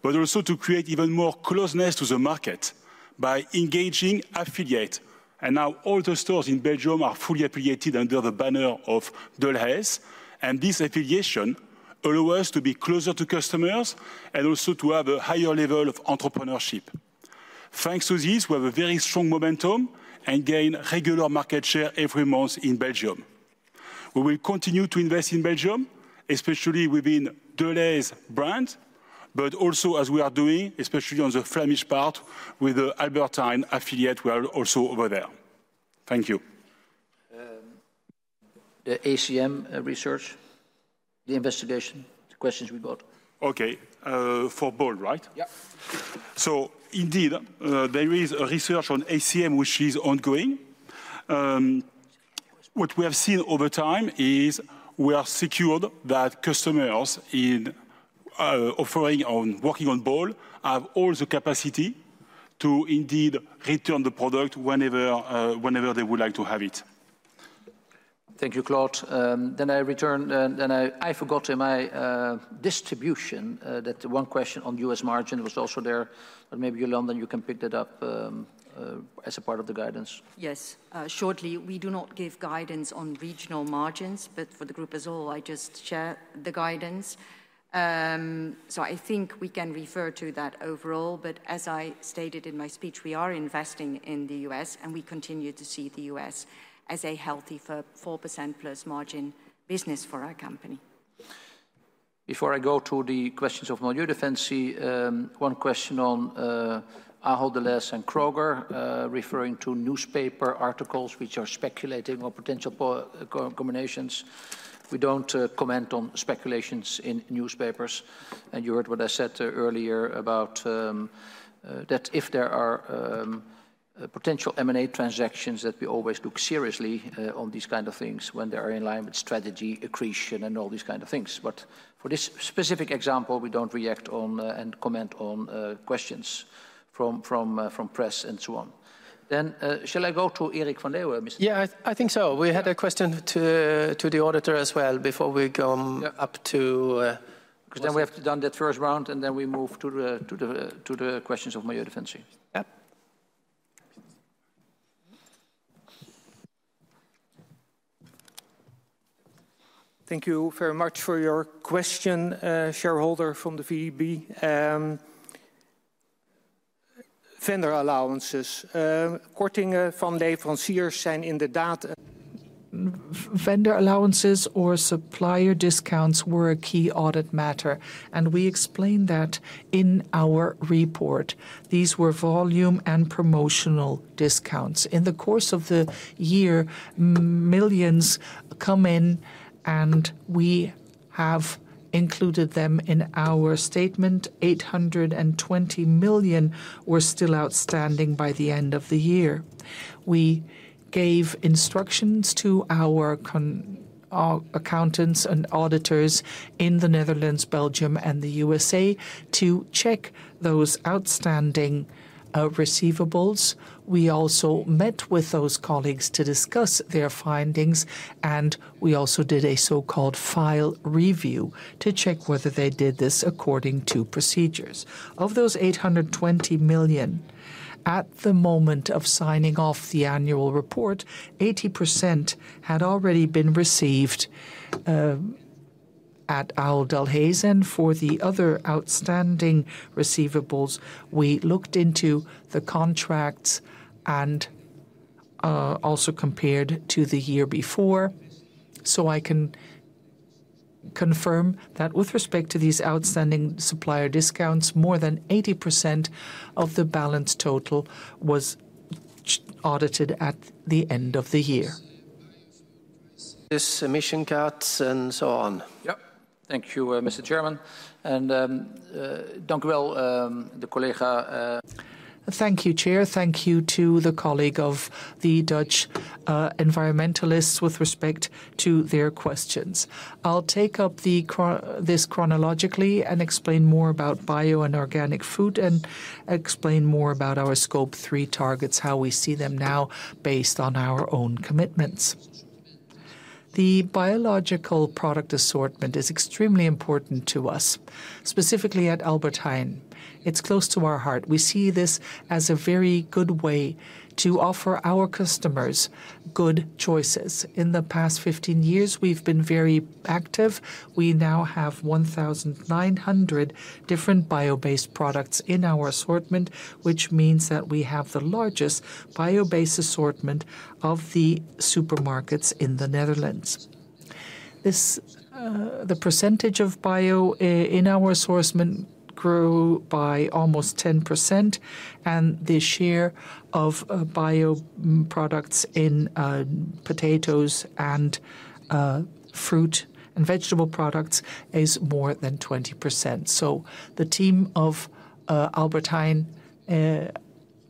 but also to create even more closeness to the market by engaging affiliates. And now all the stores in Belgium are fully affiliated under the banner of Delhaize. And this affiliation allows us to be closer to customers and also to have a higher level of entrepreneurship. Thanks to this, we have a very strong momentum and gain regular market share every month in Belgium. We will continue to invest in Belgium, especially within Delhaize brand, but also, as we are doing, especially on the Flemish part with the Albert Heijn affiliate, we are also over there. Thank you. The ACM research, the investigation, the questions we got. Okay, for Bol, right? Yep. So indeed, there is a research on ACM, which is ongoing. What we have seen over time is we are secured that customers in offering on working on Bol have all the capacity to indeed return the product whenever they would like to have it. Thank you, Claude. Then I return, then I forgot in my distribution that one question on U.S. margin was also there. But maybe Jolanda, you can pick that up as a part of the guidance. Yes, shortly. We do not give guidance on regional margins, but for the group as well, I just share the guidance. So I think we can refer to that overall. But as I stated in my speech, we are investing in the U.S., and we continue to see the US as a healthy 4% plus margin business for our company. Before I go to the questions of Milieu Defensie, one question on Ahold Delhaize and Kroger, referring to newspaper articles which are speculating on potential combinations. We don't comment on speculations in newspapers. And you heard what I said earlier about that if there are potential M&A transactions, that we always look seriously on these kinds of things when they are in line with strategy accretion and all these kinds of things. But for this specific example, we don't react on and comment on questions from press and so on. Then shall I go to Erik van Leeuwen? Yeah, I think so. We had a question to the auditor as well before we go up to. Then we have to done that first round, and then we move to the questions of Milieu Defensie. Thank you very much for your question, shareholder from the VEB. Vendor allowances. Quoting from leveranciers zijn inderdaad. Vendor allowances or supplier discounts were a key audit matter, and we explained that in our report. These were volume and promotional discounts. In the course of the year, millions come in, and we have included them in our statement. 820 million were still outstanding by the end of the year. We gave instructions to our accountants and auditors in the Netherlands, Belgium, and the USA to check those outstanding receivables. We also met with those colleagues to discuss their findings, and we also did a so-called file review to check whether they did this according to procedures. Of those 820 million, at the moment of signing off the annual report, 80% had already been received at Ahold Delhaize. And for the other outstanding receivables, we looked into the contracts and also compared to the year before. So I can confirm that with respect to these outstanding supplier discounts, more than 80% of the balance total was audited at the end of the year. This submission cuts and so on. Yep. Thank you, Mr. Chairman. And dank u wel, de collega. Thank you, Chair. Thank you to the colleague of the Dutch environmentalists with respect to their questions. I'll take up this chronologically and explain more about bio and organic food and explain more about our scope three targets, how we see them now based on our own commitments. The biological product assortment is extremely important to us, specifically at Albert Heijn. It's close to our heart. We see this as a very good way to offer our customers good choices. In the past 15 years, we've been very active. We now have 1,900 different bio-based products in our assortment, which means that we have the largest bio-based assortment of the supermarkets in the Netherlands. The percentage of bio in our assortment grew by almost 10%, and the share of bio products in potatoes and fruit and vegetable products is more than 20%. So the team of Albert Heijn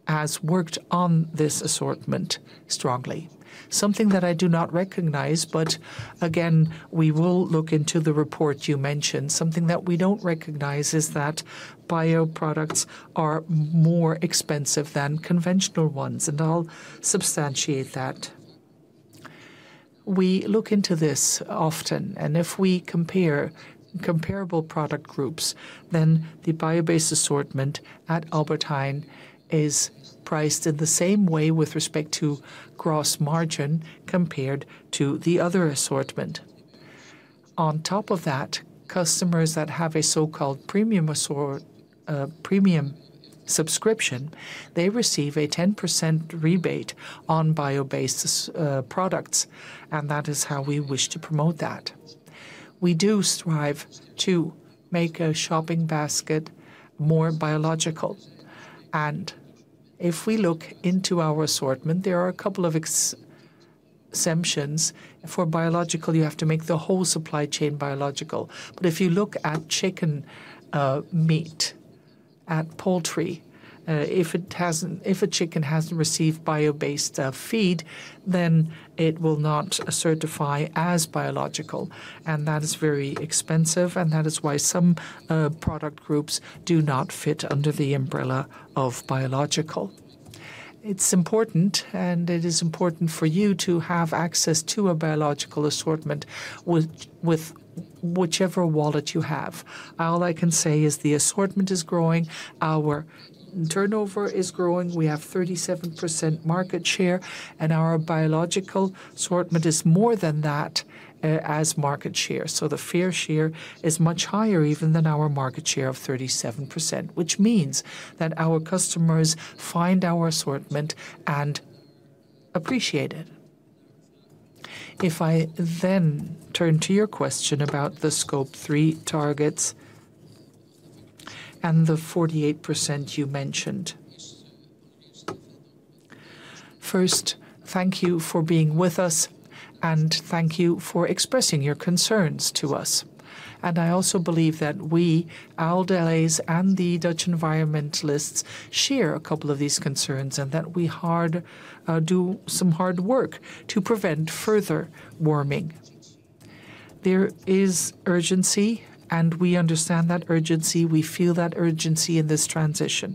has worked on this assortment strongly. Something that I do not recognize, but again, we will look into the report you mentioned. Something that we don't recognize is that bio products are more expensive than conventional ones, and I'll substantiate that. We look into this often, and if we compare comparable product groups, then the bio-based assortment at Albert Heijn is priced in the same way with respect to gross margin compared to the other assortment. On top of that, customers that have a so-called premium subscription, they receive a 10% rebate on bio-based products, and that is how we wish to promote that. We do strive to make a shopping basket more biological. And if we look into our assortment, there are a couple of exemptions. For biological, you have to make the whole supply chain biological. But if you look at chicken meat, at poultry, if a chicken hasn't received bio-based feed, then it will not certify as biological. And that is very expensive, and that is why some product groups do not fit under the umbrella of biological. It's important, and it is important for you to have access to a biological assortment with whichever wallet you have. All I can say is the assortment is growing, our turnover is growing, we have 37% market share, and our biological assortment is more than that as market share. So the fair share is much higher even than our market share of 37%, which means that our customers find our assortment and appreciate it. If I then turn to your question about the scope three targets and the 48% you mentioned. First, thank you for being with us, and thank you for expressing your concerns to us. And I also believe that we, Ahold Delhaize and the Dutch environmentalists, share a couple of these concerns and that we do some hard work to prevent further warming. There is urgency, and we understand that urgency. We feel that urgency in this transition.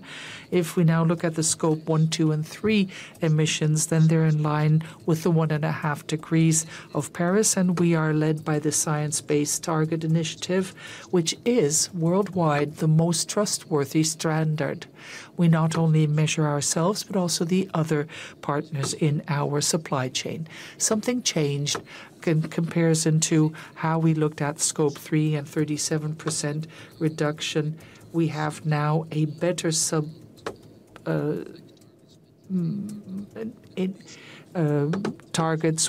If we now look at the scope one, two, and three emissions, then they're in line with the one and a half degrees of Paris. And we are led by the science-based target initiative, which is worldwide the most trustworthy standard. We not only measure ourselves, but also the other partners in our supply chain. Something changed in comparison to how we looked at scope three and 37% reduction. We have now a better sub targets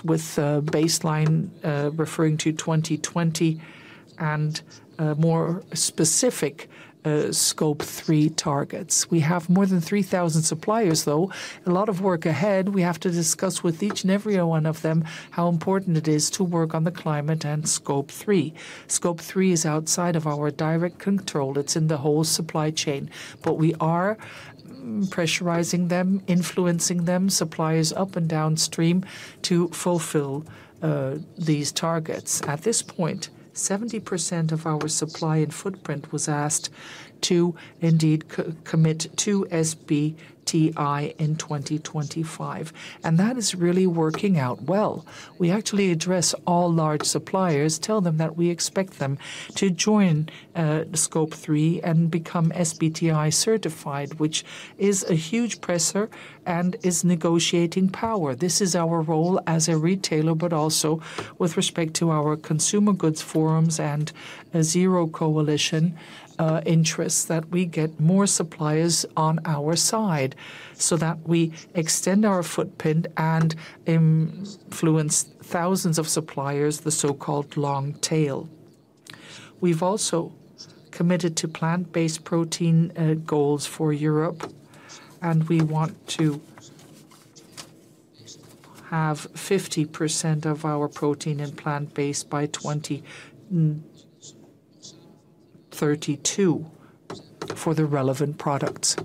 with baseline referring to 2020 and more specific scope three targets. We have more than 3,000 suppliers, though. A lot of work ahead. We have to discuss with each and every one of them how important it is to work on the climate and scope three. Scope three is outside of our direct control. It's in the whole supply chain, but we are pressurizing them, influencing them, suppliers up and downstream to fulfill these targets. At this point, 70% of our supply and footprint was asked to indeed commit to SBTi in 2025. And that is really working out well. We actually address all large suppliers, tell them that we expect them to join scope three and become SBTi certified, which is a huge pressure and is negotiating power. This is our role as a retailer, but also with respect to our consumer goods forums and zero coalition interests that we get more suppliers on our side so that we extend our footprint and influence thousands of suppliers, the so-called long tail. We've also committed to plant-based protein goals for Europe, and we want to have 50% of our protein and plant-based by 2032 for the relevant products.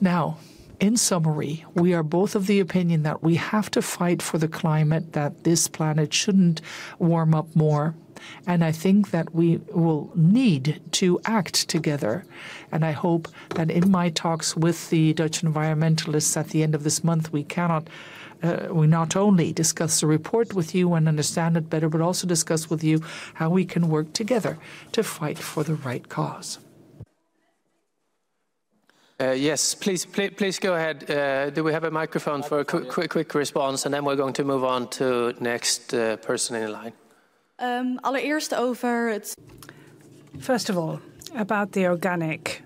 Now, in summary, we are both of the opinion that we have to fight for the climate, that this planet shouldn't warm up more. And I think that we will need to act together. And I hope that in my talks with the Dutch environmentalists at the end of this month, we not only discuss the report with you and understand it better, but also discuss with you how we can work together to fight for the right cause. Yes, please go ahead. Do we have a microphone for a quick response? And then we're going to move on to the next person in line. Allereerst over het. First of all, about the organic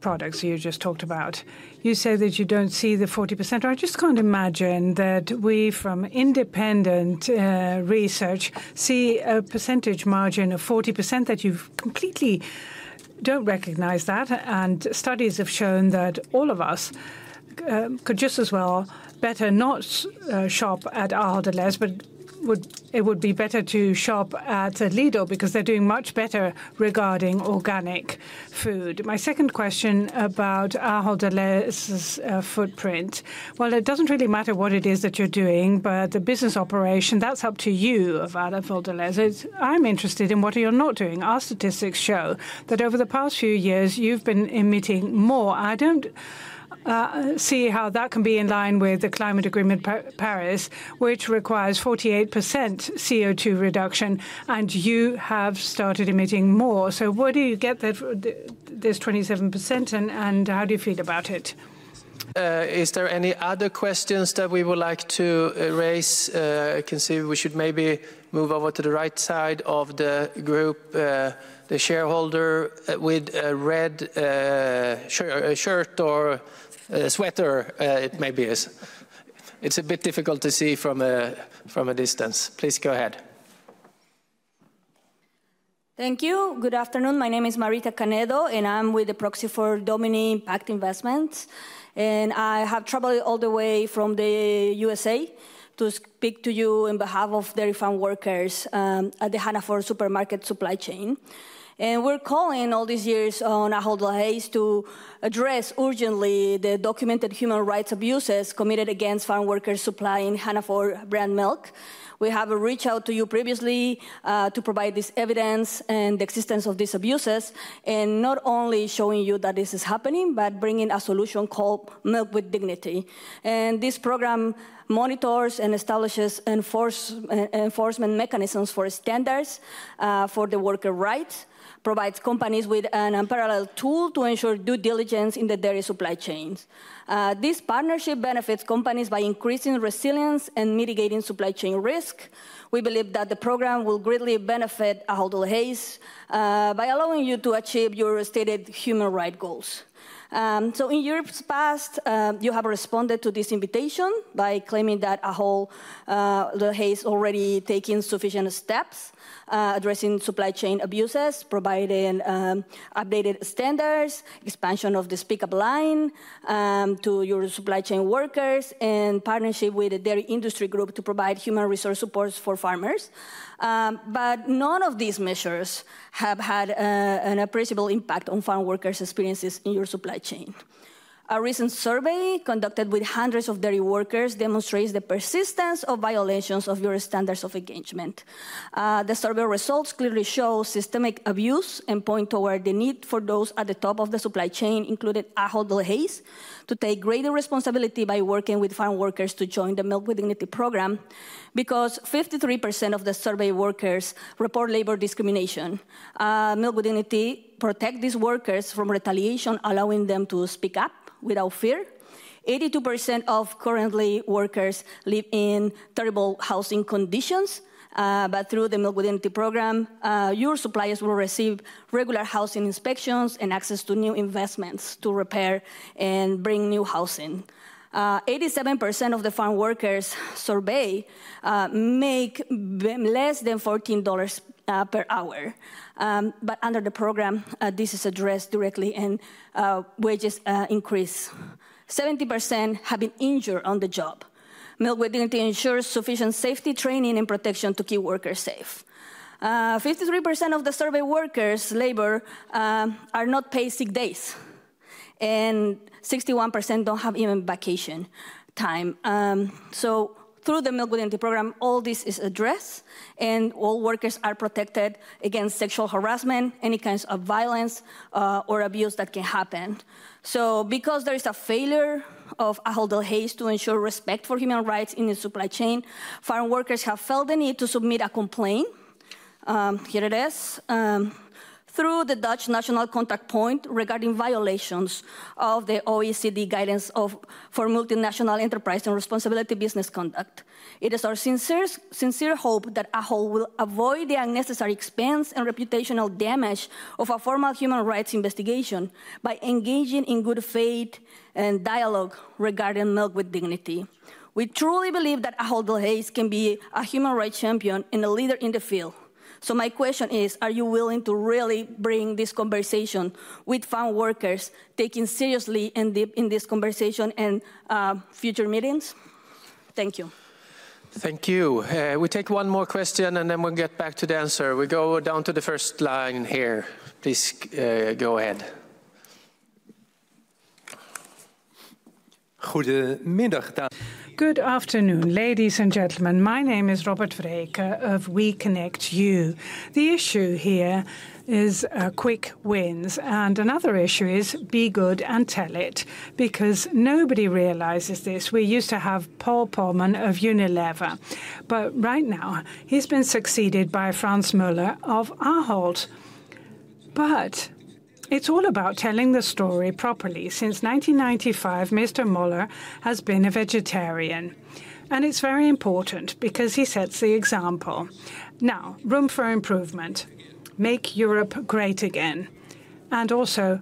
products you just talked about. You said that you don't see the 40%. I just can't imagine that we from independent research see a percentage margin of 40% that you completely don't recognize that. And studies have shown that all of us could just as well better not shop at Ahold Delhaize, but it would be better to shop at Lidl because they're doing much better regarding organic food. My second question about Ahold Delhaize's footprint. Well, it doesn't really matter what it is that you're doing, but the business operation, that's up to you, Ahold Delhaize. I'm interested in what you're not doing. Our statistics show that over the past few years, you've been emitting more. I don't see how that can be in line with the climate agreement Paris, which requires 48% CO2 reduction, and you have started emitting more. So where do you get this 27%, and how do you feel about it? Is there any other questions that we would like to raise? I can see we should maybe move over to the right side of the group, the shareholder with a red shirt or sweater. It maybe is. It's a bit difficult to see from a distance. Please go ahead. Thank you. Good afternoon. My name is Marita Canedo, and I'm with the proxy for Domini Impact Investments. And I have traveled all the way from the USA to speak to you on behalf of Dairy Farm Workers at the Hannaford supermarket supply chain. And we're calling all these years on Ahold Delhaize to address urgently the documented human rights abuses committed against farm workers supplying Hannaford brand milk. We have reached out to you previously to provide this evidence and the existence of these abuses, and not only showing you that this is happening, but bringing a solution called Milk with Dignity. And this program monitors and establishes enforcement mechanisms for standards for the worker rights, provides companies with an unparalleled tool to ensure due diligence in the dairy supply chains. This partnership benefits companies by increasing resilience and mitigating supply chain risk. We believe that the program will greatly benefit Ahold Delhaize by allowing you to achieve your stated human rights goals. So in Europe's past, you have responded to this invitation by claiming that Ahold Delhaize is already taking sufficient steps addressing supply chain abuses, providing updated standards, expansion of the speak-up line to your supply chain workers, and partnership with the dairy industry group to provide human resource supports for farmers. But none of these measures have had an appreciable impact on farm workers' experiences in your supply chain. A recent survey conducted with hundreds of dairy workers demonstrates the persistence of violations of your standards of engagement. The survey results clearly show systemic abuse and point toward the need for those at the top of the supply chain, including Ahold Delhaize, to take greater responsibility by working with farm workers to join the Milk with Dignity program because 53% of the survey workers report labor discrimination. Milk with Dignity protects these workers from retaliation, allowing them to speak up without fear. 82% of currently workers live in terrible housing conditions, but through the Milk with Dignity program, your suppliers will receive regular housing inspections and access to new investments to repair and bring new housing. 87% of the farm workers survey make less than $14 per hour. But under the program, this is addressed directly and wages increase. 70% have been injured on the job. Milk with Dignity ensures sufficient safety training and protection to keep workers safe. 53% of the survey workers' labor are not paid sick days, and 61% don't have even vacation time. So through the Milk with Dignity program, all this is addressed, and all workers are protected against sexual harassment, any kinds of violence or abuse that can happen. So because there is a failure of Ahold Delhaize to ensure respect for human rights in the supply chain, farm workers have felt the need to submit a complaint. Here it is. Through the Dutch national contact point regarding violations of the OECD guidance for multinational enterprise and responsibility business conduct, it is our sincere hope that Ahold Delhaize will avoid the unnecessary expense and reputational damage of a formal human rights investigation by engaging in good faith and dialogue regarding Milk with Dignity. We truly believe that Ahold Delhaize can be a human rights champion and a leader in the field. So my question is, are you willing to really bring this conversation with farm workers taken seriously and deep in this conversation and future meetings? Thank you. Thank you. We take one more question, and then we'll get back to the answer. We go down to the first line here. Please go ahead. Goedemiddag. Good afternoon, ladies and gentlemen. My name is Robert Vreeken of We Connect You. The issue here is quick wins. And another issue is be good and tell it because nobody realizes this. We used to have Paul Polman of Unilever, but right now he's been succeeded by Frans Muller of Ahold. But it's all about telling the story properly. Since 1995, Mr. Muller has been a vegetarian. And it's very important because he sets the example. Now, room for improvement. Make Europe great again. And also,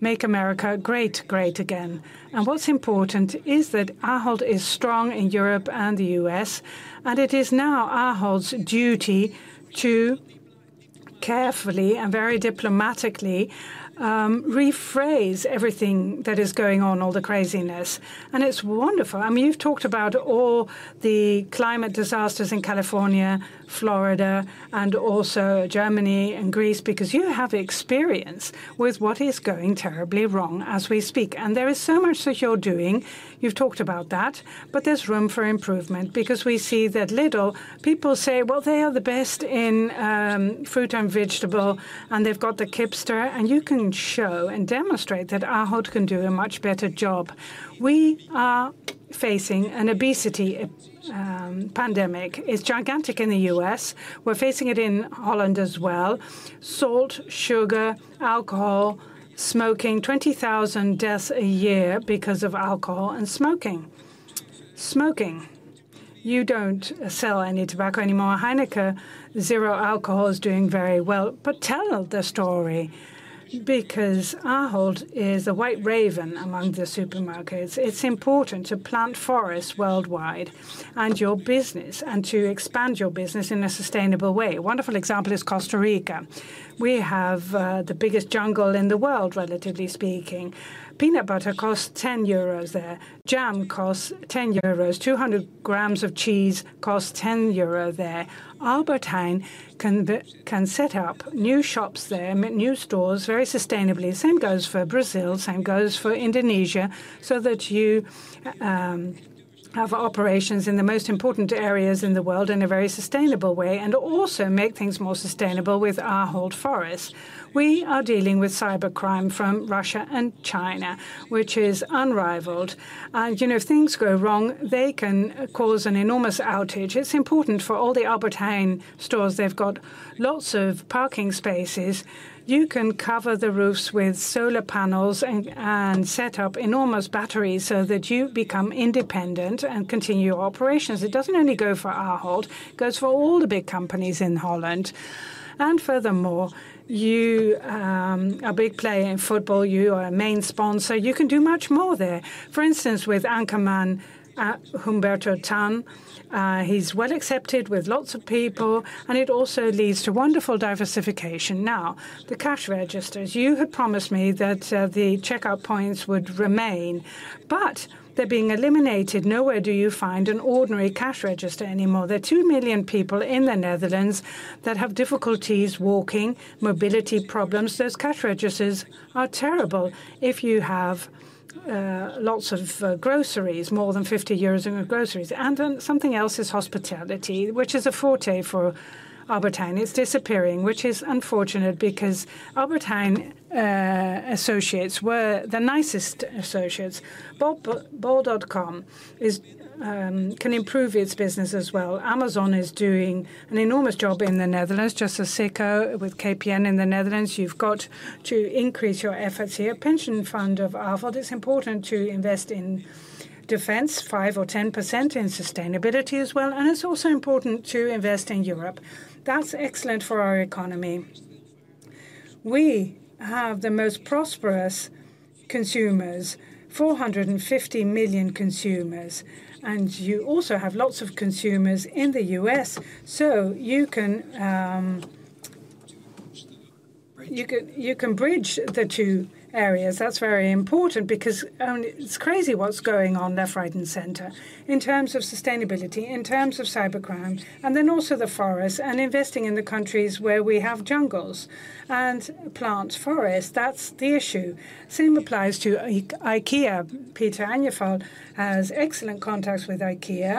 make America great, great again. And what's important is that Ahold Delhaize is strong in Europe and the U.S., And it is now Ahold Delhaize's duty to carefully and very diplomatically rephrase everything that is going on, all the craziness. And it's wonderful. I mean, you've talked about all the climate disasters in California, Florida, and also Germany and Greece because you have experience with what is going terribly wrong as we speak. And there is so much that you're doing. You've talked about that, but there's room for improvement because we see that little people say, well, they are the best in fruit and vegetable, and they've got the kipster. And you can show and demonstrate that Ahold Delhaize can do a much better job. We are facing an obesity pandemic. It's gigantic in the U.S., We're facing it in Holland as well. Salt, sugar, alcohol, smoking, 20,000 deaths a year because of alcohol and smoking. Smoking. You don't sell any tobacco anymore. Heineken, zero alcohol is doing very well. But tell the story because Ahold Delhaize is a white raven among the supermarkets. It's important to plant forests worldwide and your business and to expand your business in a sustainable way. A wonderful example is Costa Rica. We have the biggest jungle in the world, relatively speaking. Peanut butter costs 10 euros there. Jam costs 10 euros. 200 grams of cheese costs 10 euros there. Albert Heijn can set up new shops there, new stores very sustainably. Same goes for Brazil. Same goes for Indonesia. You have operations in the most important areas in the world in a very sustainable way and also make things more sustainable with Ahold Delhaize. We are dealing with cybercrime from Russia and China, which is unrivaled. You know, if things go wrong, they can cause an enormous outage. It is important for all the Albert Heijn stores. They have got lots of parking spaces. You can cover the roofs with solar panels and set up enormous batteries so that you become independent and continue operations. It does not only go for Ahold Delhaize. It goes for all the big companies in Holland. Furthermore, you are a big player in football. You are a main sponsor. You can do much more there. For instance, with Ankerman at Humberto Tan. He's well accepted with lots of people. And it also leads to wonderful diversification. Now, the cash registers. You had promised me that the checkout points would remain. But they're being eliminated. Nowhere do you find an ordinary cash register anymore. There are 2 million people in the Netherlands that have difficulties walking, mobility problems. Those cash registers are terrible if you have lots of groceries, more than 50 euros in your groceries. And something else is hospitality, which is a forte for Albert Heijn. It's disappearing, which is unfortunate because Albert Heijn associates were the nicest associates. Bol.com can improve its business as well. Amazon is doing an enormous job in the Netherlands. Just a Ziggo with KPN in the Netherlands. You've got to increase your efforts here. Pension Fund of Ahold. It's important to invest in defense, five or 10% in sustainability as well. And it's also important to invest in Europe. That's excellent for our economy. We have the most prosperous consumers, 450 million consumers. And you also have lots of consumers in the U.S., So you can bridge the two areas. That's very important because it's crazy what's going on left, right, and center in terms of sustainability, in terms of cybercrime, and then also the forests and investing in the countries where we have jungles and plant forests. That's the issue. Same applies to IKEA. Peter Agnefjäll has excellent contacts with IKEA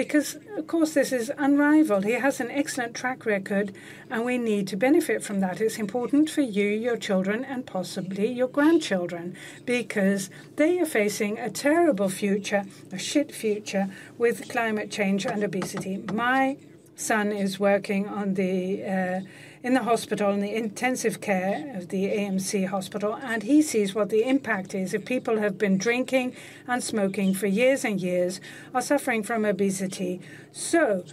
because, of course, this is unrivaled. He has an excellent track record, and we need to benefit from that. It's important for you, your children, and possibly your grandchildren because they are facing a terrible future, a shit future with climate change and obesity. My son is working in the hospital, in the intensive care of the AMC hospital, and he sees what the impact is if people have been drinking and smoking for years and years or suffering from obesity. So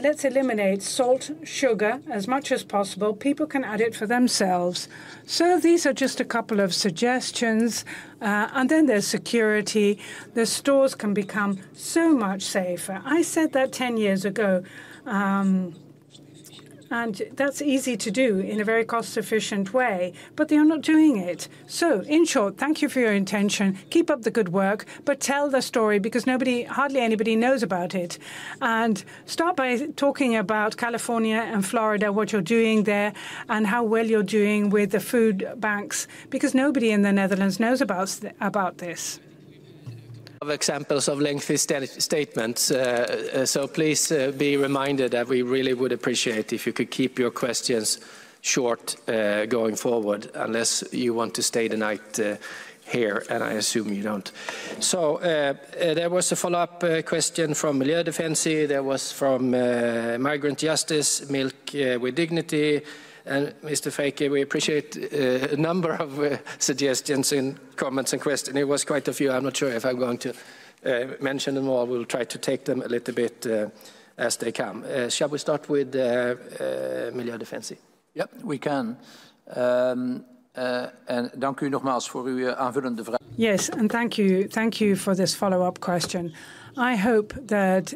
let's eliminate salt, sugar as much as possible. People can add it for themselves. So these are just a couple of suggestions. And then there's security. The stores can become so much safer. I said that 10 years ago. And that's easy to do in a very cost-efficient way, but they are not doing it. So in short, thank you for your intention. Keep up the good work, but tell the story because hardly anybody knows about it. And start by talking about California and Florida, what you're doing there, and how well you're doing with the food banks because nobody in the Netherlands knows about this. Of examples of lengthy statements. So please be reminded that we really would appreciate it if you could keep your questions short going forward unless you want to stay the night here, and I assume you don't. So there was a follow-up question from Milieudefensie. There was from Migrant Justice, Milk with Dignity. And Mr. Vreeken we appreciate a number of suggestions in comments and questions. It was quite a few. I'm not sure if I'm going to mention them all. We'll try to take them a little bit as they come. Shall we start with Milieudefensie? Yep, we can. En dank u nogmaals voor uw aanvullende vraag. Yes, and thank you for this follow-up question. I hope that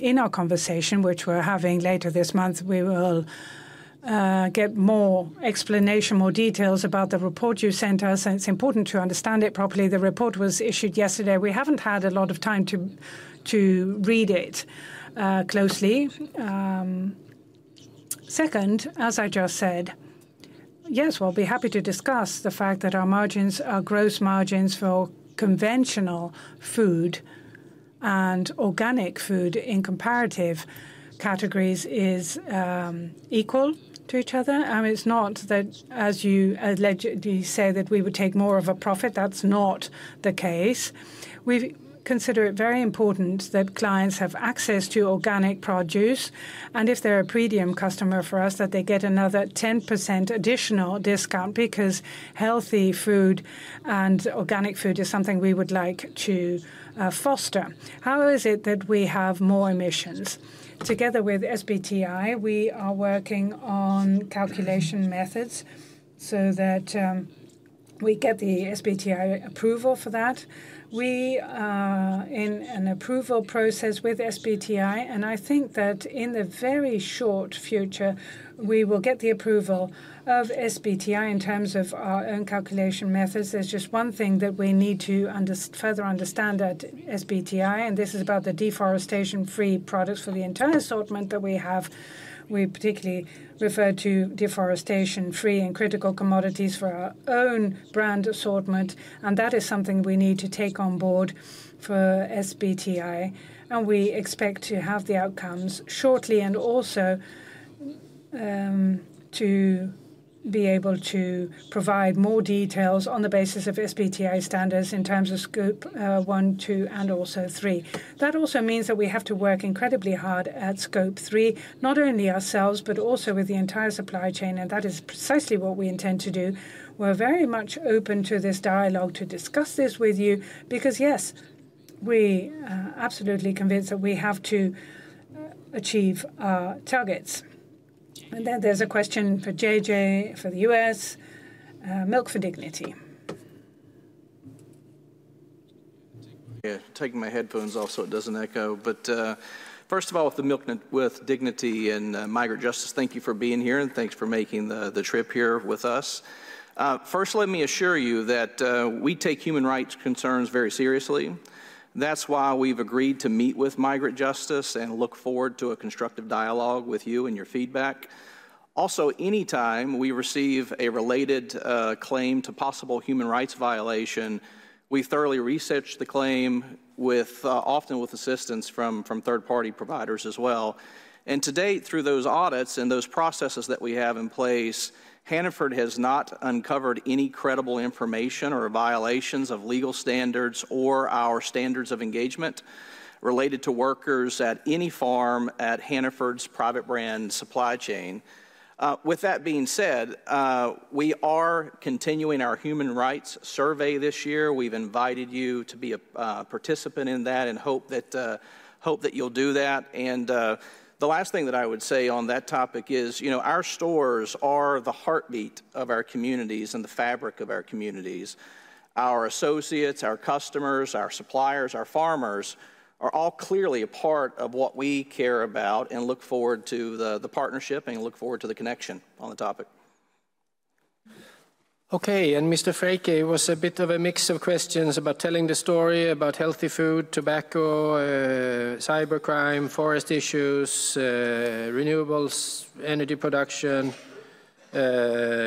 in our conversation, which we're having later this month, we will get more explanation, more details about the report you sent us. It's important to understand it properly. The report was issued yesterday. We haven't had a lot of time to read it closely. Second, as I just said, yes, we'll be happy to discuss the fact that our margins, our gross margins for conventional food and organic food in comparative categories is equal to each other. And it's not that, as you allegedly say, that we would take more of a profit. That's not the case. We consider it very important that clients have access to organic produce. And if they're a premium customer for us, that they get another 10% additional discount because healthy food and organic food is something we would like to foster. How is it that we have more emissions? Together with SBTI, we are working on calculation methods so that we get the SBTI approval for that. We are in an approval process with SBTI. And I think that in the very short future, we will get the approval of SBTI in terms of our own calculation methods. There's just one thing that we need to further understand at SBTI. And this is about the deforestation-free products for the entire assortment that we have. We particularly refer to deforestation-free and critical commodities for our own brand assortment. And that is something we need to take on board for SBTI. And we expect to have the outcomes shortly and also to be able to provide more details on the basis of SBTI standards in terms of scope one, two, and also three. That also means that we have to work incredibly hard at scope three, not only ourselves, but also with the entire supply chain. And that is precisely what we intend to do. We're very much open to this dialogue to discuss this with you because, yes, we are absolutely convinced that we have to achieve our targets. There is a question for JJ for the U.S., Milk for Dignity. Taking my headphones off so it doesn't echo. First of all, with the Milk with Dignity and Migrant Justice, thank you for being here. Thanks for making the trip here with us. First, let me assure you that we take human rights concerns very seriously. That's why we've agreed to meet with Migrant Justice and look forward to a constructive dialogue with you and your feedback. Also, anytime we receive a related claim to possible human rights violation, we thoroughly research the claim, often with assistance from third-party providers as well. And to date, through those audits and those processes that we have in place, Hannaford has not uncovered any credible information or violations of legal standards or our standards of engagement related to workers at any farm at Hannaford's private brand supply chain. With that being said, we are continuing our human rights survey this year. We've invited you to be a participant in that and hope that you'll do that. And the last thing that I would say on that topic is, you know, our stores are the heartbeat of our communities and the fabric of our communities. Our associates, our customers, our suppliers, our farmers are all clearly a part of what we care about and look forward to the partnership and look forward to the connection on the topic. Okay. And Mr. Feke, it was a bit of a mix of questions about telling the story about healthy food, tobacco, cybercrime, forest issues, renewables, energy production,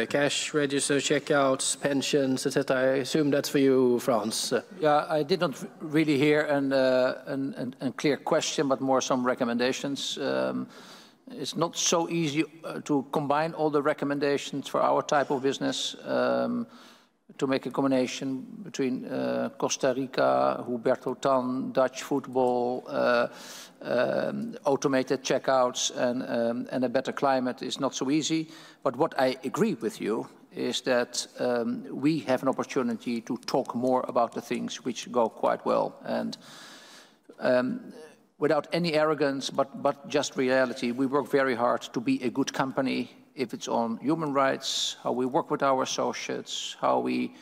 cash register, checkouts, pensions, etc. I assume that's for you, Frans. Yeah, I did not really hear a clear question, but more some recommendations. It's not so easy to combine all the recommendations for our type of business to make a combination between Costa Rica, Humberto Tan, Dutch football, automated checkouts, and a better climate is not so easy. But what I agree with you is that we have an opportunity to talk more about the things which go quite well. And without any arrogance, but just reality, we work very hard to be a good company if it's on human rights, how we work with our associates, how we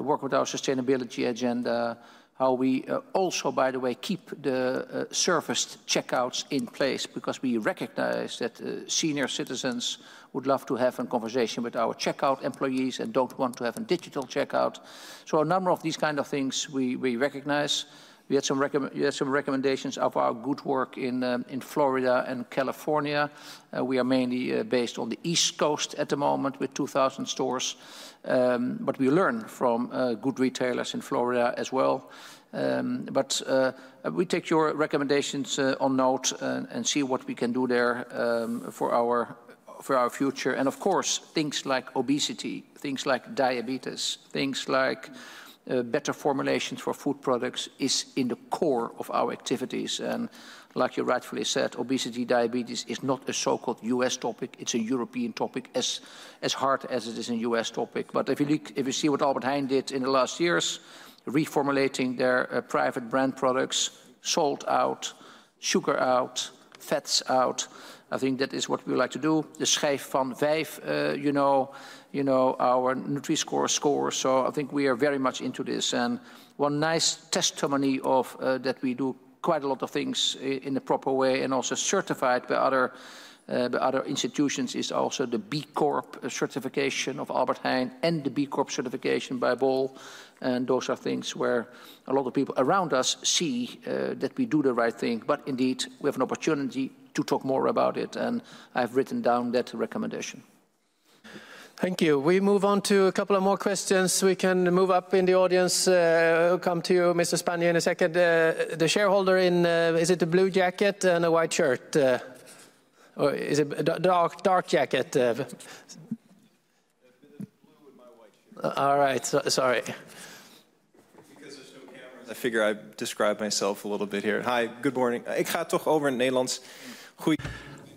work with our sustainability agenda, how we also, by the way, keep the surfaced checkouts in place because we recognize that senior citizens would love to have a conversation with our checkout employees and don't want to have a digital checkout. So a number of these kinds of things we recognize. We had some recommendations of our good work in Florida and California. We are mainly based on the East Coast at the moment with 2,000 stores. But we learn from good retailers in Florida as well. But we take your recommendations on note and see what we can do there for our future. And of course, things like obesity, things like diabetes, things like better formulations for food products are in the core of our activities. And like you rightfully said, obesity, diabetes is not a so-called U.S. topic. It's a European topic, as hard as it is a U.S. topic. But if you see what Albert Heijn did in the last years, reformulating their private brand products, salt out, sugar out, fats out, I think that is what we like to do. The Schijf van Vijf, you know, our Nutri-Score score. So I think we are very much into this. And one nice testimony that we do quite a lot of things in a proper way and also certified by other institutions is also the B Corp certification of Albert Heijn and the B Corp certification by Bol. And those are things where a lot of people around us see that we do the right thing. But indeed, we have an opportunity to talk more about it. And I've written down that recommendation. Thank you. We move on to a couple of more questions. We can move up in the audience. We'll come to you, Mr. Spania in a second. The shareholder in, is it the blue jacket and the white shirt? Or is it a dark jacket? Blue and my white shirt. All right. Sorry. Because there's no cameras. I figure I describe myself a little bit here. Hi. Good morning. Ik ga toch over in het Nederlands.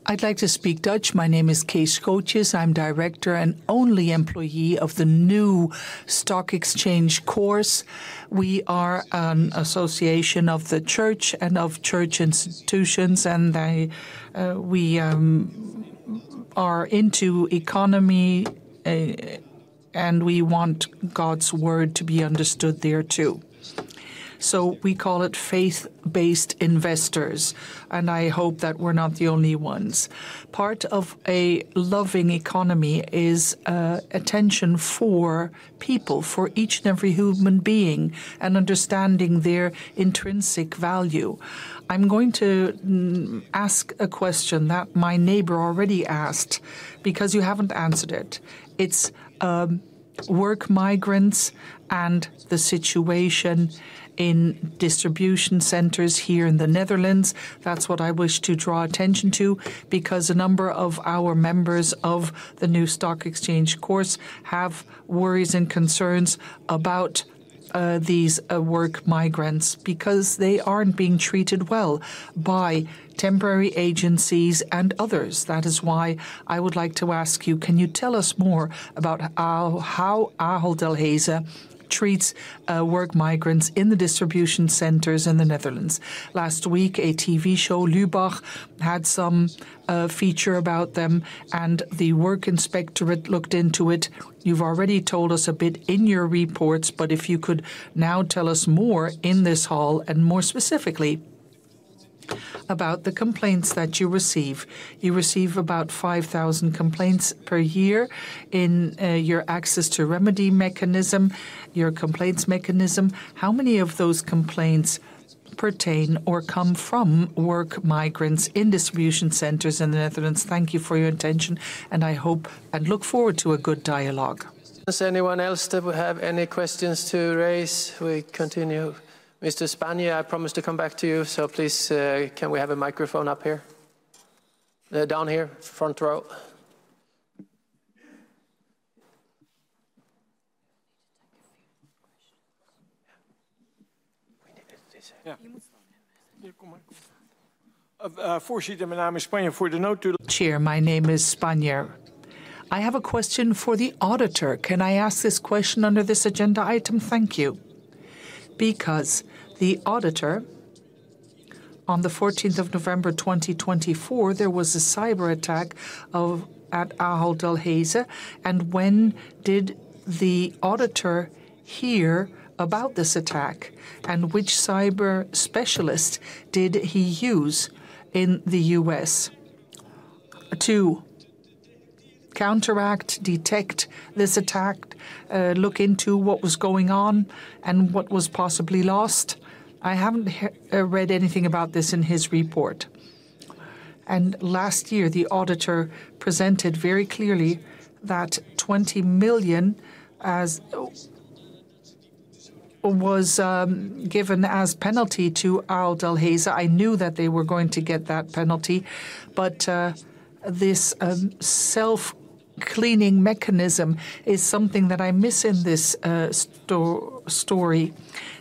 I'd like to speak Dutch. My name is Kees Kootjes. I'm director and only employee of the new Stock Exchange Course. We are an association of the church and of church institutions, and we are into economy, and we want God's word to be understood there too. So we call it faith-based investors, and I hope that we're not the only ones. Part of a loving economy is attention for people, for each and every human being, and understanding their intrinsic value. I'm going to ask a question that my neighbor already asked because you haven't answered it. It's work migrants and the situation in distribution centers here in the Netherlands. That's what I wish to draw attention to because a number of our members of the new Stock Exchange Course have worries and concerns about these work migrants because they aren't being treated well by temporary agencies and others. That is why I would like to ask you, can you tell us more about how Ahold Delhaize treats work migrants in the distribution centers in the Netherlands? Last week, a TV show, Lubach, had some feature about them, and the work inspectorate looked into it. You've already told us a bit in your reports, but if you could now tell us more in this hall and more specifically about the complaints that you receive. You receive about 5,000 complaints per year in your access to remedy mechanism, your complaints mechanism. How many of those complaints pertain or come from work migrants in distribution centers in the Netherlands? Thank you for your attention, and I hope and look forward to a good dialogue. Does anyone else have any questions to raise? We continue. Mr. Spanje, I promised to come back to you, so please, can we have a microphone up here? Down here, front row. Chair, my name is Spanje. I have a question for the auditor. Can I ask this question under this agenda item? Thank you. Because the auditor, on the 14th of November 2024, there was a cyber attack at Ahold Delhaize. And when did the auditor hear about this attack? And which cyber specialist did he use in the U.S. to counteract, detect this attack, look into what was going on and what was possibly lost? I haven't read anything about this in his report. And last year, the auditor presented very clearly that 20 million was given as penalty to Ahold Delhaize. I knew that they were going to get that penalty. But this self-cleaning mechanism is something that I miss in this story.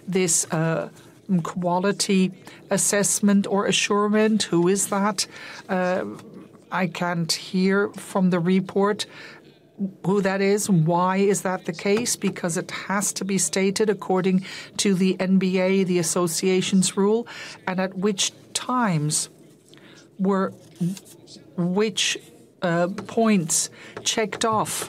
This quality assessment or assurance, who is that? I can't hear from the report who that is. Why is that the case? Because it has to be stated according to the NBA, the association's rule, and at which times were which points checked off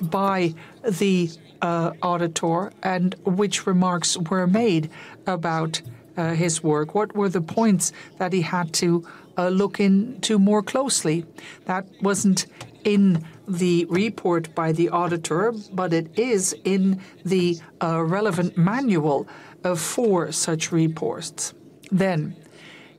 by the auditor and which remarks were made about his work. What were the points that he had to look into more closely? That wasn't in the report by the auditor, but it is in the relevant manual for such reports. Then,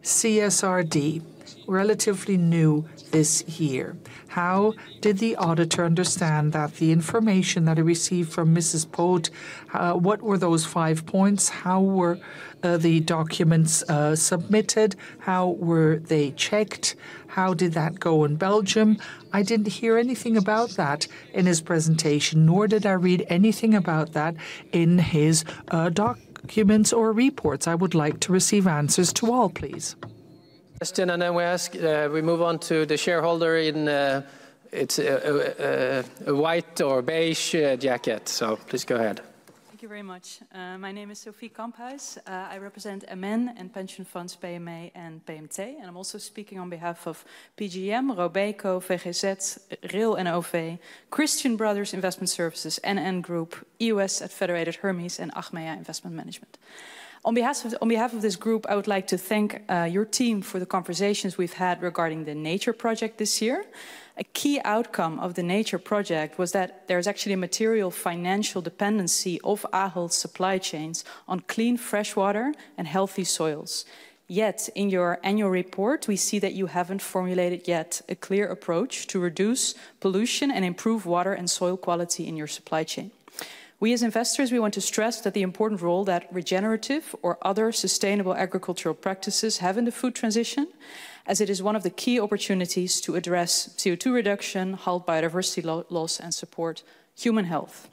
CSRD, relatively new this year. How did the auditor understand that the information that he received from Mrs. Poots? What were those five points? How were the documents submitted? How were they checked? How did that go in Belgium? I didn't hear anything about that in his presentation, nor did I read anything about that in his documents or reports. I would like to receive answers to all, please. Question, and then we move on to the shareholder in a white or beige jacket. So please go ahead. Thank you very much. My name is Sophie Campaus. I represent a men and Pension Funds, PME and PMT, and I'm also speaking on behalf of PGGM, Robeco, VGZ, Rail & OV, Christian Brothers Investment Services, NN Group, USS at Federated Hermes, and Achmea Investment Management. On behalf of this group, I would like to thank your team for the conversations we've had regarding the Nature Project this year. A key outcome of the Nature Project was that there is actually a material financial dependency of Ahold's supply chains on clean freshwater and healthy soils. Yet in your annual report, we see that you haven't formulated yet a clear approach to reduce pollution and improve water and soil quality in your supply chain. We, as investors, want to stress that the important role that regenerative or other sustainable agricultural practices have in the food transition, as it is one of the key opportunities to address CO2 reduction, halt biodiversity loss, and support human health.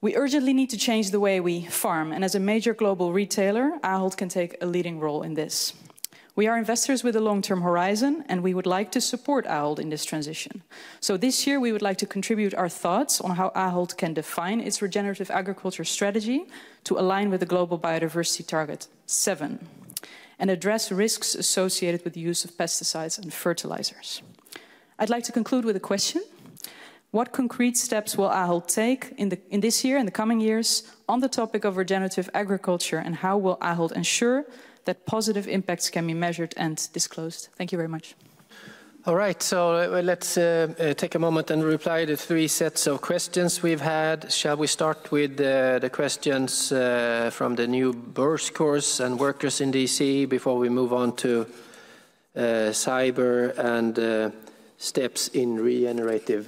We urgently need to change the way we farm, and as a major global retailer, Ahold can take a leading role in this. We are investors with a long-term horizon, and we would like to support Ahold in this transition. So this year, we would like to contribute our thoughts on how Ahold can define its regenerative agriculture strategy to align with the global biodiversity target seven and address risks associated with the use of pesticides and fertilizers. I'd like to conclude with a question. What concrete steps will Ahold take in this year and the coming years on the topic of regenerative agriculture, and how will Ahold ensure that positive impacts can be measured and disclosed? Thank you very much. All right, so let's take a moment and reply to three sets of questions we've had. Shall we start with the questions from the new BERSC course and workers in DC before we move on to cyber and steps in regenerative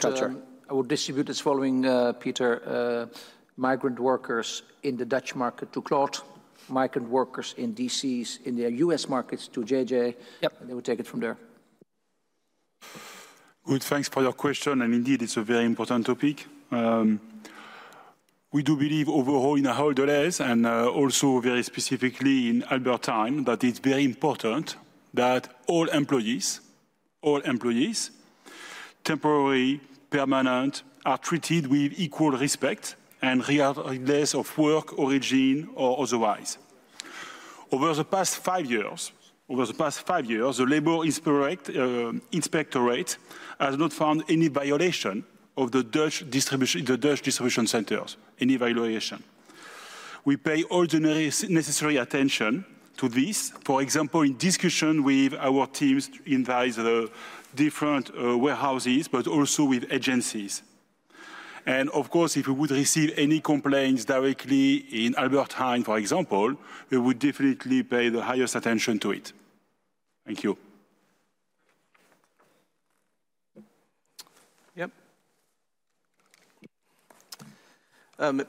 culture? I would distribute as following, Peter: migrant workers in the Dutch market to Claude, migrant workers in DC's in the U.S. markets to JJ, and they would take it from there. Good, thanks for your question, and indeed, it's a very important topic. We do believe overall in Ahold Delhaize and also very specifically in Albert Heijn that it's very important that all employees, all employees, temporary, permanent, are treated with equal respect and regardless of work origin or otherwise. Over the past five years, over the past five years, the labor inspectorate has not found any violation of the Dutch distribution centers, any violation. We pay ordinary necessary attention to this, for example, in discussion with our teams in various different warehouses, but also with agencies. And of course, if we would receive any complaints directly in Albert Heijn, for example, we would definitely pay the highest attention to it. Thank you. Yep.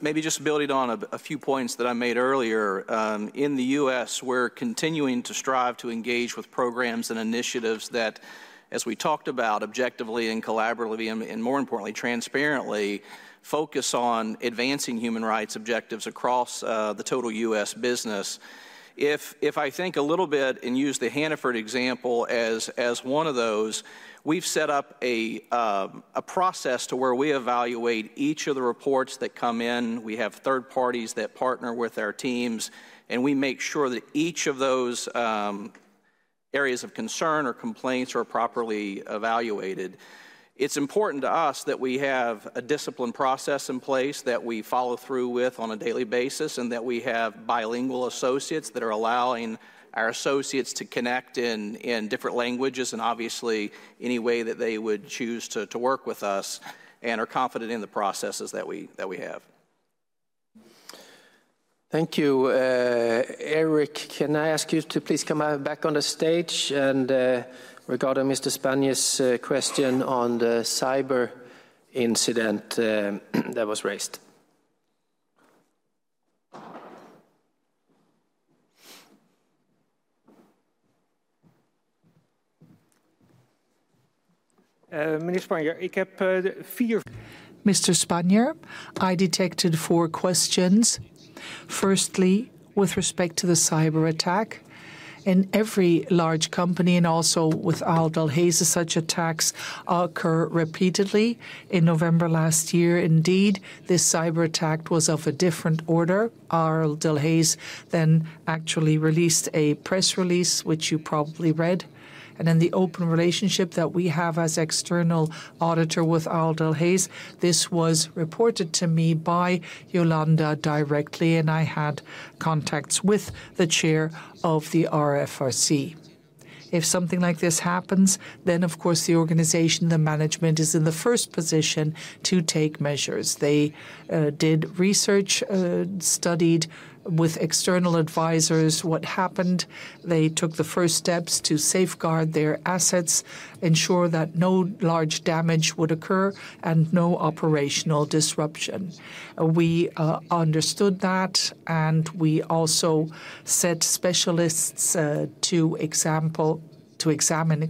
Maybe just building on a few points that I made earlier. In the U.S., we're continuing to strive to engage with programs and initiatives that, as we talked about, objectively and collaboratively and, more importantly, transparently focus on advancing human rights objectives across the total US business. If I think a little bit and use the Hannaford example as one of those, we've set up a process to where we evaluate each of the reports that come in. We have third parties that partner with our teams, and we make sure that each of those areas of concern or complaints are properly evaluated. It's important to us that we have a discipline process in place that we follow through with on a daily basis and that we have bilingual associates that are allowing our associates to connect in different languages and, obviously, any way that they would choose to work with us and are confident in the processes that we have. Thank you. Eric, can I ask you to please come back on the stage and regarding Mr. Spania's question on the cyber incident that was raised? Meneer Spania, ik heb vier. Mr. Spania, I detected four questions. Firstly, with respect to the cyber attack, in every large company and also with Ahold Delhaize, such attacks occur repeatedly. In November last year, indeed, this cyber attack was of a different order. Ahold Delhaize then actually released a press release, which you probably read. And in the open relationship that we have as external auditor with Ahold Delhaize, this was reported to me by Jolanda directly, and I had contacts with the chair of the RFRC. If something like this happens, then, of course, the organization, the management is in the first position to take measures. They did research, studied with external advisors what happened. They took the first steps to safeguard their assets, ensure that no large damage would occur, and no operational disruption. We understood that, and we also set specialists to examine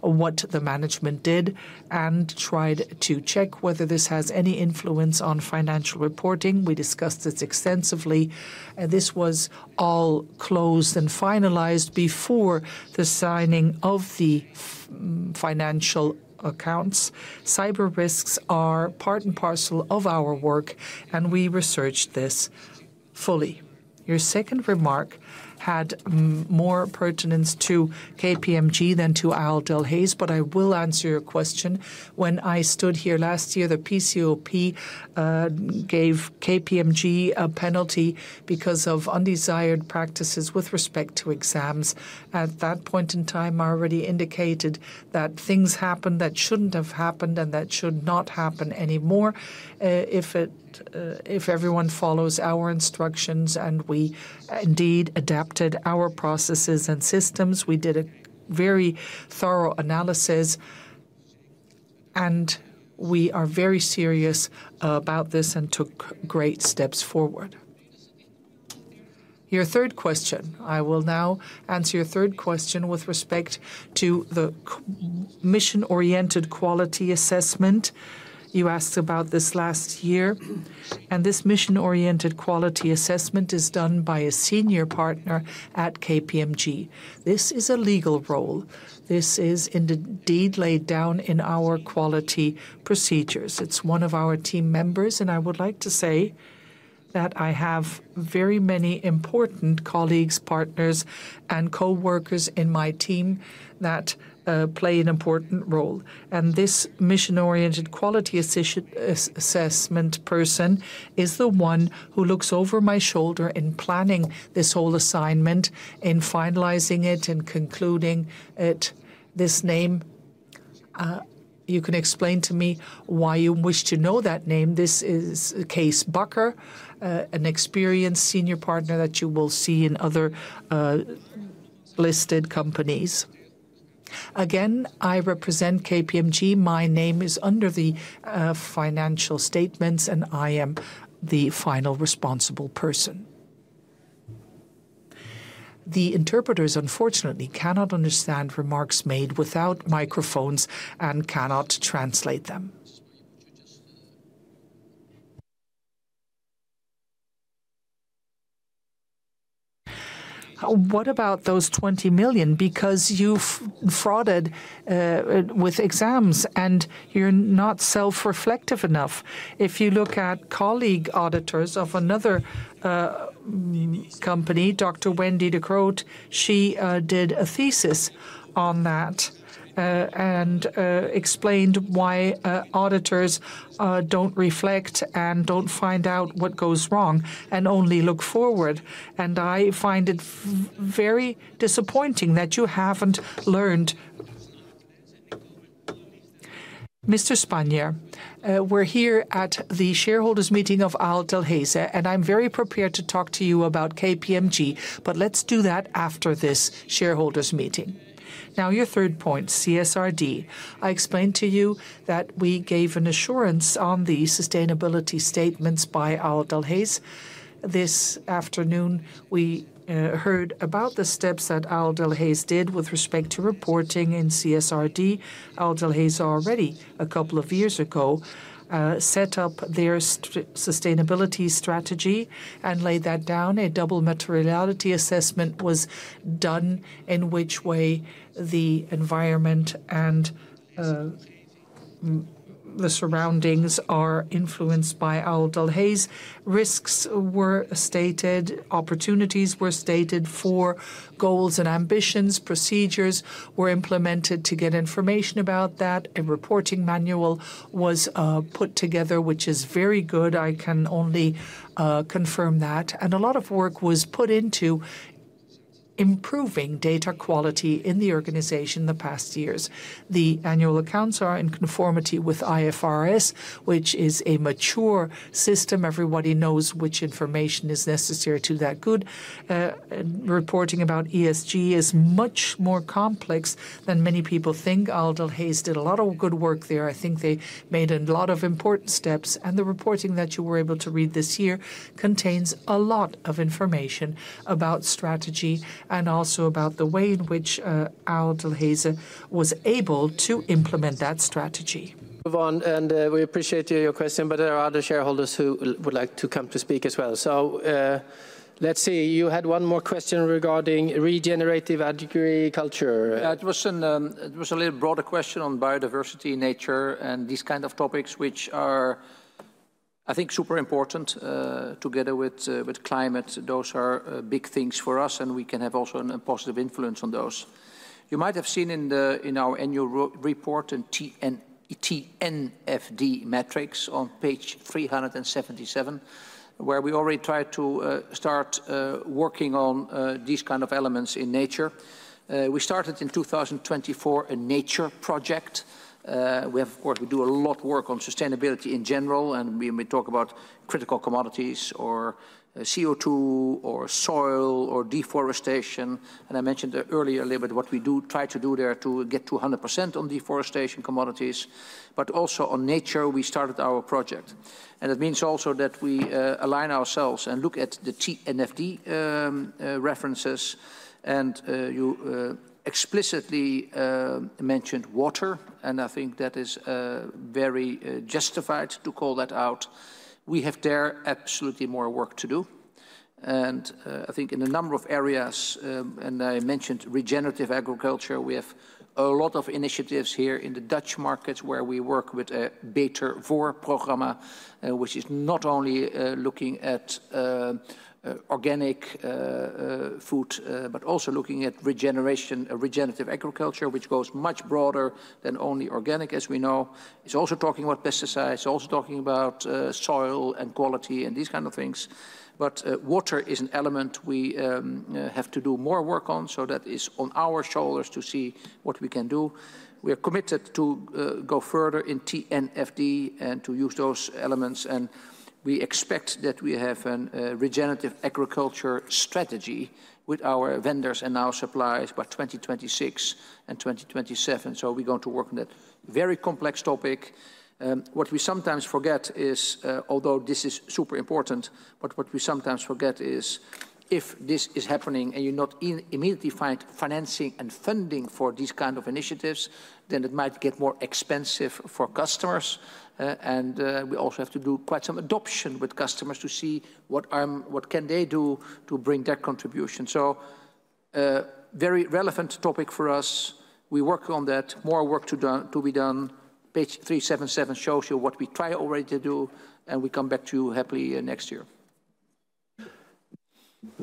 what the management did and tried to check whether this has any influence on financial reporting. We discussed this extensively, and this was all closed and finalized before the signing of the financial accounts. Cyber risks are part and parcel of our work, and we researched this fully. Your second remark had more pertinence to KPMG than to Ahold Delhaize, but I will answer your question. When I stood here last year, the PCOP gave KPMG a penalty because of undesired practices with respect to exams. At that point in time, I already indicated that things happened that shouldn't have happened and that should not happen anymore if everyone follows our instructions, and we indeed adapted our processes and systems. We did a very thorough analysis, and we are very serious about this and took great steps forward. Your third question, I will now answer your third question with respect to the mission-oriented quality assessment. You asked about this last year, and this mission-oriented quality assessment is done by a senior partner at KPMG. This is a legal role. This is indeed laid down in our quality procedures. It's one of our team members, and I would like to say that I have very many important colleagues, partners, and coworkers in my team that play an important role. And this mission-oriented quality assessment person is the one who looks over my shoulder in planning this whole assignment, in finalizing it, in concluding it. This name, you can explain to me why you wish to know that name. This is Case Bucker, an experienced senior partner that you will see in other listed companies. Again, I represent KPMG. My name is under the financial statements, and I am the final responsible person. The interpreters, unfortunately, cannot understand remarks made without microphones and cannot translate them. What about those 20 million? Because you've frauded with exams and you're not self-reflective enough. If you look at colleague auditors of another company, Dr. Wendy De Crote, she did a thesis on that and explained why auditors don't reflect and don't find out what goes wrong and only look forward. And I find it very disappointing that you haven't learned. Mr. Spania, we're here at the shareholders' meeting of Ahold Delhaize, and I'm very prepared to talk to you about KPMG, but let's do that after this shareholders' meeting. Now, your third point, CSRD. I explained to you that we gave an assurance on the sustainability statements by Ahold Delhaize. This afternoon, we heard about the steps that Ahold Delhaize did with respect to reporting in CSRD. Ahold Delhaize, already a couple of years ago, set up their sustainability strategy and laid that down. A double materiality assessment was done in which way the environment and the surroundings are influenced by Ahold Delhaize. Risks were stated, opportunities were stated for goals and ambitions. Procedures were implemented to get information about that. A reporting manual was put together, which is very good. I can only confirm that. And a lot of work was put into improving data quality in the organization the past years. The annual accounts are in conformity with IFRS, which is a mature system. Everybody knows which information is necessary to that good. Reporting about ESG is much more complex than many people think. Ahold Delhaize did a lot of good work there. I think they made a lot of important steps. And the reporting that you were able to read this year contains a lot of information about strategy and also about the way in which Ahold Delhaize was able to implement that strategy. Move on, and we appreciate your question, but there are other shareholders who would like to come to speak as well. So let's see. You had one more question regarding regenerative agriculture. That was a little broader question on biodiversity, nature, and these kinds of topics, which are, I think, super important together with climate. Those are big things for us, and we can have also a positive influence on those. You might have seen in our annual report and TNFD metrics on page 377, where we already tried to start working on these kinds of elements in nature. We started in 2024 a nature project. We do a lot of work on sustainability in general, and we talk about critical commodities or CO2 or soil or deforestation. And I mentioned earlier a little bit what we do try to do there to get to 100% on deforestation commodities, but also on nature. We started our project, and that means also that we align ourselves and look at the TNFD references. And you explicitly mentioned water, and I think that is very justified to call that out. We have there absolutely more work to do. And I think in a number of areas, and I mentioned regenerative agriculture, we have a lot of initiatives here in the Dutch markets where we work with a beter voor programma, which is not only looking at organic food, but also looking at regenerative agriculture, which goes much broader than only organic, as we know. It's also talking about pesticides, also talking about soil and quality and these kinds of things. But water is an element we have to do more work on, so that is on our shoulders to see what we can do. We are committed to go further in TNFD and to use those elements, and we expect that we have a regenerative agriculture strategy with our vendors and our suppliers by 2026 and 2027. So we're going to work on that very complex topic. What we sometimes forget is, although this is super important, but what we sometimes forget is if this is happening and you not immediately find financing and funding for these kinds of initiatives, then it might get more expensive for customers. We also have to do quite some adoption with customers to see what can they do to bring their contribution. So very relevant topic for us. We work on that. More work to be done. Page 377 shows you what we try already to do, and we come back to you happily next year.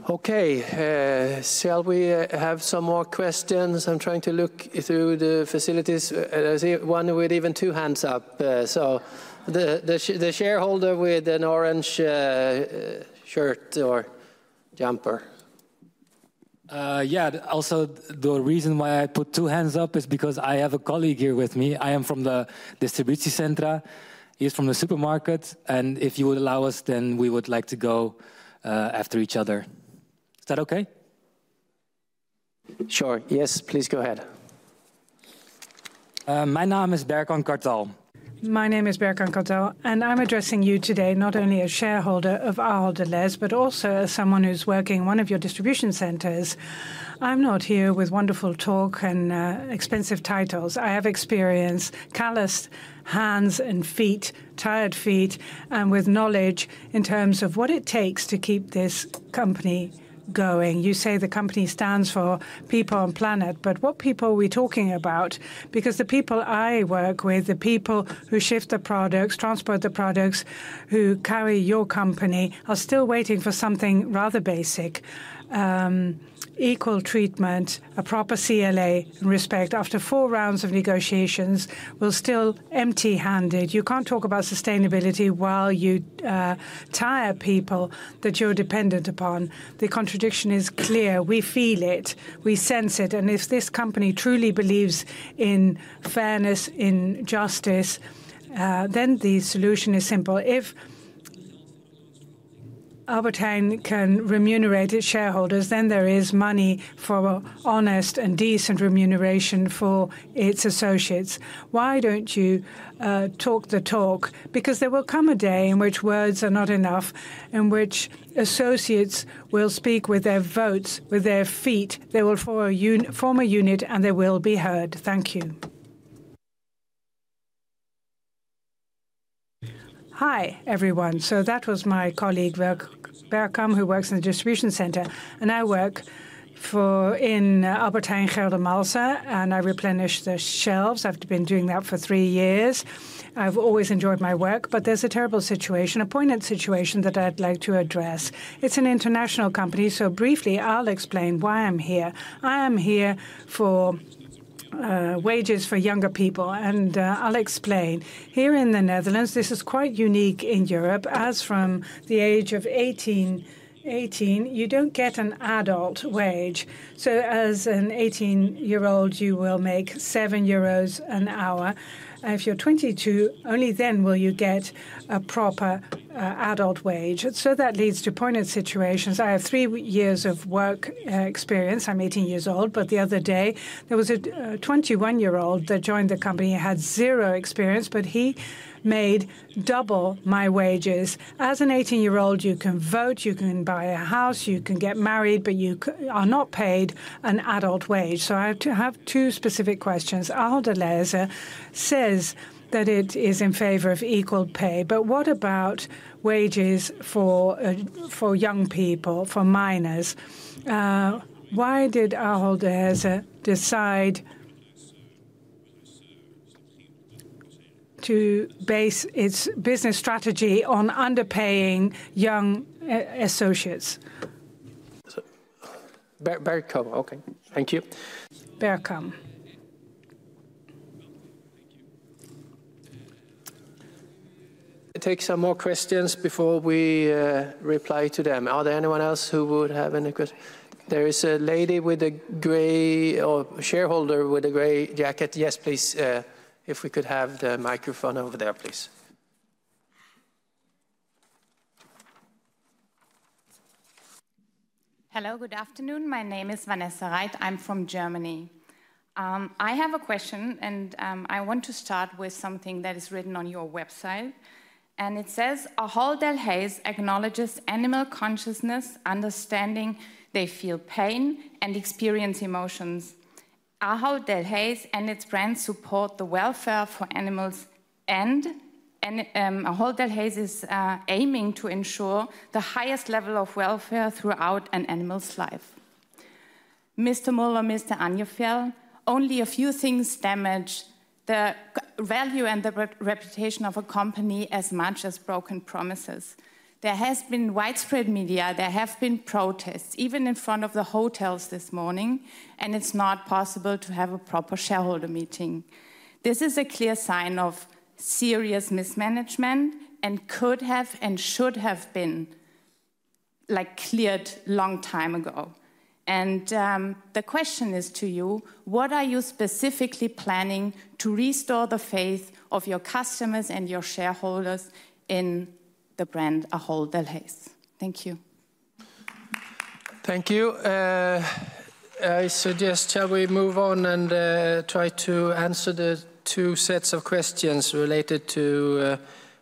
Okay. Shall we have some more questions? I'm trying to look through the facilities. I see one with even two hands up. So the shareholder with an orange shirt or jumper. Yeah. Also, the reason why I put two hands up is because I have a colleague here with me. I am from the distribution center. He's from the supermarket. If you would allow us, then we would like to go after each other. Is that okay? Sure. Yes, please go ahead. My name is Berkan Kartal. My name is Berkan Kartal, and I'm addressing you today not only as shareholder of Ahold Delhaize, but also as someone who's working in one of your distribution centers. I'm not here with wonderful talk and expensive titles. I have experience, calloused hands and feet, tired feet, and with knowledge in terms of what it takes to keep this company going. You say the company stands for people and planet, but what people are we talking about? Because the people I work with, the people who shift the products, transport the products, who carry your company are still waiting for something rather basic: equal treatment, a proper CLA and respect. After four rounds of negotiations, we're still empty-handed. You can't talk about sustainability while you tire people that you're dependent upon. The contradiction is clear. We feel it. We sense it. If this company truly believes in fairness, in justice, then the solution is simple. If Albert Heijn can remunerate its shareholders, then there is money for honest and decent remuneration for its associates. Why don't you talk the talk? Because there will come a day in which words are not enough, in which associates will speak with their votes, with their feet. They will form a unit, and they will be heard. Thank you. Hi, everyone. That was my colleague, Berkan, who works in the distribution center. I work in Albert Heijn, Geldermalsen, and I replenish the shelves. I've been doing that for three years. I've always enjoyed my work, but there's a terrible situation, a poignant situation that I'd like to address. It's an international company, so briefly, I'll explain why I'm here. I am here for wages for younger people, and I'll explain. Here in the Netherlands, this is quite unique in Europe. As from the age of 18, you don't get an adult wage, so as an 18-year-old, you will make 7 euros an hour. If you're 22, only then will you get a proper adult wage, so that leads to poignant situations. I have three years of work experience. I'm 18 years old, but the other day, there was a 21-year-old that joined the company and had zero experience, but he made double my wages. As an 18-year-old, you can vote, you can buy a house, you can get married, but you are not paid an adult wage. I have two specific questions. Ahold Delhaize says that it is in favor of equal pay, but what about wages for young people, for minors? Why did Ahold Delhaize decide to base its business strategy on underpaying young associates? Berkan, okay. Thank you. Berkan. It takes some more questions before we reply to them. Are there anyone else who would have any questions? There is a lady with a gray or shareholder with a gray jacket. Yes, please. If we could have the microphone over there, please. Hello, good afternoon. My name is Vanessa Reit. I'm from Germany. I have a question, and I want to start with something that is written on your website. And it says, "Ahold Delhaize acknowledges animal consciousness, understanding they feel pain and experience emotions. Ahold Delhaize and its brand support the welfare for animals, and Ahold Delhaize is aiming to ensure the highest level of welfare throughout an animal's life." Mr. Muller, Mr. Agnefjäll, only a few things damage the value and the reputation of a company as much as broken promises. There has been widespread media. There have been protests even in front of the hotels this morning, and it's not possible to have a proper shareholder meeting. This is a clear sign of serious mismanagement and could have and should have been cleared a long time ago. And the question is to you, what are you specifically planning to restore the faith of your customers and your shareholders in the brand Ahold Delhaize? Thank you. Thank you. I suggest we move on and try to answer the two sets of questions related to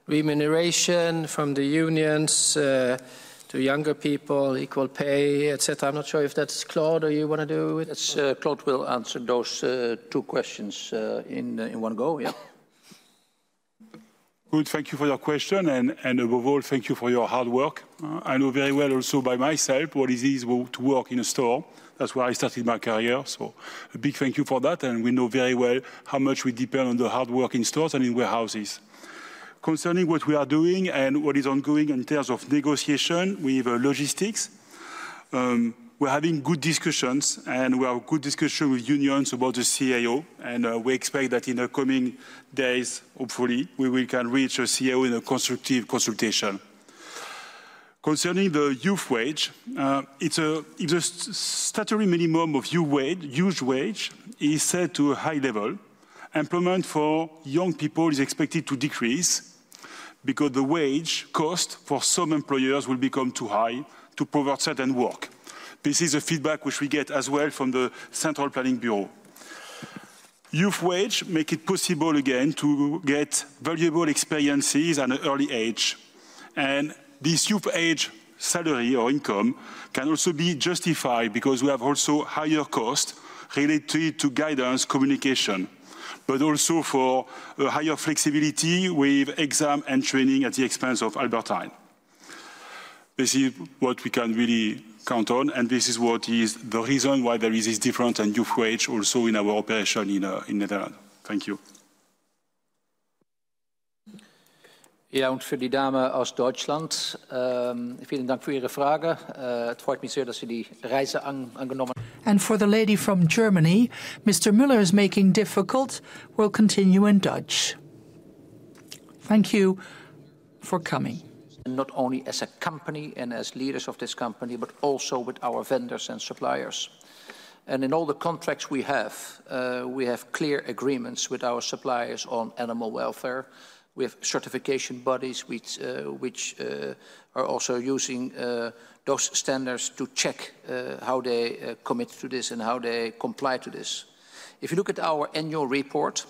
remuneration from the unions to younger people, equal pay, etc. I'm not sure if that's Claude or you want to do it. Claude will answer those two questions in one go. Yeah. Good. Thank you for your question. And above all, thank you for your hard work. I know very well also by myself what it is to work in a store. That's where I started my career. So a big thank you for that. And we know very well how much we depend on the hard work in stores and in warehouses. Concerning what we are doing and what is ongoing in terms of negotiation with logistics, we're having good discussions, and we have good discussions with unions about the CAO. And we expect that in the coming days, hopefully, we can reach a CAO in a constructive consultation. Concerning the youth wage, it's a statutory minimum of youth wage is set to a high level. Employment for young people is expected to decrease because the wage cost for some employers will become too high to provide certain work. This is the feedback which we get as well from the Central Planning Bureau. Youth wage makes it possible again to get valuable experiences at an early age. And this youth age salary or income can also be justified because we have also higher costs related to guidance, communication, but also for higher flexibility with exam and training at the expense of Albert Heijn. This is what we can really count on, and this is what is the reason why there is this difference in youth wage also in our operation in the Netherlands. Thank you. Herr Unterstützungsbeamter aus Deutschland, vielen Dank für Ihre Frage. Es freut mich sehr, dass Sie die Reise angenommen haben. For the lady from Germany, Mr. Muller is making difficult, we'll continue in Dutch. Thank you for coming. Not only as a company and as leaders of this company, but also with our vendors and suppliers. In all the contracts we have, we have clear agreements with our suppliers on animal welfare. We have certification bodies which are also using those standards to check how they commit to this and how they comply to this. If you look at our annual report,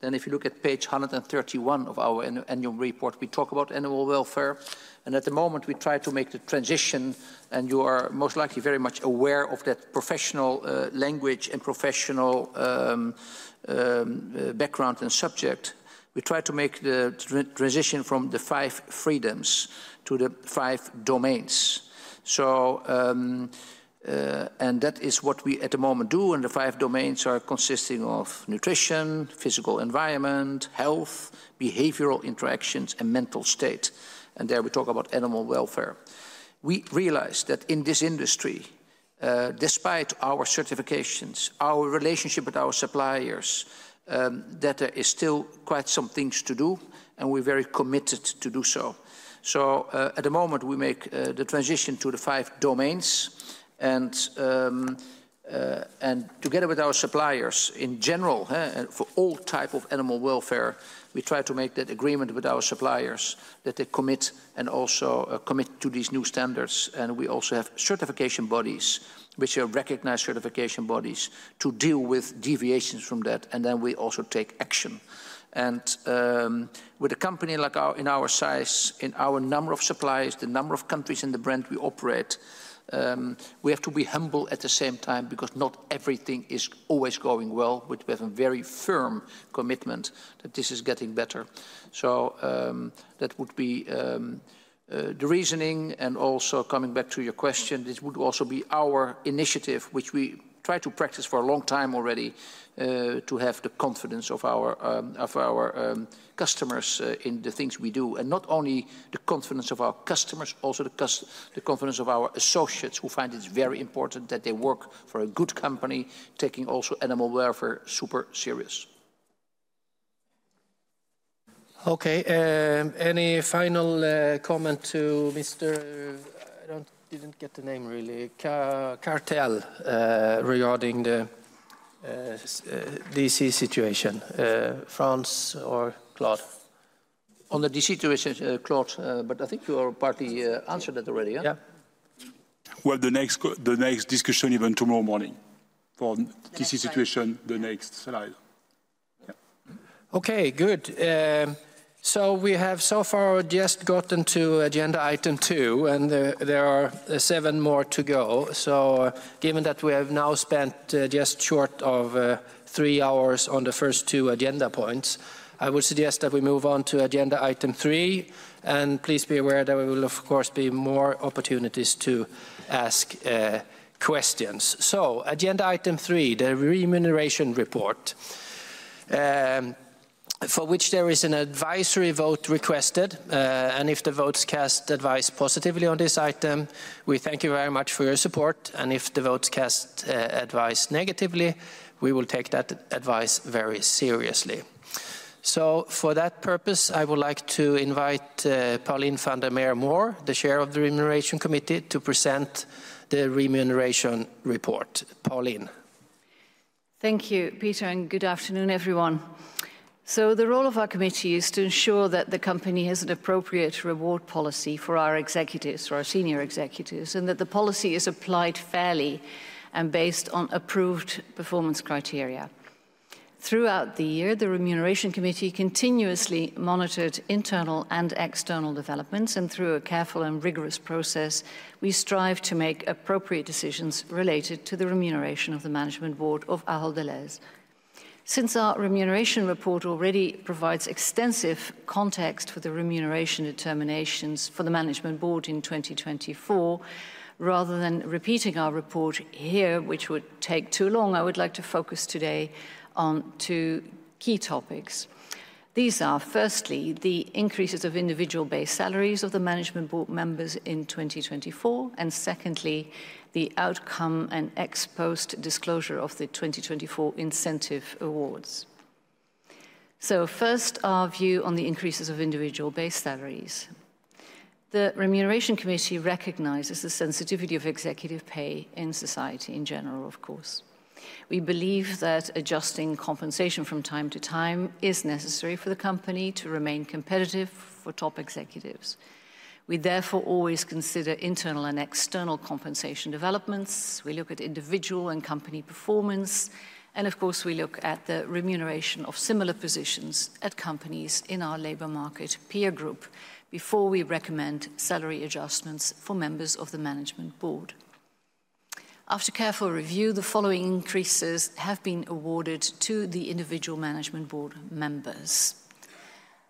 then if you look at page 131 of our annual report, we talk about animal welfare. And at the moment, we try to make the transition, and you are most likely very much aware of that professional language and professional background and subject. We try to make the transition from the five freedoms to the five domains. And that is what we at the moment do, and the five domains are consisting of nutrition, physical environment, health, behavioral interactions, and mental state. And there we talk about animal welfare. We realize that in this industry, despite our certifications, our relationship with our suppliers, that there is still quite some things to do, and we're very committed to do so. So at the moment, we make the transition to the five domains. And together with our suppliers in general, for all types of animal welfare, we try to make that agreement with our suppliers that they commit and also commit to these new standards. And we also have certification bodies, which are recognized certification bodies, to deal with deviations from that. And then we also take action. And with a company like our in our size, in our number of suppliers, the number of countries in the brand we operate, we have to be humble at the same time because not everything is always going well, but we have a very firm commitment that this is getting better. So that would be the reasoning. And also coming back to your question, this would also be our initiative, which we try to practice for a long time already to have the confidence of our customers in the things we do. Not only the confidence of our customers, also the confidence of our associates who find it very important that they work for a good company, taking also animal welfare super serious. Okay. Any final comment to Mr. I didn't get the name really. Kartal regarding the DC situation. Frans or Claude? On the DC situation, Claude, but I think you already answered that already. Yeah. Well, the next discussion even tomorrow morning for the DC situation, the next slide. Okay, good. So we have so far just gotten to agenda item two, and there are seven more to go. Given that we have now spent just short of three hours on the first two agenda points, I would suggest that we move on to agenda item three. Please be aware that there will, of course, be more opportunities to ask questions. So agenda item three, the remuneration report, for which there is an advisory vote requested. And if the votes cast advice positively on this item, we thank you very much for your support. And if the votes cast advice negatively, we will take that advice very seriously. So for that purpose, I would like to invite Pauline van der Meer Mohr, the chair of the remuneration committee, to present the remuneration report. Pauline. Thank you, Peter, and good afternoon, everyone. So the role of our committee is to ensure that the company has an appropriate reward policy for our executives, for our senior executives, and that the policy is applied fairly and based on approved performance criteria. Throughout the year, the remuneration committee continuously monitored internal and external developments, and through a careful and rigorous process, we strive to make appropriate decisions related to the remuneration of the management board of Ahold Delhaize. Since our remuneration report already provides extensive context for the remuneration determinations for the management board in 2024, rather than repeating our report here, which would take too long, I would like to focus today on two key topics. These are, firstly, the increases of individual-based salaries of the management board members in 2024, and secondly, the outcome and ex post disclosure of the 2024 incentive awards. So first, our view on the increases of individual-based salaries. The remuneration committee recognizes the sensitivity of executive pay in society in general, of course. We believe that adjusting compensation from time to time is necessary for the company to remain competitive for top executives. We therefore always consider internal and external compensation developments. We look at individual and company performance. And of course, we look at the remuneration of similar positions at companies in our labor market peer group before we recommend salary adjustments for members of the management board. After careful review, the following increases have been awarded to the individual management board members.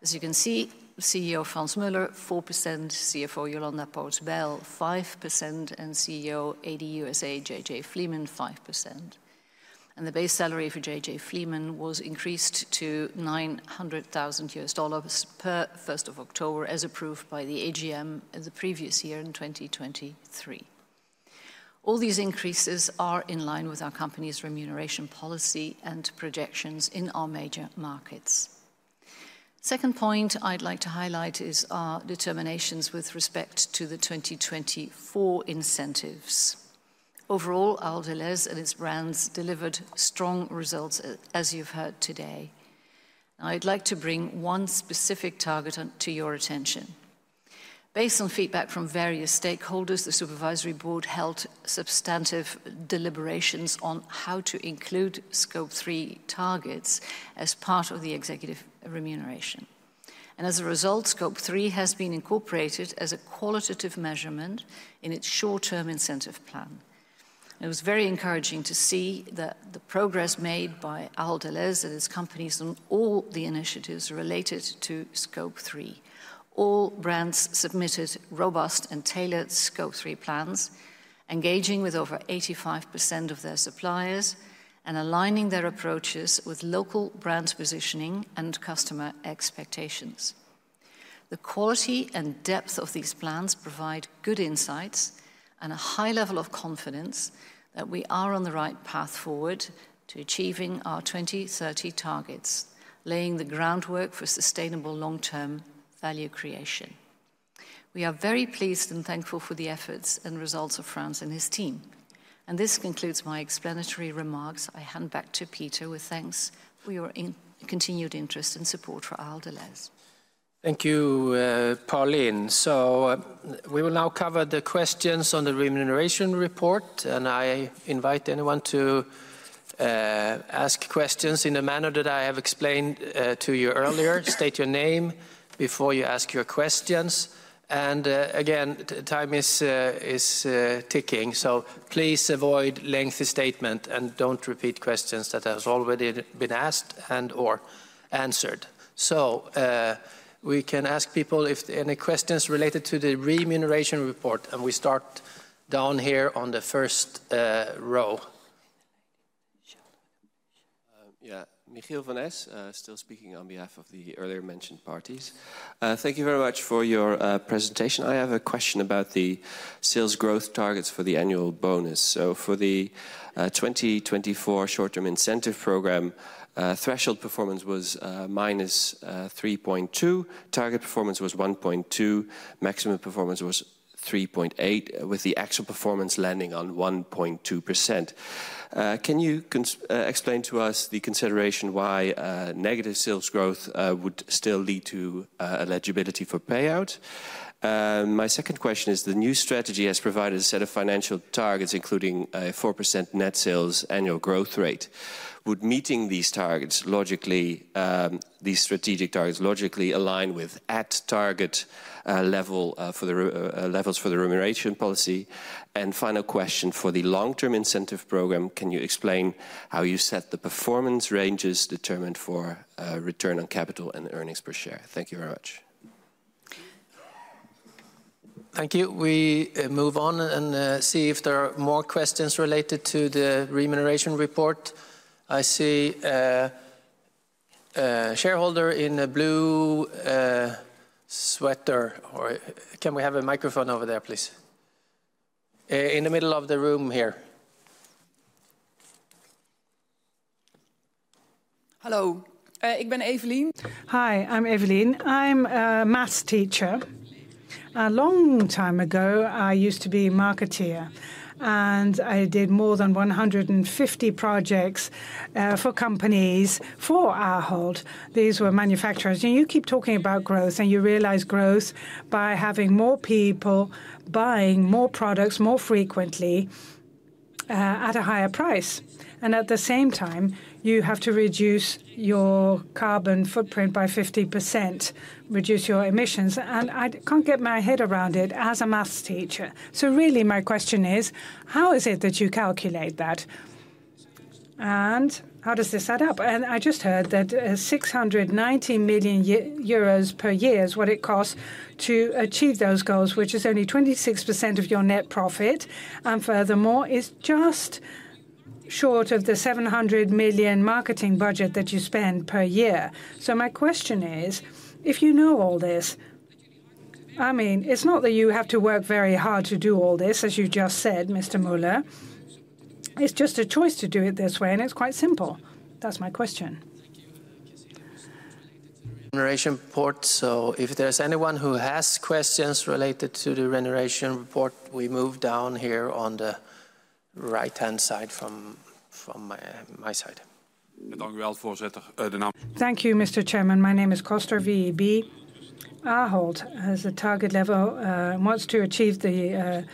As you can see, CEO Frans Muller, 4%, CFO Jolanda Poots-Bijl, 5%, and CEO AD USA, JJ Fleeman, 5%. And the base salary for JJ Fleeman was increased to 900,000 US dollars per 1st of October as approved by the AGM the previous year in 2023. All these increases are in line with our company's remuneration policy and projections in our major markets. Second point I'd like to highlight is our determinations with respect to the 2024 incentives. Overall, Ahold Delhaize and its brands delivered strong results, as you've heard today. I'd like to bring one specific target to your attention. Based on feedback from various stakeholders, the supervisory board held substantive deliberations on how to include scope three targets as part of the executive remuneration. And as a result, scope three has been incorporated as a qualitative measurement in its short-term incentive plan. It was very encouraging to see that the progress made by Ahold Delhaize and its companies on all the initiatives related to scope three. All brands submitted robust and tailored scope three plans, engaging with over 85% of their suppliers and aligning their approaches with local brand positioning and customer expectations. The quality and depth of these plans provide good insights and a high level of confidence that we are on the right path forward to achieving our 2030 targets, laying the groundwork for sustainable long-term value creation. We are very pleased and thankful for the efforts and results of Frans and his team. And this concludes my explanatory remarks. I hand back to Peter with thanks for your continued interest and support for Ahold Delhaize. Thank you, Pauline. So we will now cover the questions on the remuneration report, and I invite anyone to ask questions in the manner that I have explained to you earlier. State your name before you ask your questions. And again, time is ticking, so please avoid lengthy statements and don't repeat questions that have already been asked and/or answered. So we can ask people if any questions related to the remuneration report, and we start down here on the first row. Yeah, Michiel Vaness, still speaking on behalf of the earlier mentioned parties. Thank you very much for your presentation. I have a question about the sales growth targets for the annual bonus. So for the 2024 short-term incentive program, threshold performance was minus 3.2, target performance was 1.2, maximum performance was 3.8, with the actual performance landing on 1.2%. Can you explain to us the consideration why negative sales growth would still lead to eligibility for payout? My second question is the new strategy has provided a set of financial targets, including a 4% net sales annual growth rate. Would meeting these targets, these strategic targets, logically align with at-target levels for the remuneration policy? And final question for the long-term incentive program, can you explain how you set the performance ranges determined for return on capital and earnings per share? Thank you very much. Thank you. We move on and see if there are more questions related to the remuneration report. I see a shareholder in a blue sweater. Can we have a microphone over there, please? In the middle of the room here. Hello, I'm Eveline. Hi, I'm Eveline. I'm a maths teacher. A long time ago, I used to be a marketeer, and I did more than 150 projects for companies for Ahold. These were manufacturers. You keep talking about growth, and you realize growth by having more people buying more products more frequently at a higher price. And at the same time, you have to reduce your carbon footprint by 50%, reduce your emissions. And I can't get my head around it as a maths teacher. So really, my question is, how is it that you calculate that? And how does this add up? And I just heard that 690 million euros per year is what it costs to achieve those goals, which is only 26% of your net profit. And furthermore, it's just short of the 700 million marketing budget that you spend per year. So my question is, if you know all this, I mean, it's not that you have to work very hard to do all this, as you just said, Mr. Muller. It's just a choice to do it this way, and it's quite simple. That's my question. Thank you. The remuneration report. So if there's anyone who has questions related to the remuneration report, we move down here on the right-hand side from my side. Thank you, Mr. Chairman. My name is Kooster-Vee. Ahold has a target level and wants to achieve the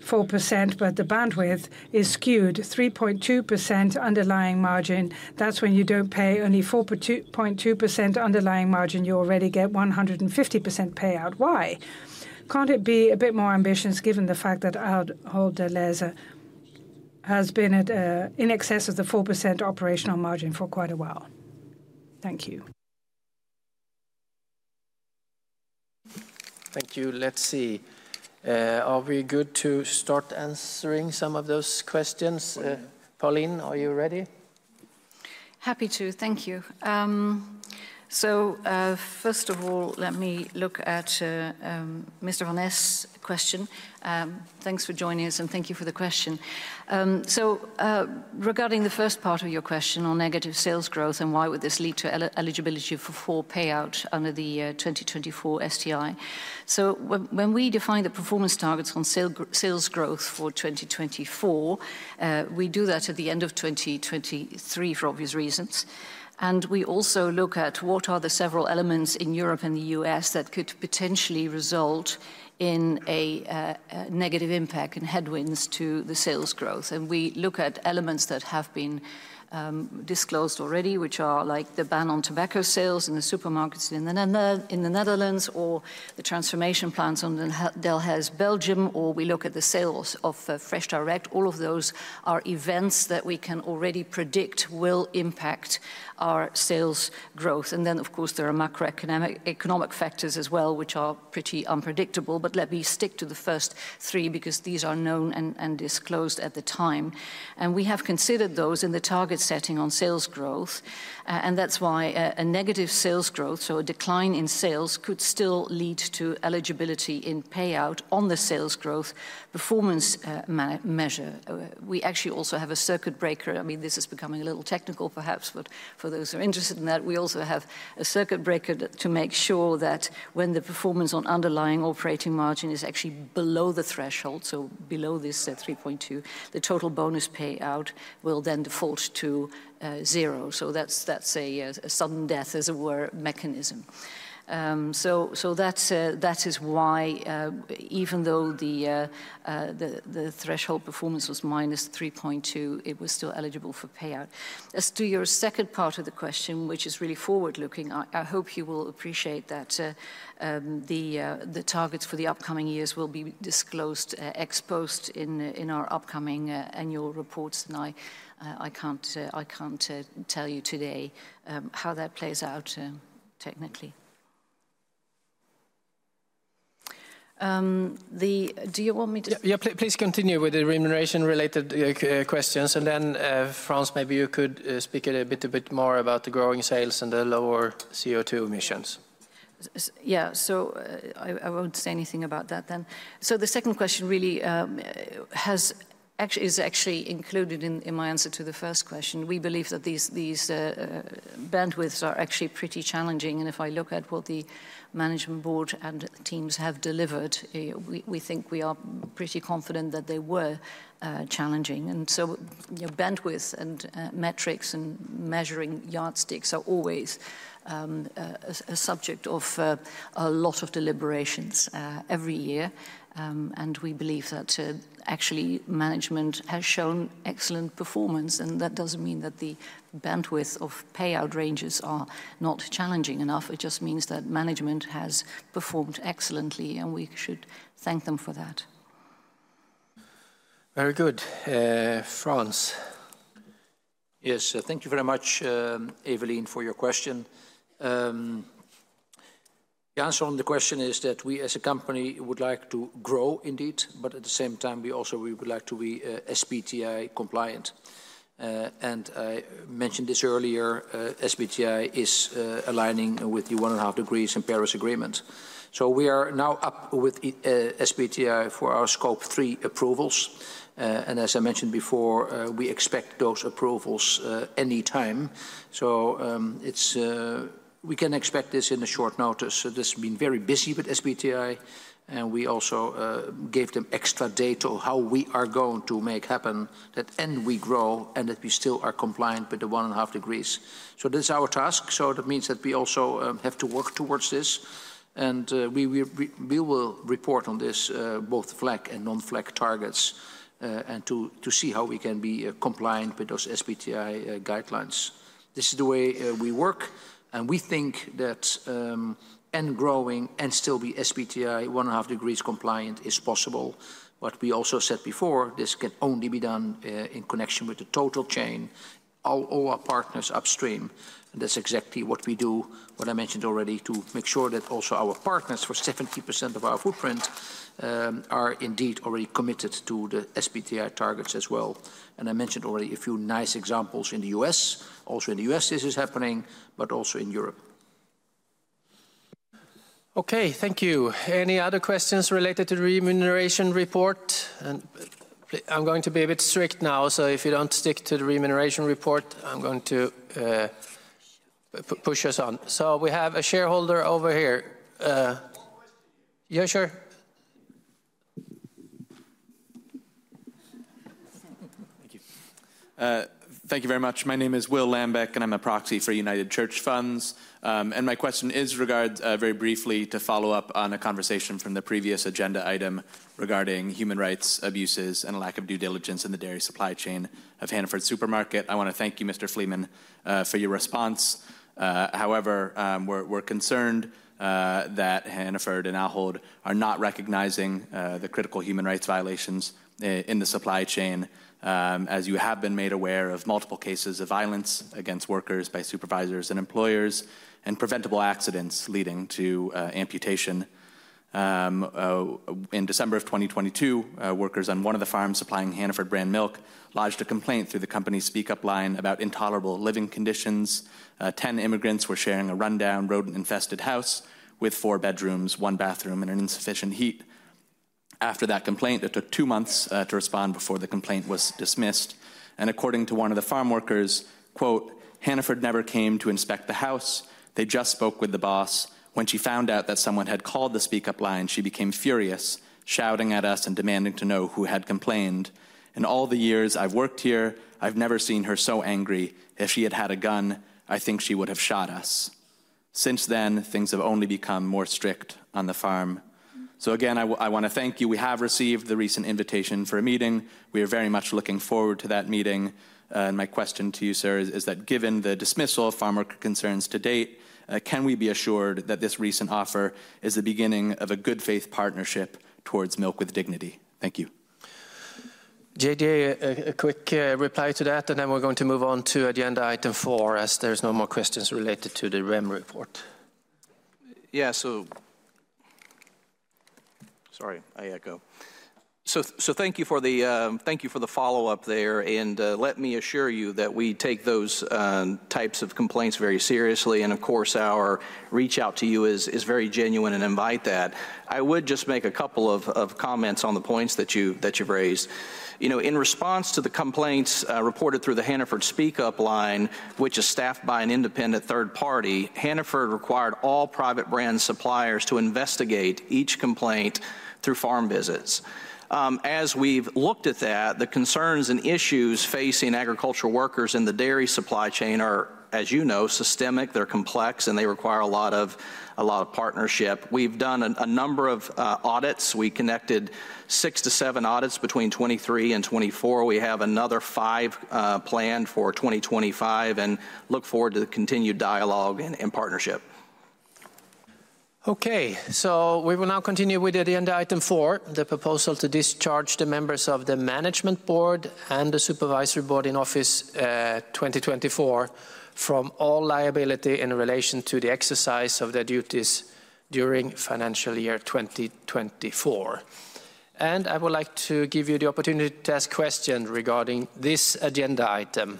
4%, but the bandwidth is skewed. 3.2% underlying margin. That's when you don't pay only 4.2% underlying margin, you already get 150% payout. Why? Can't it be a bit more ambitious given the fact that Ahold Delhaize has been in excess of the 4% operational margin for quite a while? Thank you. Thank you. Let's see. Are we good to start answering some of those questions? Pauline, are you ready? Happy to. Thank you. So first of all, let me look at Mr. Van Es' question. Thanks for joining us, and thank you for the question. So regarding the first part of your question on negative sales growth and why would this lead to eligibility for full payout under the 2024 STI. So when we define the performance targets on sales growth for 2024, we do that at the end of 2023 for obvious reasons. And we also look at what are the several elements in Europe and the U.S. that could potentially result in a negative impact and headwinds to the sales growth. And we look at elements that have been disclosed already, which are like the ban on tobacco sales in the supermarkets in the Netherlands or the transformation plants in Delhaize, Belgium, or we look at the sales of Fresh Direct. All of those are events that we can already predict will impact our sales growth. And then, of course, there are macroeconomic factors as well, which are pretty unpredictable. But let me stick to the first three because these are known and disclosed at the time. And we have considered those in the target setting on sales growth. And that's why a negative sales growth, so a decline in sales, could still lead to eligibility in payout on the sales growth performance measure. We actually also have a circuit breaker. I mean, this is becoming a little technical, perhaps, but for those who are interested in that, we also have a circuit breaker to make sure that when the performance on underlying operating margin is actually below the threshold, so below this 3.2, the total bonus payout will then default to zero. So that's a sudden death, as it were, mechanism. So that is why, even though the threshold performance was minus 3.2, it was still eligible for payout. As to your second part of the question, which is really forward-looking, I hope you will appreciate that the targets for the upcoming years will be disclosed, exposed in our upcoming annual reports. And I can't tell you today how that plays out technically. Do you want me to? Yeah, please continue with the remuneration-related questions. And then, Frans, maybe you could speak a bit more about the growing sales and the lower CO2 emissions. Yeah, so I won't say anything about that then. So the second question really is actually included in my answer to the first question. We believe that these bandwidths are actually pretty challenging. And if I look at what the management board and teams have delivered, we think we are pretty confident that they were challenging. And so bandwidth and metrics and measuring yardsticks are always a subject of a lot of deliberations every year. And we believe that actually management has shown excellent performance. And that doesn't mean that the bandwidth of payout ranges are not challenging enough. It just means that management has performed excellently, and we should thank them for that. Very good. Frans. Yes, thank you very much, Eveline, for your question. The answer on the question is that we, as a company, would like to grow indeed, but at the same time, we also would like to be SBTI compliant. And I mentioned this earlier, SBTI is aligning with the 1.5 degrees in Paris Agreement. So we are now up with SBTI for our scope three approvals. And as I mentioned before, we expect those approvals any time. So we can expect this in a short notice. This has been very busy with SBTI, and we also gave them extra data on how we are going to make happen that we grow and that we still are compliant with the 1.5 degrees. So this is our task. So that means that we also have to work towards this. And we will report on this, both flag and non-flag targets, and to see how we can be compliant with those SBTI guidelines. This is the way we work. And we think that growing and still being SBTI 1.5 degrees compliant is possible. But we also said before, this can only be done in connection with the total chain, all our partners upstream. And that's exactly what we do, what I mentioned already, to make sure that also our partners for 70% of our footprint are indeed already committed to the SBTI targets as well. And I mentioned already a few nice examples in the U.S.. Also in the U.S., this is happening, but also in Europe. Okay, thank you. Any other questions related to the remuneration report? I'm going to be a bit strict now, so if you don't stick to the remuneration report, I'm going to push us on. So we have a shareholder over here. Yes, sure. Thank you. Thank you very much. My name is Will Lambeck, and I'm a proxy for United Church Funds. And my question is regards very briefly to follow up on a conversation from the previous agenda item regarding human rights abuses and lack of due diligence in the dairy supply chain of Hannaford Supermarket. I want to thank you, Mr. Fleeman, for your response. However, we're concerned that Hannaford and Ahold are not recognizing the critical human rights violations in the supply chain, as you have been made aware of multiple cases of violence against workers by supervisors and employers and preventable accidents leading to amputation. In December of 2022, workers on one of the farms supplying Hannaford brand milk lodged a complaint through the company's speak-up line about intolerable living conditions. Ten immigrants were sharing a rundown rodent-infested house with four bedrooms, one bathroom, and an insufficient heat. After that complaint, it took two months to respond before the complaint was dismissed. And according to one of the farm workers, "Hannaford never came to inspect the house. They just spoke with the boss. When she found out that someone had called the speak-up line, she became furious, shouting at us and demanding to know who had complained. In all the years I've worked here, I've never seen her so angry. If she had had a gun, I think she would have shot us. Since then, things have only become more strict on the farm." So again, I want to thank you. We have received the recent invitation for a meeting. We are very much looking forward to that meeting. And my question to you, sir, is that given the dismissal of farmworker concerns to date, can we be assured that this recent offer is the beginning of a good faith partnership towards milk with dignity? Thank you. JJ, a quick reply to that, and then we're going to move on to agenda item four as there's no more questions related to the REM report. Yeah, so sorry, I echo. So thank you for the follow-up there. And let me assure you that we take those types of complaints very seriously. And of course, our reach-out to you is very genuine and invite that. I would just make a couple of comments on the points that you've raised. In response to the complaints reported through the Hannaford speak-up line, which is staffed by an independent third party, Hannaford required all private brand suppliers to investigate each complaint through farm visits. As we've looked at that, the concerns and issues facing agricultural workers in the dairy supply chain are, as you know, systemic. They're complex, and they require a lot of partnership. We've done a number of audits. We connected six to seven audits between '2023 and '2024. We have another five planned for 2025 and look forward to continued dialogue and partnership. Okay, so we will now continue with agenda item four, the proposal to discharge the members of the management board and the supervisory board in office 2024 from all liability in relation to the exercise of their duties during financial year 2024. And I would like to give you the opportunity to ask questions regarding this agenda item.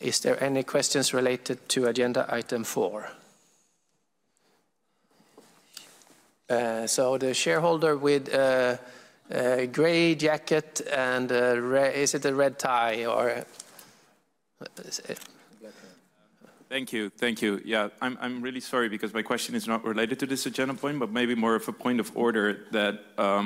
Is there any questions related to agenda item four? So the shareholder with gray jacket and is it a red tie or? Thank you. Thank you. Yeah, I'm really sorry because my question is not related to this agenda point, but maybe more of a point of order that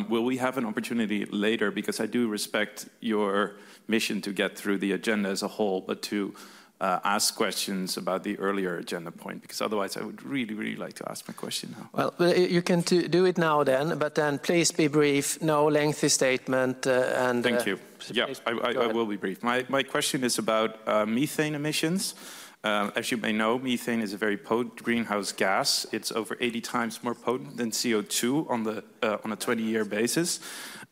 will we have an opportunity later? Because I do respect your mission to get through the agenda as a whole, but to ask questions about the earlier agenda point, because otherwise I would really, really like to ask my question now. Well, you can do it now then, but then please be brief. No lengthy statement. Thank you. I will be brief. My question is about methane emissions. As you may know, methane is a very potent greenhouse gas. It's over 80 times more potent than CO2 on a 20-year basis.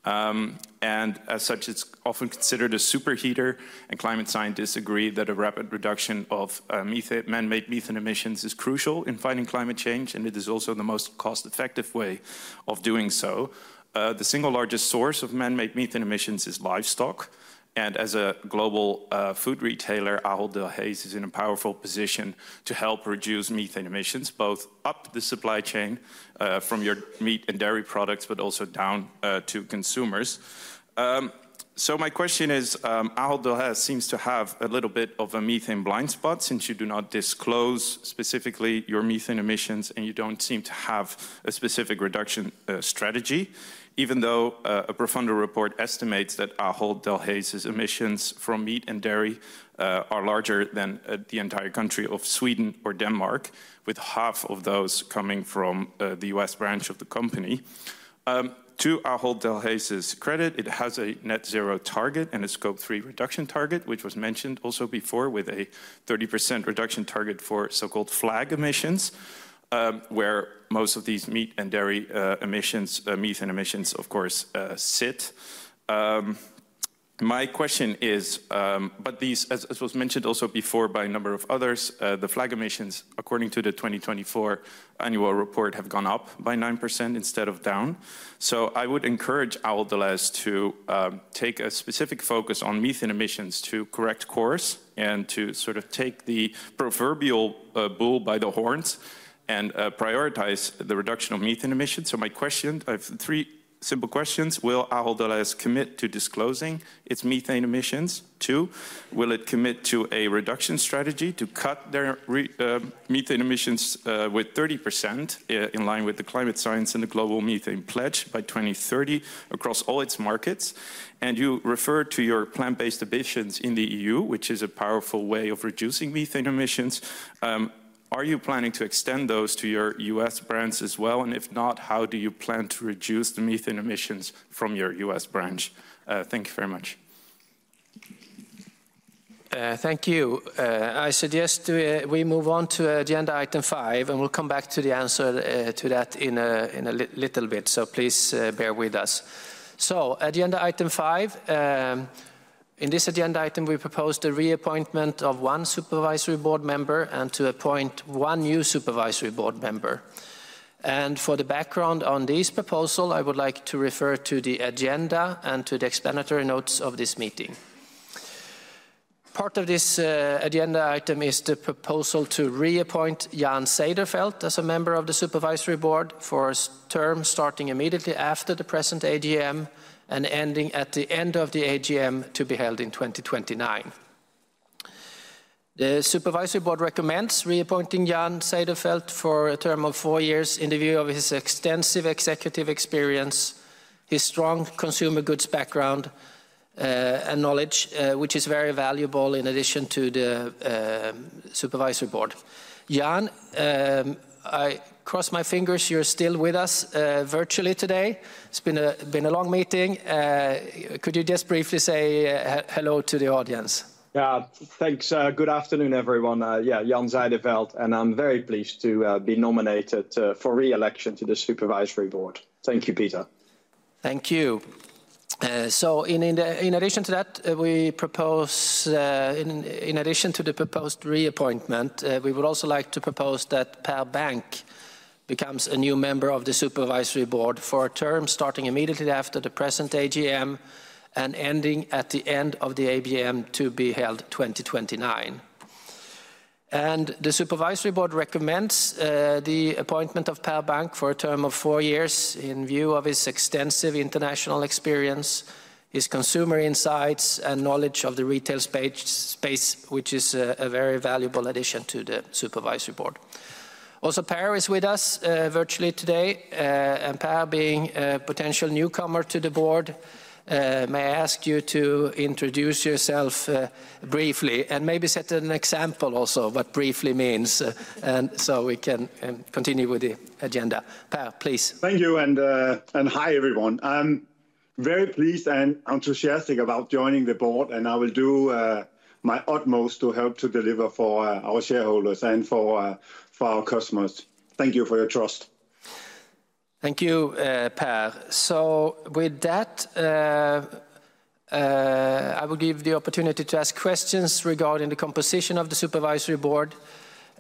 And as such, it's often considered a superheater. And climate scientists agree that a rapid reduction of man-made methane emissions is crucial in fighting climate change, and it is also the most cost-effective way of doing so. The single largest source of man-made methane emissions is livestock. And as a global food retailer, Ahold Delhaize is in a powerful position to help reduce methane emissions, both up the supply chain from your meat and dairy products, but also down to consumers. So my question is, Ahold Delhaize seems to have a little bit of a methane blind spot since you do not disclose specifically your methane emissions, and you don't seem to have a specific reduction strategy, even though a profunder report estimates that Ahold Delhaize's emissions from meat and dairy are larger than the entire country of Sweden or Denmark, with half of those coming from the U.S. branch of the company. To Ahold Delhaize's credit, it has a net zero target and a scope three reduction target, which was mentioned also before with a 30% reduction target for so-called flag emissions, where most of these meat and dairy emissions, methane emissions, of course, sit. My question is, but these, as was mentioned also before by a number of others, the flag emissions, according to the 2024 annual report, have gone up by 9% instead of down. So I would encourage Ahold Delhaize to take a specific focus on methane emissions to correct course and to sort of take the proverbial bull by the horns and prioritize the reduction of methane emissions. So my question, I have three simple questions. Will Ahold Delhaize commit to disclosing its methane emissions? Two, will it commit to a reduction strategy to cut their methane emissions with 30% in line with the climate science and the global methane pledge by 2030 across all its markets? And you refer to your plant-based emissions in the EU, which is a powerful way of reducing methane emissions. Are you planning to extend those to your U.S. branch as well? And if not, how do you plan to reduce the methane emissions from your U.S. branch? Thank you very much. Thank you. I suggest we move on to agenda item five, and we'll come back to the answer to that in a little bit. So please bear with us. So agenda item five, in this agenda item, we propose the reappointment of one supervisory board member and to appoint one new supervisory board member. And for the background on this proposal, I would like to refer to the agenda and to the explanatory notes of this meeting. Part of this agenda item is the proposal to reappoint Jan Zijderveld as a member of the supervisory board for a term starting immediately after the present ADM and ending at the end of the AGM to be held in 2029. The supervisory board recommends reappointing Jan Zijderveld for a term of four years in view of his extensive executive experience, his strong consumer goods background, and knowledge, which is very valuable in addition to the supervisory board. Jan, I cross my fingers you're still with us virtually today. It's been a long meeting. Could you just briefly say hello to the audience? Yeah, thanks. Good afternoon, everyone. Yeah, Jan Zijderveld, and I'm very pleased to be nominated for reelection to the supervisory board. Thank you, Peter. Thank you. So in addition to that, we propose, in addition to the proposed reappointment, we would also like to propose that Per Bank becomes a new member of the supervisory board for a term starting immediately after the present AGM and ending at the end of the ABM to be held 2029. And the supervisory board recommends the appointment of Per Bank for a term of four years in view of his extensive international experience, his consumer insights, and knowledge of the retail space, which is a very valuable addition to the supervisory board. Also, Per is with us virtually today. And Per, being a potential newcomer to the board, may I ask you to introduce yourself briefly and maybe set an example also of what briefly means? And so we can continue with the agenda. Per, please. Thank you. And hi, everyone. I'm very pleased and enthusiastic about joining the board, and I will do my utmost to help to deliver for our shareholders and for our customers. Thank you for your trust. Thank you, Per. So with that, I will give the opportunity to ask questions regarding the composition of the supervisory board.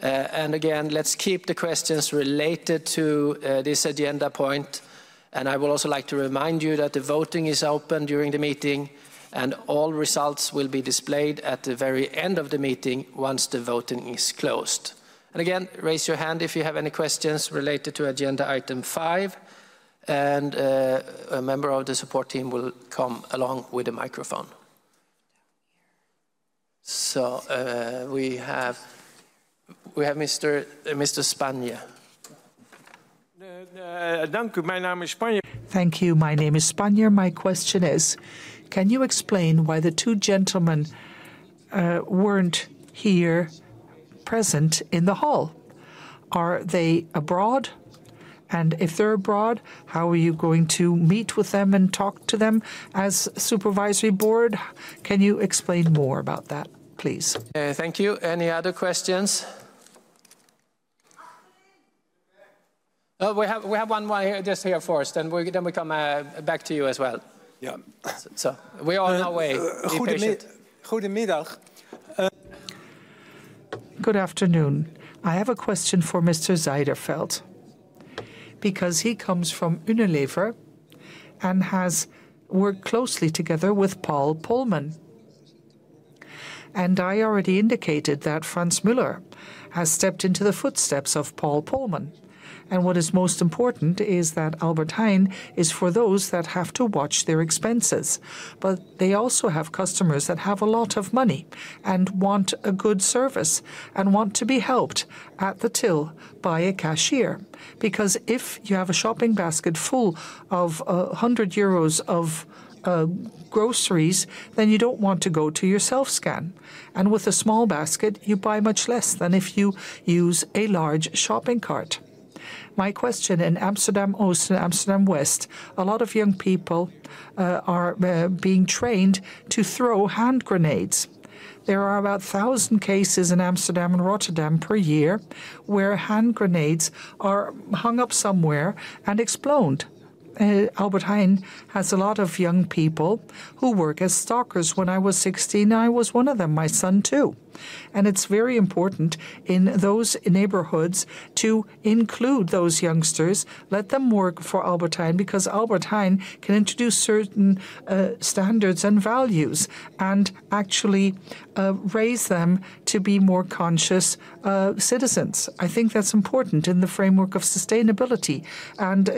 And again, let's keep the questions related to this agenda point. And I would also like to remind you that the voting is open during the meeting, and all results will be displayed at the very end of the meeting once the voting is closed. And again, raise your hand if you have any questions related to agenda item five. And a member of the support team will come along with a microphone. So we have Mr. Spania. Thank you. My name is Spania. Thank you. My name is Spania. My question is, can you explain why the two gentlemen weren't here present in the hall? Are they abroad? And if they're abroad, how are you going to meet with them and talk to them as supervisory board? Can you explain more about that, please? Thank you. Any other questions? We have one more just here first, and then we come back to you as well. Yeah. So we are on our way. Good afternoon. I have a question for Mr. Zijderveld because he comes from Unilever and has worked closely together with Paul Polman. And I already indicated that Frans Muller has stepped into the footsteps of Paul Polman. And what is most important is that Albert Heijn is for those that have to watch their expenses. But they also have customers that have a lot of money and want a good service and want to be helped at the till by a cashier. Because if you have a shopping basket full of 100 euros of groceries, then you don't want to go to your self-scan. And with a small basket, you buy much less than if you use a large shopping cart. My question in Amsterdam Oost and Amsterdam West, a lot of young people are being trained to throw hand grenades. There are about 1,000 cases in Amsterdam and Rotterdam per year where hand grenades are hung up somewhere and explode. Albert Heijn has a lot of young people who work as stockers. When I was 16, I was one of them. My son too. And it's very important in those neighborhoods to include those youngsters, let them work for Albert Heijn because Albert Heijn can introduce certain standards and values and actually raise them to be more conscious citizens. I think that's important in the framework of sustainability and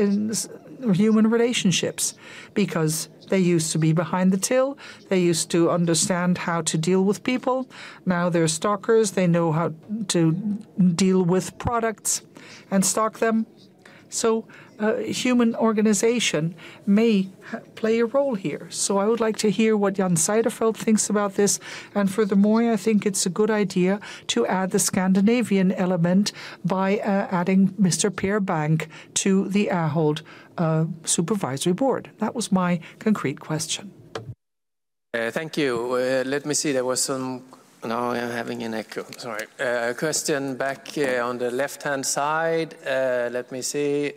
in human relationships because they used to be behind the till. They used to understand how to deal with people. Now they're stockers. They know how to deal with products and stock them. So human organization may play a role here. So I would like to hear what Jan Zijderveld thinks about this. And furthermore, I think it's a good idea to add the Scandinavian element by adding Mr. Per Bank to the Ahold supervisory board. That was my concrete question. Thank you. Let me see. There was some, no, I'm having an echo. Sorry. Question back on the left-hand side. Let me see.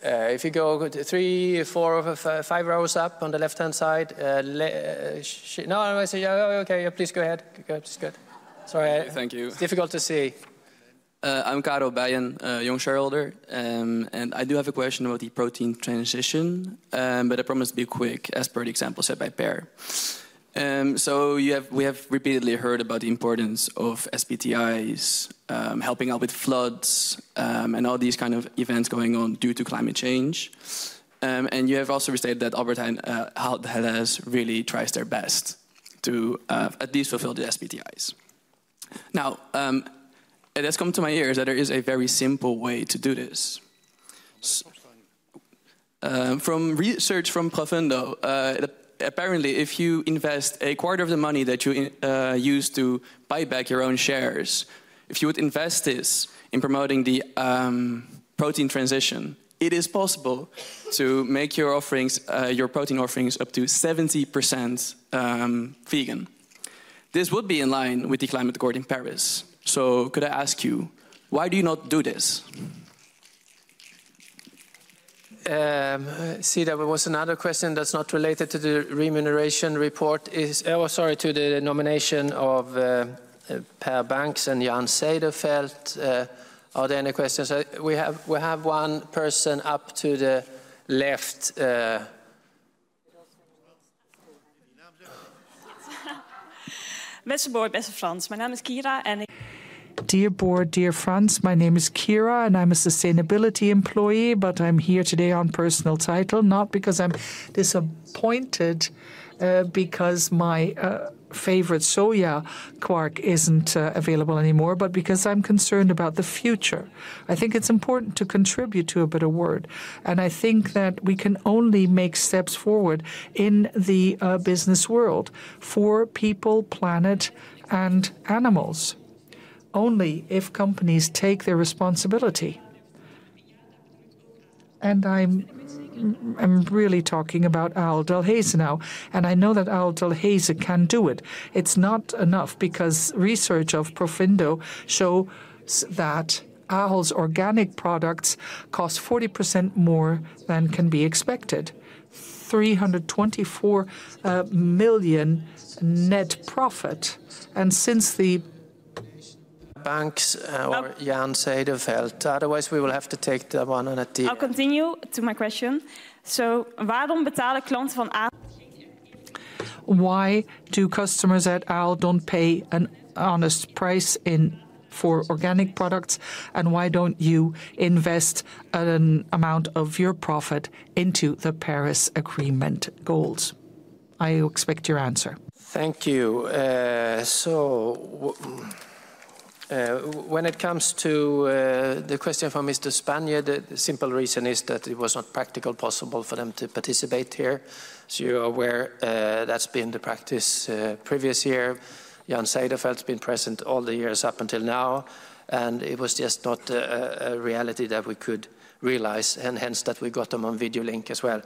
If you go three, four, five rows up on the left-hand side, no, I see. Okay, please go ahead. Good. Sorry. Thank you. It's difficult to see. I'm Caro Bayen, young shareholder. And I do have a question about the protein transition, but I promise to be quick as per the example set by Per. So we have repeatedly heard about the importance of SBTi's helping out with floods and all these kinds of events going on due to climate change. And you have also stated that Albert Heijn has really tried their best to at least fulfill the SBTi's. Now, it has come to my ears that there is a very simple way to do this. From research from Profundo, apparently, if you invest a quarter of the money that you use to buy back your own shares, if you would invest this in promoting the protein transition, it is possible to make your protein offerings up to 70% vegan. This would be in line with the climate accord in Paris. So could I ask you, why do you not do this? See, there was another question that's not related to the remuneration report. Oh, sorry, to the nomination of Per Banks and Jan Zijderveld. Are there any questions? We have one person up to the left. Mrs. Boy, Mrs. Frans, my name is Kira. Dear Board, Dear Frans, my name is Kira and I'm a sustainability employee, but I'm here today on personal title, not because I'm disappointed, because my favorite soya quark isn't available anymore, but because I'm concerned about the future. I think it's important to contribute to a better world. And I think that we can only make steps forward in the business world for people, planet, and animals only if companies take their responsibility. And I'm really talking about Ahold Delhaize now, and I know that Ahold Delhaize can do it. It's not enough because research of Profundo shows that Ahold's organic products cost 40% more than can be expected, 324 million net profit. And since the Banks or Jan Zijderveld, otherwise we will have to take the one on a team. I'll continue to my question. So why don't customers at Ahold don't pay an honest price for organic products? And why don't you invest an amount of your profit into the Paris Agreement goals? I expect your answer. Thank you. So when it comes to the question for Mr. Spania, the simple reason is that it was not practically possible for them to participate here. So you're aware, that's been the practice previous year. Jan Zijderveld's been present all the years up until now, and it was just not a reality that we could realize, and hence that we got them on video link as well.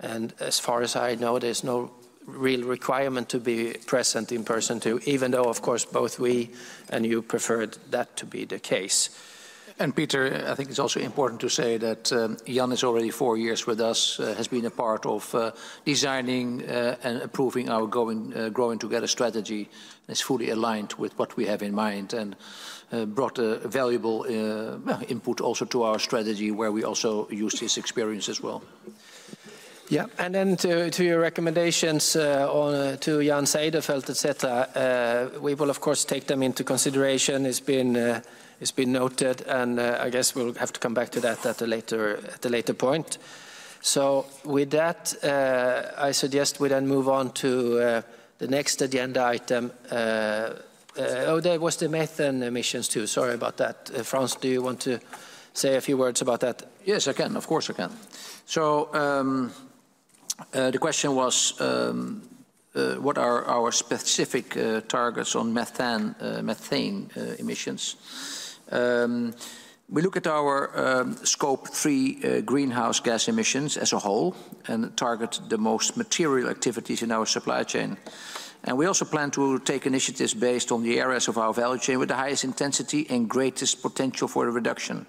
And as far as I know, there's no real requirement to be present in person too, even though, of course, both we and you preferred that to be the case. And Peter, I think it's also important to say that Jan is already four years with us, has been a part of designing and approving our growing together strategy, and it's fully aligned with what we have in mind and brought a valuable input also to our strategy where we also use his experience as well. Yeah, and then to your recommendations to Jan Zijderveld, et cetera, we will, of course, take them into consideration. It's been noted, and I guess we'll have to come back to that at a later point. So with that, I suggest we then move on to the next agenda item. Oh, there was the methane emissions too. Sorry about that. Frans, do you want to say a few words about that? Yes, I can. Of course, I can. So the question was, what are our specific targets on methane emissions? We look at our scope three greenhouse gas emissions as a whole and target the most material activities in our supply chain. And we also plan to take initiatives based on the areas of our value chain with the highest intensity and greatest potential for the reduction.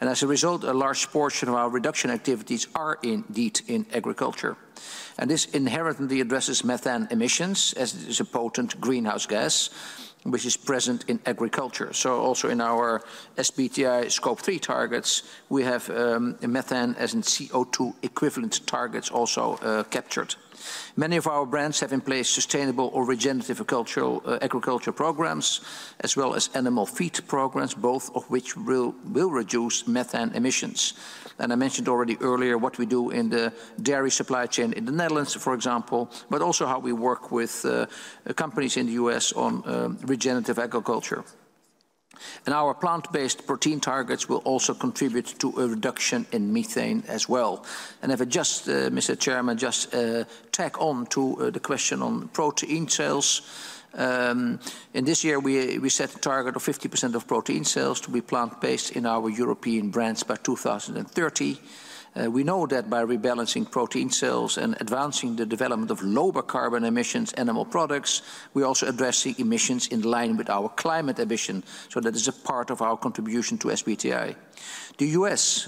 And as a result, a large portion of our reduction activities are indeed in agriculture. And this inherently addresses methane emissions as it is a potent greenhouse gas, which is present in agriculture. So also in our SBTi scope three targets, we have methane as in CO2 equivalent targets also captured. Many of our brands have in place sustainable or regenerative agriculture programs, as well as animal feed programs, both of which will reduce methane emissions. And I mentioned already earlier what we do in the dairy supply chain in the Netherlands, for example, but also how we work with companies in the U.S. on regenerative agriculture. And our plant-based protein targets will also contribute to a reduction in methane as well. And I've just, Mr. Chairman, just tack on to the question on protein sales. In this year, we set a target of 50% of protein sales to be plant-based in our European brands by 2030. We know that by rebalancing protein sales and advancing the development of lower carbon emissions animal products, we also address emissions in line with our climate ambition. So that is a part of our contribution to SBTi. The U.S.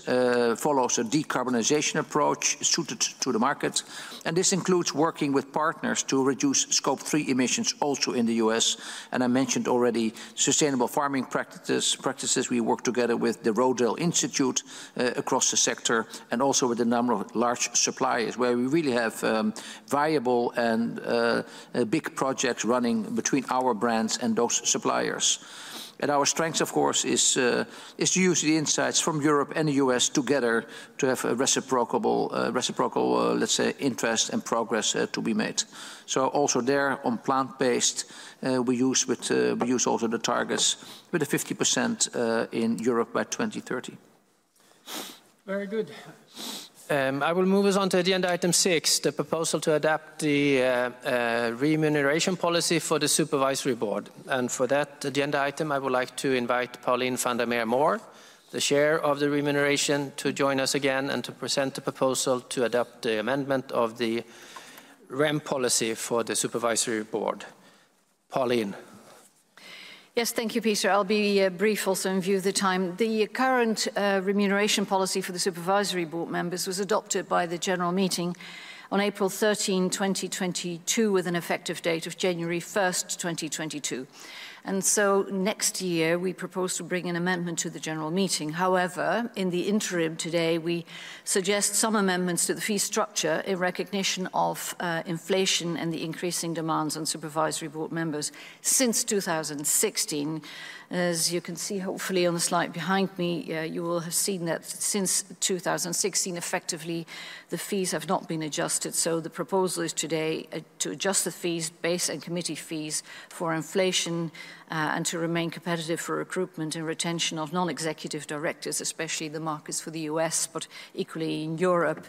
follows a decarbonization approach suited to the market, and this includes working with partners to reduce scope three emissions also in the U.S., And I mentioned already sustainable farming practices. We work together with the Rodale Institute across the sector and also with a number of large suppliers where we really have viable and big projects running between our brands and those suppliers. And our strength, of course, is to use the insights from Europe and the U.S. together to have a reciprocal, let's say, interest and progress to be made. So also there on plant-based, we use also the targets with a 50% in Europe by 2030. Very good. I will move us on to agenda item six, the proposal to adapt the remuneration policy for the supervisory board. And for that agenda item, I would like to invite Pauline van der Meer Mohr, the chair of the remuneration, to join us again and to present the proposal to adopt the amendment of the REM policy for the supervisory board. Pauline. Yes, thank you, Peter. I'll be brief also in view of the time. The current remuneration policy for the supervisory board members was adopted by the general meeting on April 13, 2022, with an effective date of January 1, 2022. And so next year, we propose to bring an amendment to the general meeting. However, in the interim today, we suggest some amendments to the fee structure in recognition of inflation and the increasing demands on supervisory board members since 2016. As you can see, hopefully on the slide behind me, you will have seen that since 2016, effectively, the fees have not been adjusted. So the proposal is today to adjust the fees, base and committee fees for inflation and to remain competitive for recruitment and retention of non-executive directors, especially the markets for the U.S., but equally in Europe,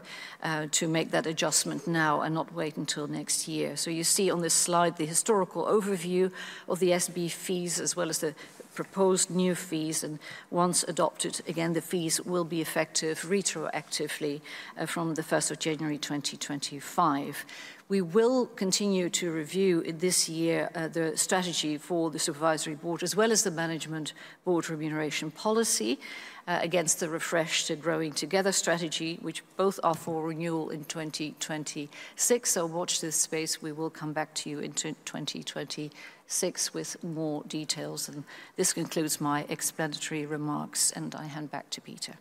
to make that adjustment now and not wait until next year. So you see on this slide the historical overview of the SB fees as well as the proposed new fees. And once adopted, again, the fees will be effective retroactively from the 1st of January 2025. We will continue to review this year the strategy for the supervisory board as well as the management board remuneration policy against the refreshed Growing Together strategy, which both are for renewal in 2026. So watch this space. We will come back to you in 2026 with more details. And this concludes my explanatory remarks, and I hand back to Peter.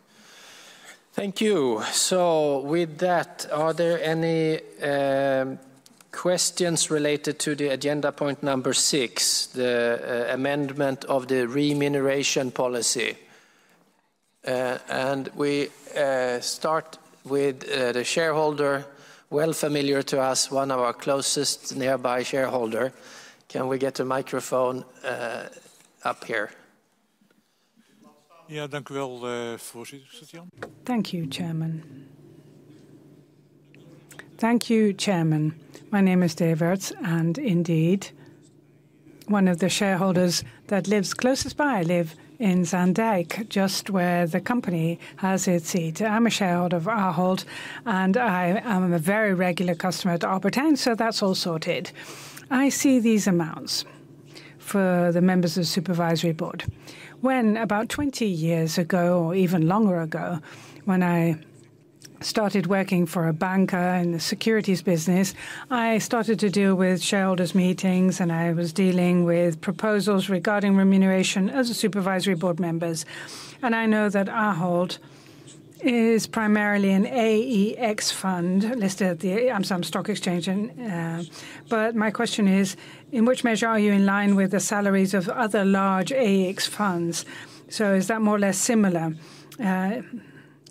Thank you. So with that, are there any questions related to the agenda point number six, the amendment of the remuneration policy? And we start with the shareholder, well familiar to us, one of our closest nearby shareholder. Can we get a microphone up here? Yeah, thank you very much, Chairman. Thank you, Chairman. Thank you, Chairman. My name is David, and indeed, one of the shareholders that lives closest by, I live in Zandijk, just where the company has its seat. I'm a shareholder of Ahold, and I am a very regular customer at Albert Heijn, so that's all sorted. I see these amounts for the members of the supervisory board. When about 20 years ago, or even longer ago, when I started working for a banker in the securities business, I started to deal with shareholders' meetings, and I was dealing with proposals regarding remuneration as a supervisory board member. And I know that Ahold is primarily an AEX fund listed at the AMSAM stock exchange. But my question is, in which measure are you in line with the salaries of other large AEX funds? So is that more or less similar?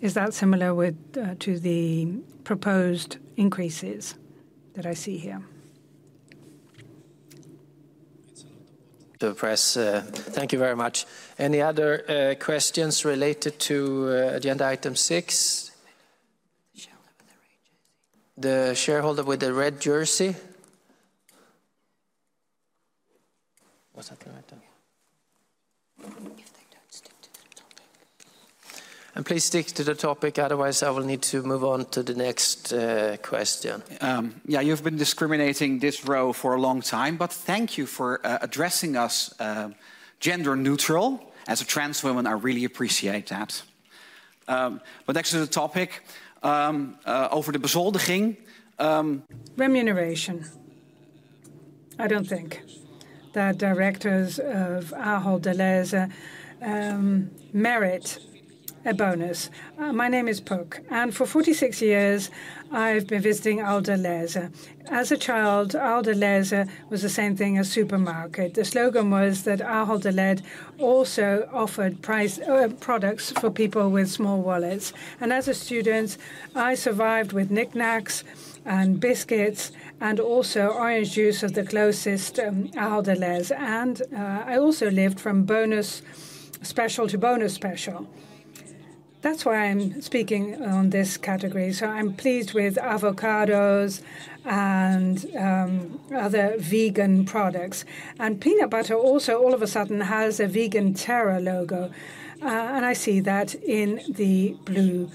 Is that similar to the proposed increases that I see here? The press, thank you very much. Any other questions related to agenda item six? The shareholder with the red jersey. And please stick to the topic. Otherwise, I will need to move on to the next question. Yeah, you've been discriminating this row for a long time, but thank you for addressing us gender neutral as a trans woman. I really appreciate that. But next to the topic, over the bezoldiging. Remuneration. I don't think that directors of Ahold Delhaize merit a bonus. My name is Puk, and for 46 years, I've been visiting Ahold Delhaize. As a child, Ahold Delhaize was the same thing as supermarket. The slogan was that Ahold Delhaize also offered price products for people with small wallets. And as a student, I survived with knickknacks and biscuits and also orange juice of the closest Ahold Delhaize. And I also lived from bonus special to bonus special. That's why I'm speaking on this category. So I'm pleased with avocados and other vegan products. And peanut butter also all of a sudden has a vegan Tera logo. And I see that in the blue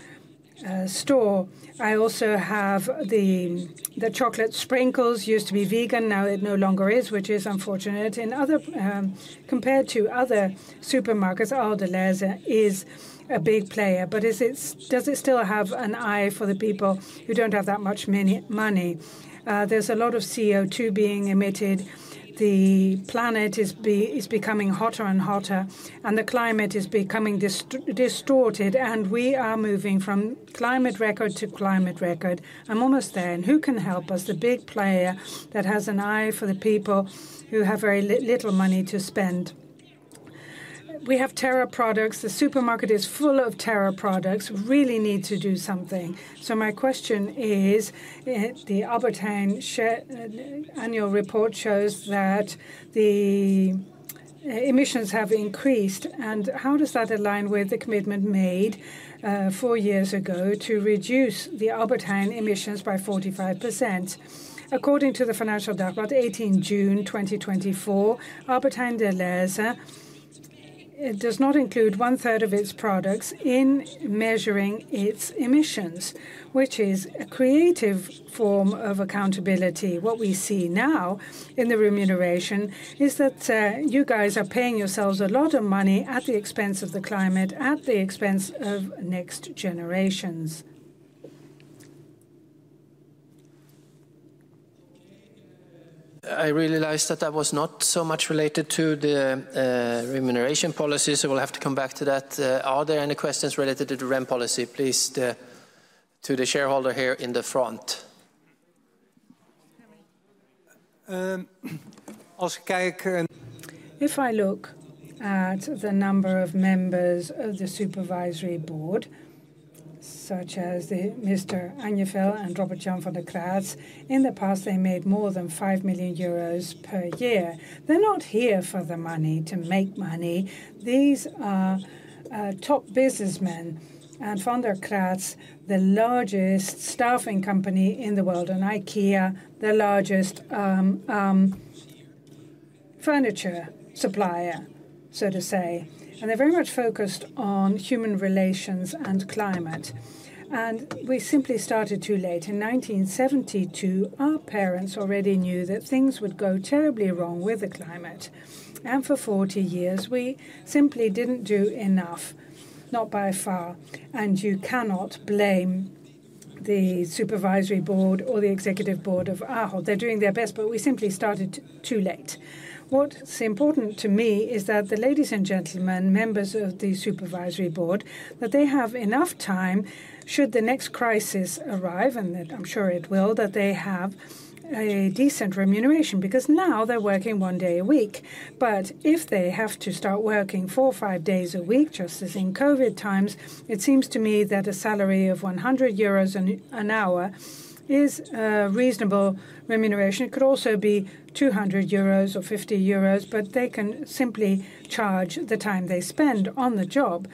store. I also have the chocolate sprinkles used to be vegan. Now it no longer is, which is unfortunate. Compared to other supermarkets, Ahold Delhaize is a big player. But does it still have an eye for the people who don't have that much money? There's a lot of CO2 being emitted. The planet is becoming hotter and hotter, and the climate is becoming distorted. And we are moving from climate record to climate record. I'm almost there. And who can help us? The big player that has an eye for the people who have very little money to spend. We have Tera products. The supermarket is full of Tera products. We really need to do something. So my question is, the Albert Heijn annual report shows that the emissions have increased. And how does that align with the commitment made four years ago to reduce the Albert Heijn emissions by 45%? According to the financial data, about 18 June 2024, Albert Heijn Delhaize does not include one third of its products in measuring its emissions, which is a creative form of accountability. What we see now in the remuneration is that you guys are paying yourselves a lot of money at the expense of the climate, at the expense of next generations. I realized that that was not so much related to the remuneration policies, so we'll have to come back to that. Are there any questions related to the REM policy? Please, to the shareholder here in the front. If I look at the number of members of the supervisory board, such as Mr. Agnefjäll and Robert Jan van der Kratz, in the past, they made more than 5 million euros per year. They're not here for the money to make money. These are top businessmen and van der Kratz, the largest staffing company in the world, and IKEA, the largest furniture supplier, so to say. And they're very much focused on human relations and climate. And we simply started too late. In 1972, our parents already knew that things would go terribly wrong with the climate. And for 40 years, we simply didn't do enough, not by far. And you cannot blame the supervisory board or the executive board of Ahold. They're doing their best, but we simply started too late. What's important to me is that the ladies and gentlemen, members of the supervisory board, that they have enough time should the next crisis arrive, and I'm sure it will, that they have a decent remuneration because now they're working one day a week. But if they have to start working four or five days a week, just as in COVID times, it seems to me that a salary of 100 euros an hour is a reasonable remuneration. It could also be 200 euros or 50 euros, but they can simply charge the time they spend on the job.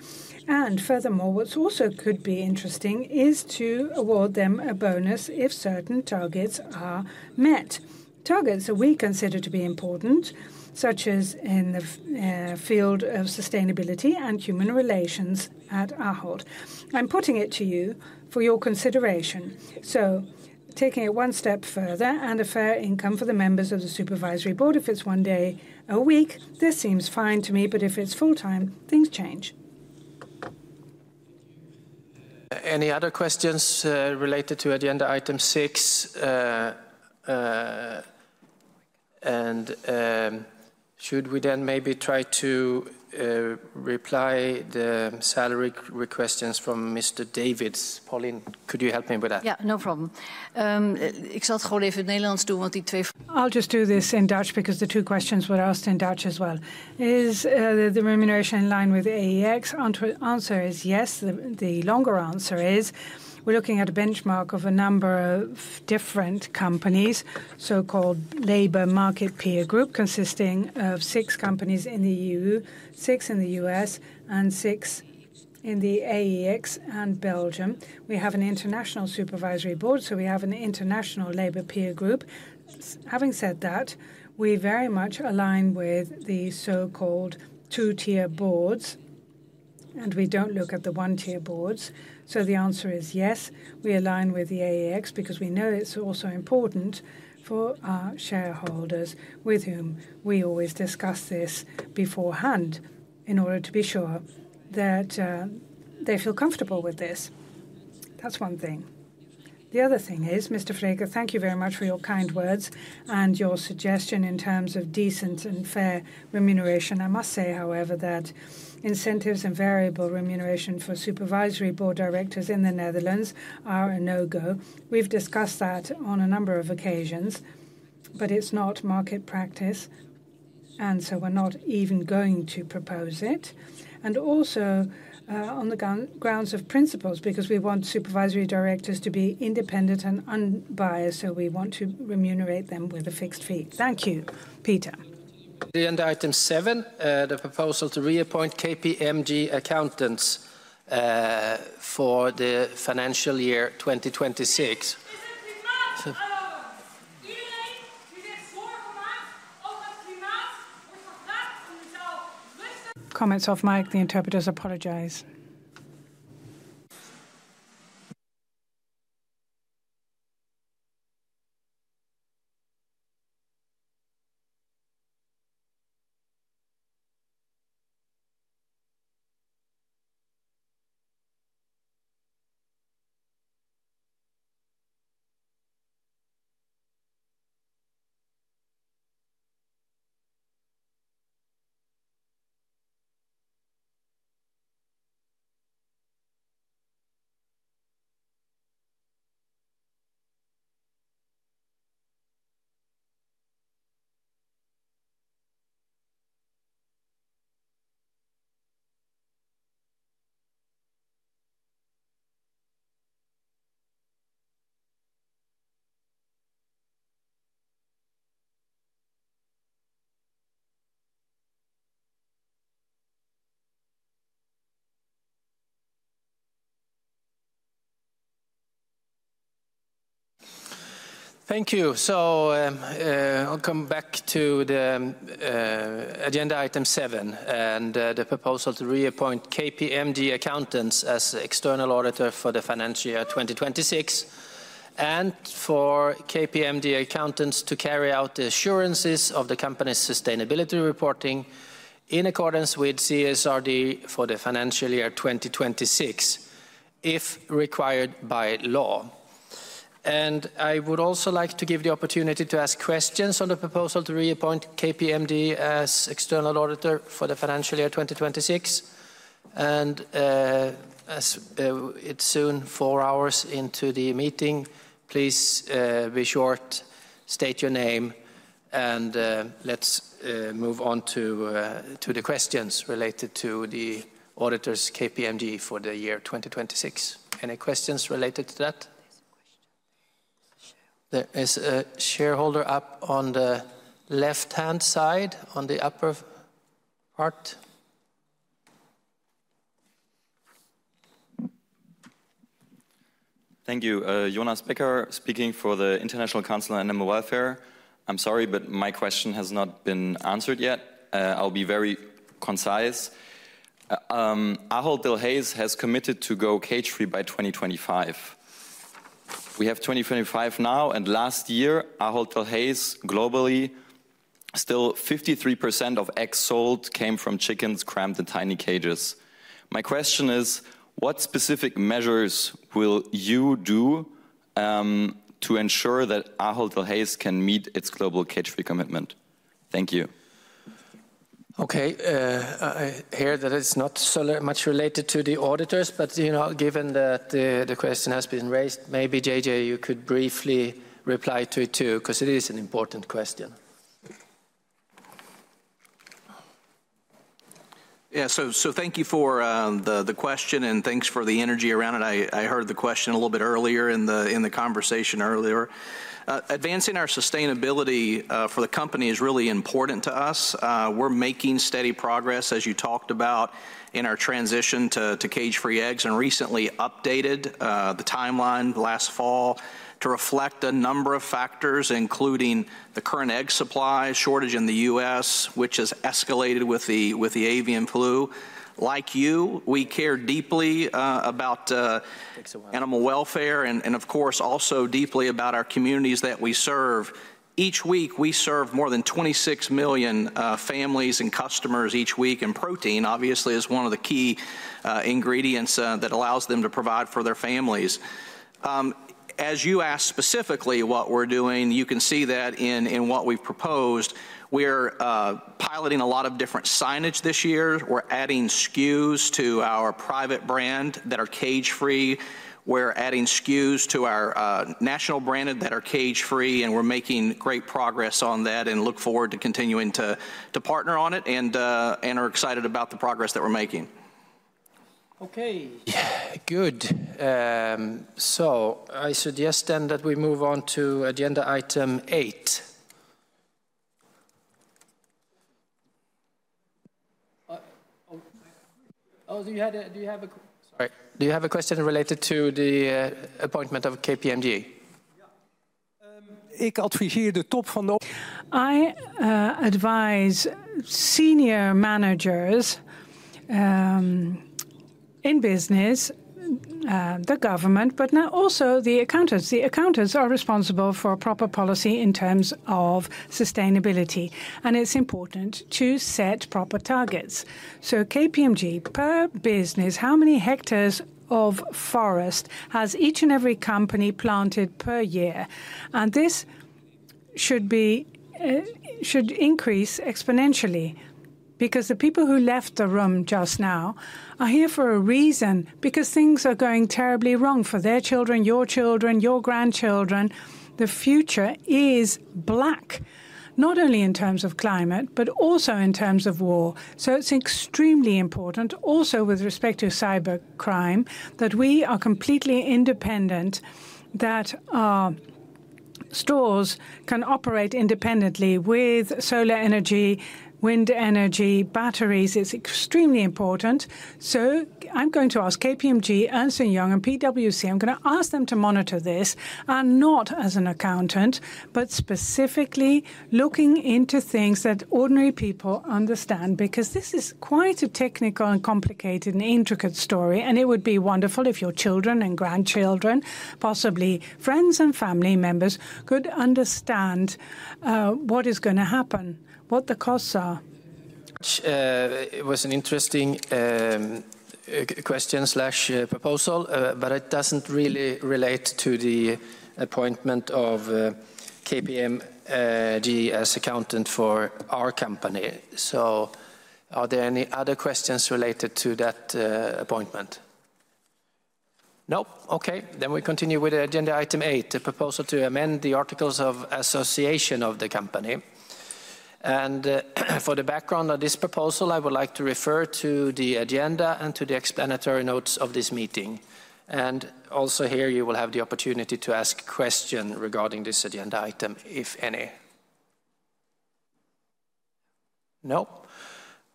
And furthermore, what also could be interesting is to award them a bonus if certain targets are met. Targets that we consider to be important, such as in the field of sustainability and human relations at Ahold. I'm putting it to you for your consideration. So taking it one step further and a fair income for the members of the supervisory board, if it's one day a week, this seems fine to me, but if it's full time, things change. Any other questions related to agenda item six? And should we then maybe try to reply to the salary requests from Mr. David? Pauline, could you help me with that? Yeah, no problem. Ik zal het gewoon even in het Nederlands doen, want die twee. I'll just do this in Dutch because the two questions were asked in Dutch as well. Is the remuneration in line with AEX? The answer is yes. The longer answer is we're looking at a benchmark of a number of different companies, so-called labor market peer group, consisting of six companies in the EU, six in the U.S., and six in the AEX and Belgium. We have an international supervisory board, so we have an international labor peer group. Having said that, we very much align with the so-called two-tier boards, and we don't look at the one-tier boards. So the answer is yes, we align with the AEX because we know it's also important for our shareholders, with whom we always discuss this beforehand in order to be sure that they feel comfortable with this. That's one thing. The other thing is, Mr. Vreeken, thank you very much for your kind words and your suggestion in terms of decent and fair remuneration. I must say, however, that incentives and variable remuneration for supervisory board directors in the Netherlands are a no-go. We've discussed that on a number of occasions, but it's not market practice, and so we're not even going to propose it. And also on the grounds of principles, because we want supervisory directors to be independent and unbiased, so we want to remunerate them with a fixed fee. Thank you, Peter. Agenda item seven, the proposal to reappoint KPMG accountants for the financial year 2026. (crosstalk) Comments off mic, the interpreters apologize. Thank you. So I'll come back to the agenda item seven and the proposal to reappoint KPMG accountants as external auditor for the financial year 2026. And for KPMG accountants to carry out the assurances of the company's sustainability reporting in accordance with CSRD for the financial year 2026, if required by law. And I would also like to give the opportunity to ask questions on the proposal to reappoint KPMG as external auditor for the financial year 2026. And as it's soon four hours into the meeting, please be short, state your name, and let's move on to the questions related to the auditor's KPMG for the year 2026. Any questions related to that? There is a shareholder up on the left-hand side on the upper part. Thank you. Jonas Becker speaking for the International Council on Animal Welfare. I'm sorry, but my question has not been answered yet. I'll be very concise. Ahold Delhaize has committed to go cage-free by 2025. We have 2025 now, and last year, Ahold Delhaize globally, still 53% of eggs sold came from chickens crammed in tiny cages. My question is, what specific measures will you do to ensure that Ahold Delhaize can meet its global cage-free commitment? Thank you. Okay, I hear that it's not so much related to the auditors, but given that the question has been raised, maybe JJ, you could briefly reply to it too, because it is an important question. Yeah, so thank you for the question, and thanks for the energy around it. I heard the question a little bit earlier in the conversation earlier. Advancing our sustainability for the company is really important to us. We're making steady progress, as you talked about, in our transition to cage-free eggs, and recently updated the timeline last fall to reflect a number of factors, including the current egg supply shortage in the U.S., which has escalated with the avian flu. Like you, we care deeply about animal welfare and, of course, also deeply about our communities that we serve. Each week, we serve more than 26 million families and customers each week, and protein, obviously, is one of the key ingredients that allows them to provide for their families. As you asked specifically what we're doing, you can see that in what we've proposed. We're piloting a lot of different signage this year. We're adding SKUs to our private brand that are cage-free. We're adding SKUs to our national brand that are cage-free, and we're making great progress on that and look forward to continuing to partner on it and are excited about the progress that we're making. Okay, good. So I suggest then that we move on to agenda item eight. Oh, do you have a question related to the appointment of KPMG? Ik adviseer de top van. I advise senior managers in business, the government, but now also the accountants. The accountants are responsible for proper policy in terms of sustainability, and it's important to set proper targets. So KPMG, per business, how many hectares of forest has each and every company planted per year? And this should increase exponentially because the people who left the room just now are here for a reason, because things are going terribly wrong for their children, your children, your grandchildren. The future is black, not only in terms of climate, but also in terms of war. So it's extremely important, also with respect to cyber crime, that we are completely independent, that stores can operate independently with solar energy, wind energy, batteries. It's extremely important. So I'm going to ask KPMG and Ernst & Young and PwC. I'm going to ask them to monitor this and not as an accountant, but specifically looking into things that ordinary people understand, because this is quite a technical and complicated and intricate story. And it would be wonderful if your children and grandchildren, possibly friends and family members, could understand what is going to happen, what the costs are. It was an interesting question/proposal, but it doesn't really relate to the appointment of KPMG as accountant for our company. So are there any other questions related to that appointment? No. Okay, then we continue with agenda item eight, the proposal to amend the articles of association of the company. And for the background of this proposal, I would like to refer to the agenda and to the explanatory notes of this meeting. And also here, you will have the opportunity to ask questions regarding this agenda item, if any. No.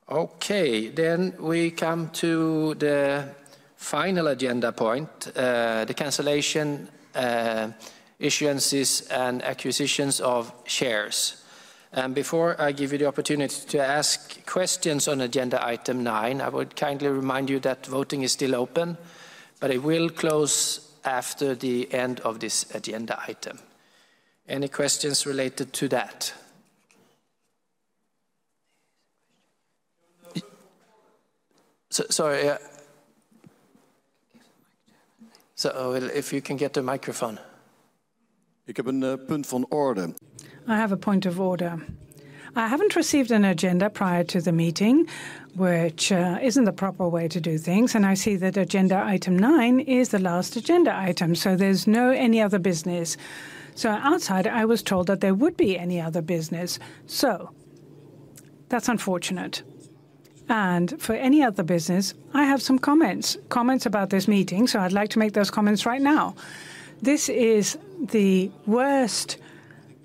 Okay, then we come to the final agenda point, the cancellation, issuances, and acquisitions of shares. And before I give you the opportunity to ask questions on agenda item nine, I would kindly remind you that voting is still open, but it will close after the end of this agenda item. Any questions related to that? Sorry. So if you can get the microphone. Ik heb een punt van orde. I have a point of order. I haven't received an agenda prior to the meeting, which isn't the proper way to do things. And I see that agenda item nine is the last agenda item. So there's no any other business. So outside, I was told that there would be any other business. So that's unfortunate. And for any other business, I have some comments, comments about this meeting. So I'd like to make those comments right now. This is the worst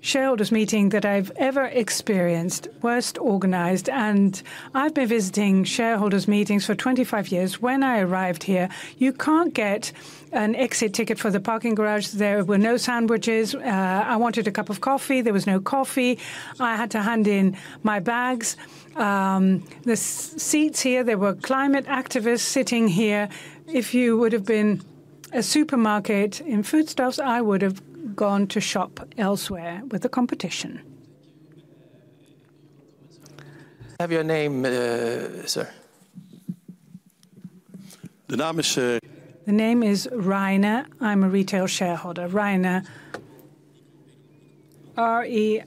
shareholders' meeting that I've ever experienced, worst organized. And I've been visiting shareholders' meetings for 25 years. When I arrived here, you can't get an exit ticket for the parking garage. There were no sandwiches. I wanted a cup of coffee. There was no coffee. I had to hand in my bags. The seats here, there were climate activists sitting here. If you would have been a supermarket in food stalls, I would have gone to shop elsewhere with the competition. Have your name, sir. De naam is. The name is Reijne. I'm a retail shareholder. Reijne. R-E-I-J-N-E.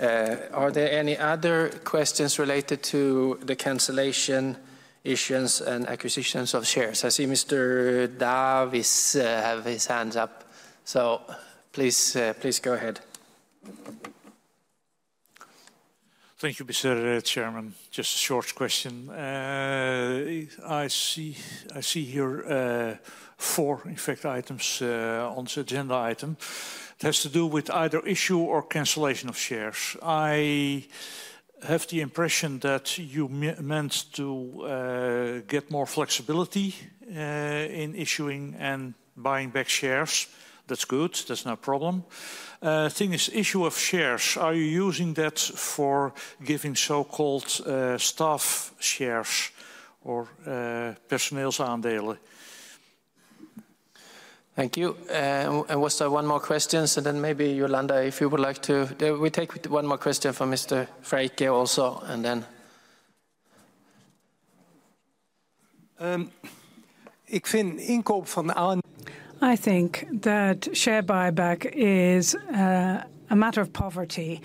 Are there any other questions related to the cancellation, issuance, and acquisitions of shares? I see Mr. Davis have his hands up. So please go ahead. Thank you, Mr. Chairman. Just a short question. I see here four, in fact, items on the agenda item. It has to do with either issue or cancellation of shares. I have the impression that you meant to get more flexibility in issuing and buying back shares. That's good. That's no problem. The thing is, issue of shares. Are you using that for giving so-called staff shares or personeels aandeel? Thank you. And we'll start one more question. So then maybe Jolanda, if you would like to, we take one more question from Mr. Vreeken also, and then. Ik vind inkoop van. I think that share buyback is a matter of poverty.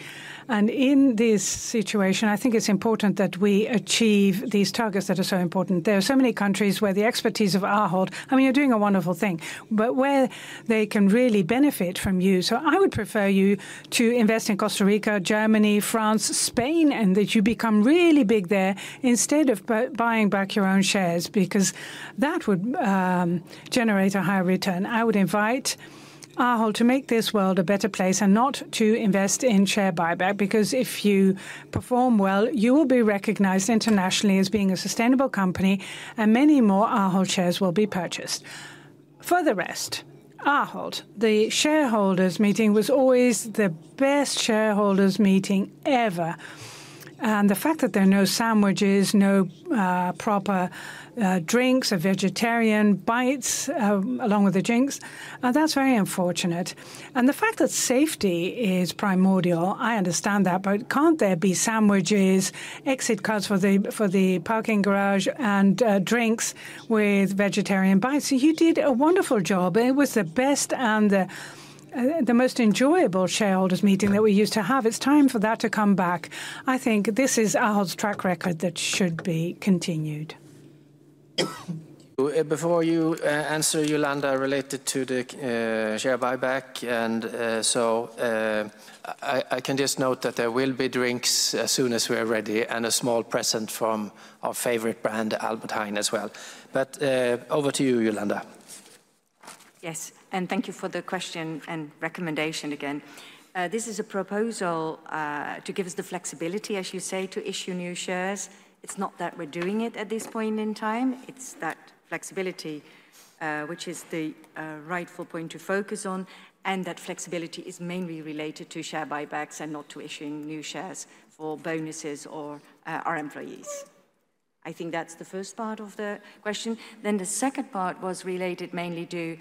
And in this situation, I think it's important that we achieve these targets that are so important. There are so many countries where the expertise of Ahold, I mean, you're doing a wonderful thing, but where they can really benefit from you. So I would prefer you to invest in Costa Rica, Germany, Frans, Spain, and that you become really big there instead of buying back your own shares, because that would generate a higher return. I would invite Ahold to make this world a better place and not to invest in share buyback, because if you perform well, you will be recognized internationally as being a sustainable company, and many more Ahold shares will be purchased. For the rest, Ahold, the shareholders' meeting was always the best shareholders' meeting ever. And the fact that there are no sandwiches, no proper drinks, or vegetarian bites along with the drinks, that's very unfortunate. And the fact that safety is primordial, I understand that, but can't there be sandwiches, exit cards for the parking garage, and drinks with vegetarian bites? You did a wonderful job. It was the best and the most enjoyable shareholders' meeting that we used to have. It's time for that to come back. I think this is Ahold's track record that should be continued. Before you answer, Jolanda, related to the share buyback, and so I can just note that there will be drinks as soon as we're ready and a small present from our favorite brand, Albert Heijn, as well. But over to you, Jolanda. Yes, and thank you for the question and recommendation again. This is a proposal to give us the flexibility, as you say, to issue new shares. It's not that we're doing it at this point in time. It's that flexibility, which is the rightful point to focus on, and that flexibility is mainly related to share buybacks and not to issuing new shares for bonuses or our employees. I think that's the first part of the question. Then the second part was related mainly to,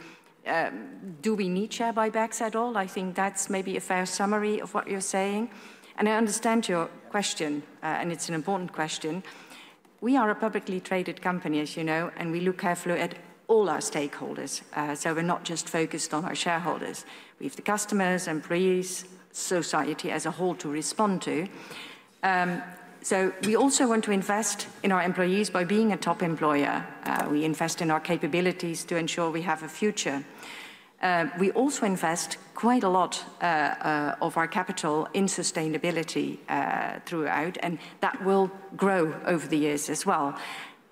do we need share buybacks at all? I think that's maybe a fair summary of what you're saying. And I understand your question, and it's an important question. We are a publicly traded company, as you know, and we look carefully at all our stakeholders. So we're not just focused on our shareholders. We have the customers, employees, society as a whole to respond to. So we also want to invest in our employees by being a top employer. We invest in our capabilities to ensure we have a future. We also invest quite a lot of our capital in sustainability throughout, and that will grow over the years as well.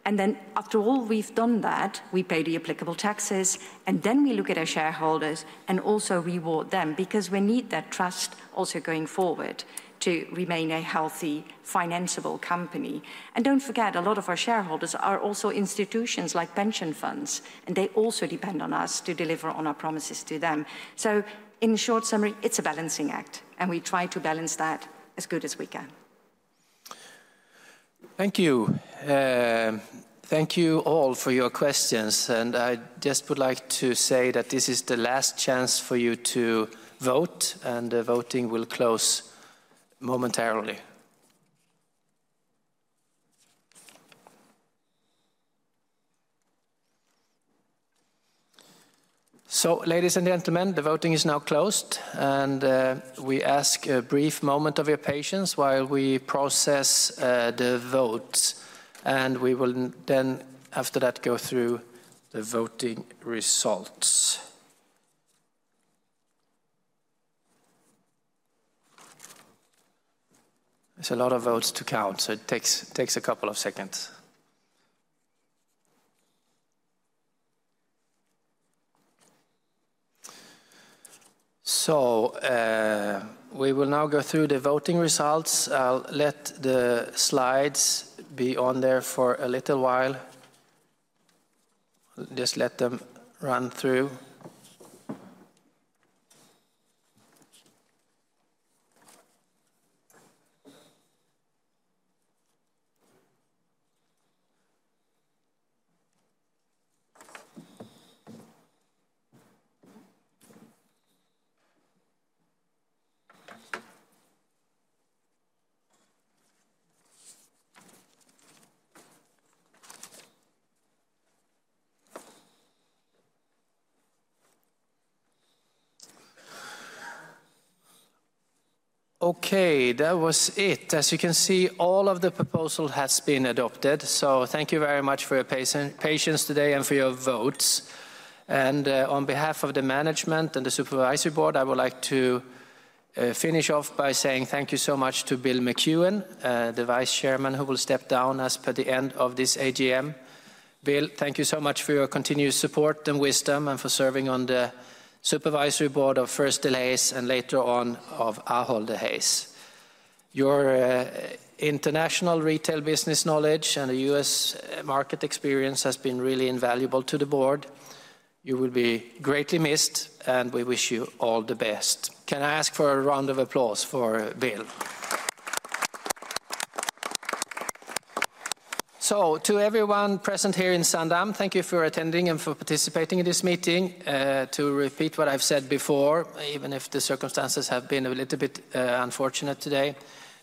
And then after all we've done that, we pay the applicable taxes, and then we look at our shareholders and also reward them because we need that trust also going forward to remain a healthy, financiable company. And don't forget, a lot of our shareholders are also institutions like pension funds, and they also depend on us to deliver on our promises to them. So in short summary, it's a balancing act, and we try to balance that as good as we can. Thank you. Thank you all for your questions. And I just would like to say that this is the last chance for you to vote, and the voting will close momentarily. So ladies and gentlemen, the voting is now closed, and we ask a brief moment of your patience while we process the votes. And we will then, after that, go through the voting results. There's a lot of votes to count, so it takes a couple of seconds. So we will now go through the voting results. I'll let the slides be on there for a little while. Just let them run through. Okay, that was it. As you can see, all of the proposal has been adopted. So thank you very much for your patience today and for your votes. And on behalf of the management and the supervisory board, I would like to finish off by saying thank you so much to Bill McEwen, the vice chairman, who will step down as per the end of this AGM. Bill, thank you so much for your continued support and wisdom and for serving on the supervisory board of First Delhaize's and later on of Ahold Delhaize's. Your international retail business knowledge and the U.S. market experience has been really invaluable to the board. You will be greatly missed, and we wish you all the best. Can I ask for a round of applause for Bill? So to everyone present here in Zaandam, thank you for attending and for participating in this meeting. To repeat what I've said before, even if the circumstances have been a little bit unfortunate today,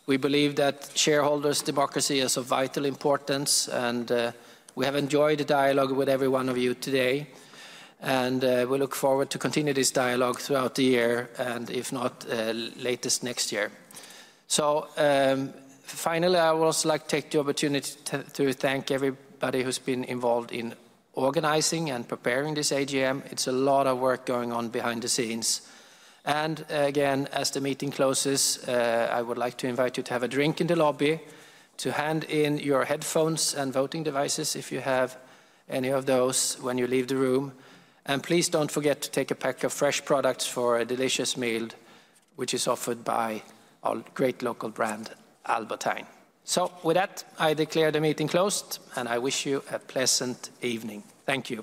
we believe that shareholders' democracy is of vital importance, and we have enjoyed the dialogue with every one of you today. And we look forward to continuing this dialogue throughout the year and, if not, latest next year. So finally, I would also like to take the opportunity to thank everybody who's been involved in organizing and preparing this AGM. It's a lot of work going on behind the scenes. And again, as the meeting closes, I would like to invite you to have a drink in the lobby, to hand in your headphones and voting devices if you have any of those when you leave the room. And please don't forget to take a pack of fresh products for a delicious meal, which is offered by our great local brand, Albert Heijn. So with that, I declare the meeting closed, and I wish you a pleasant evening. Thank you.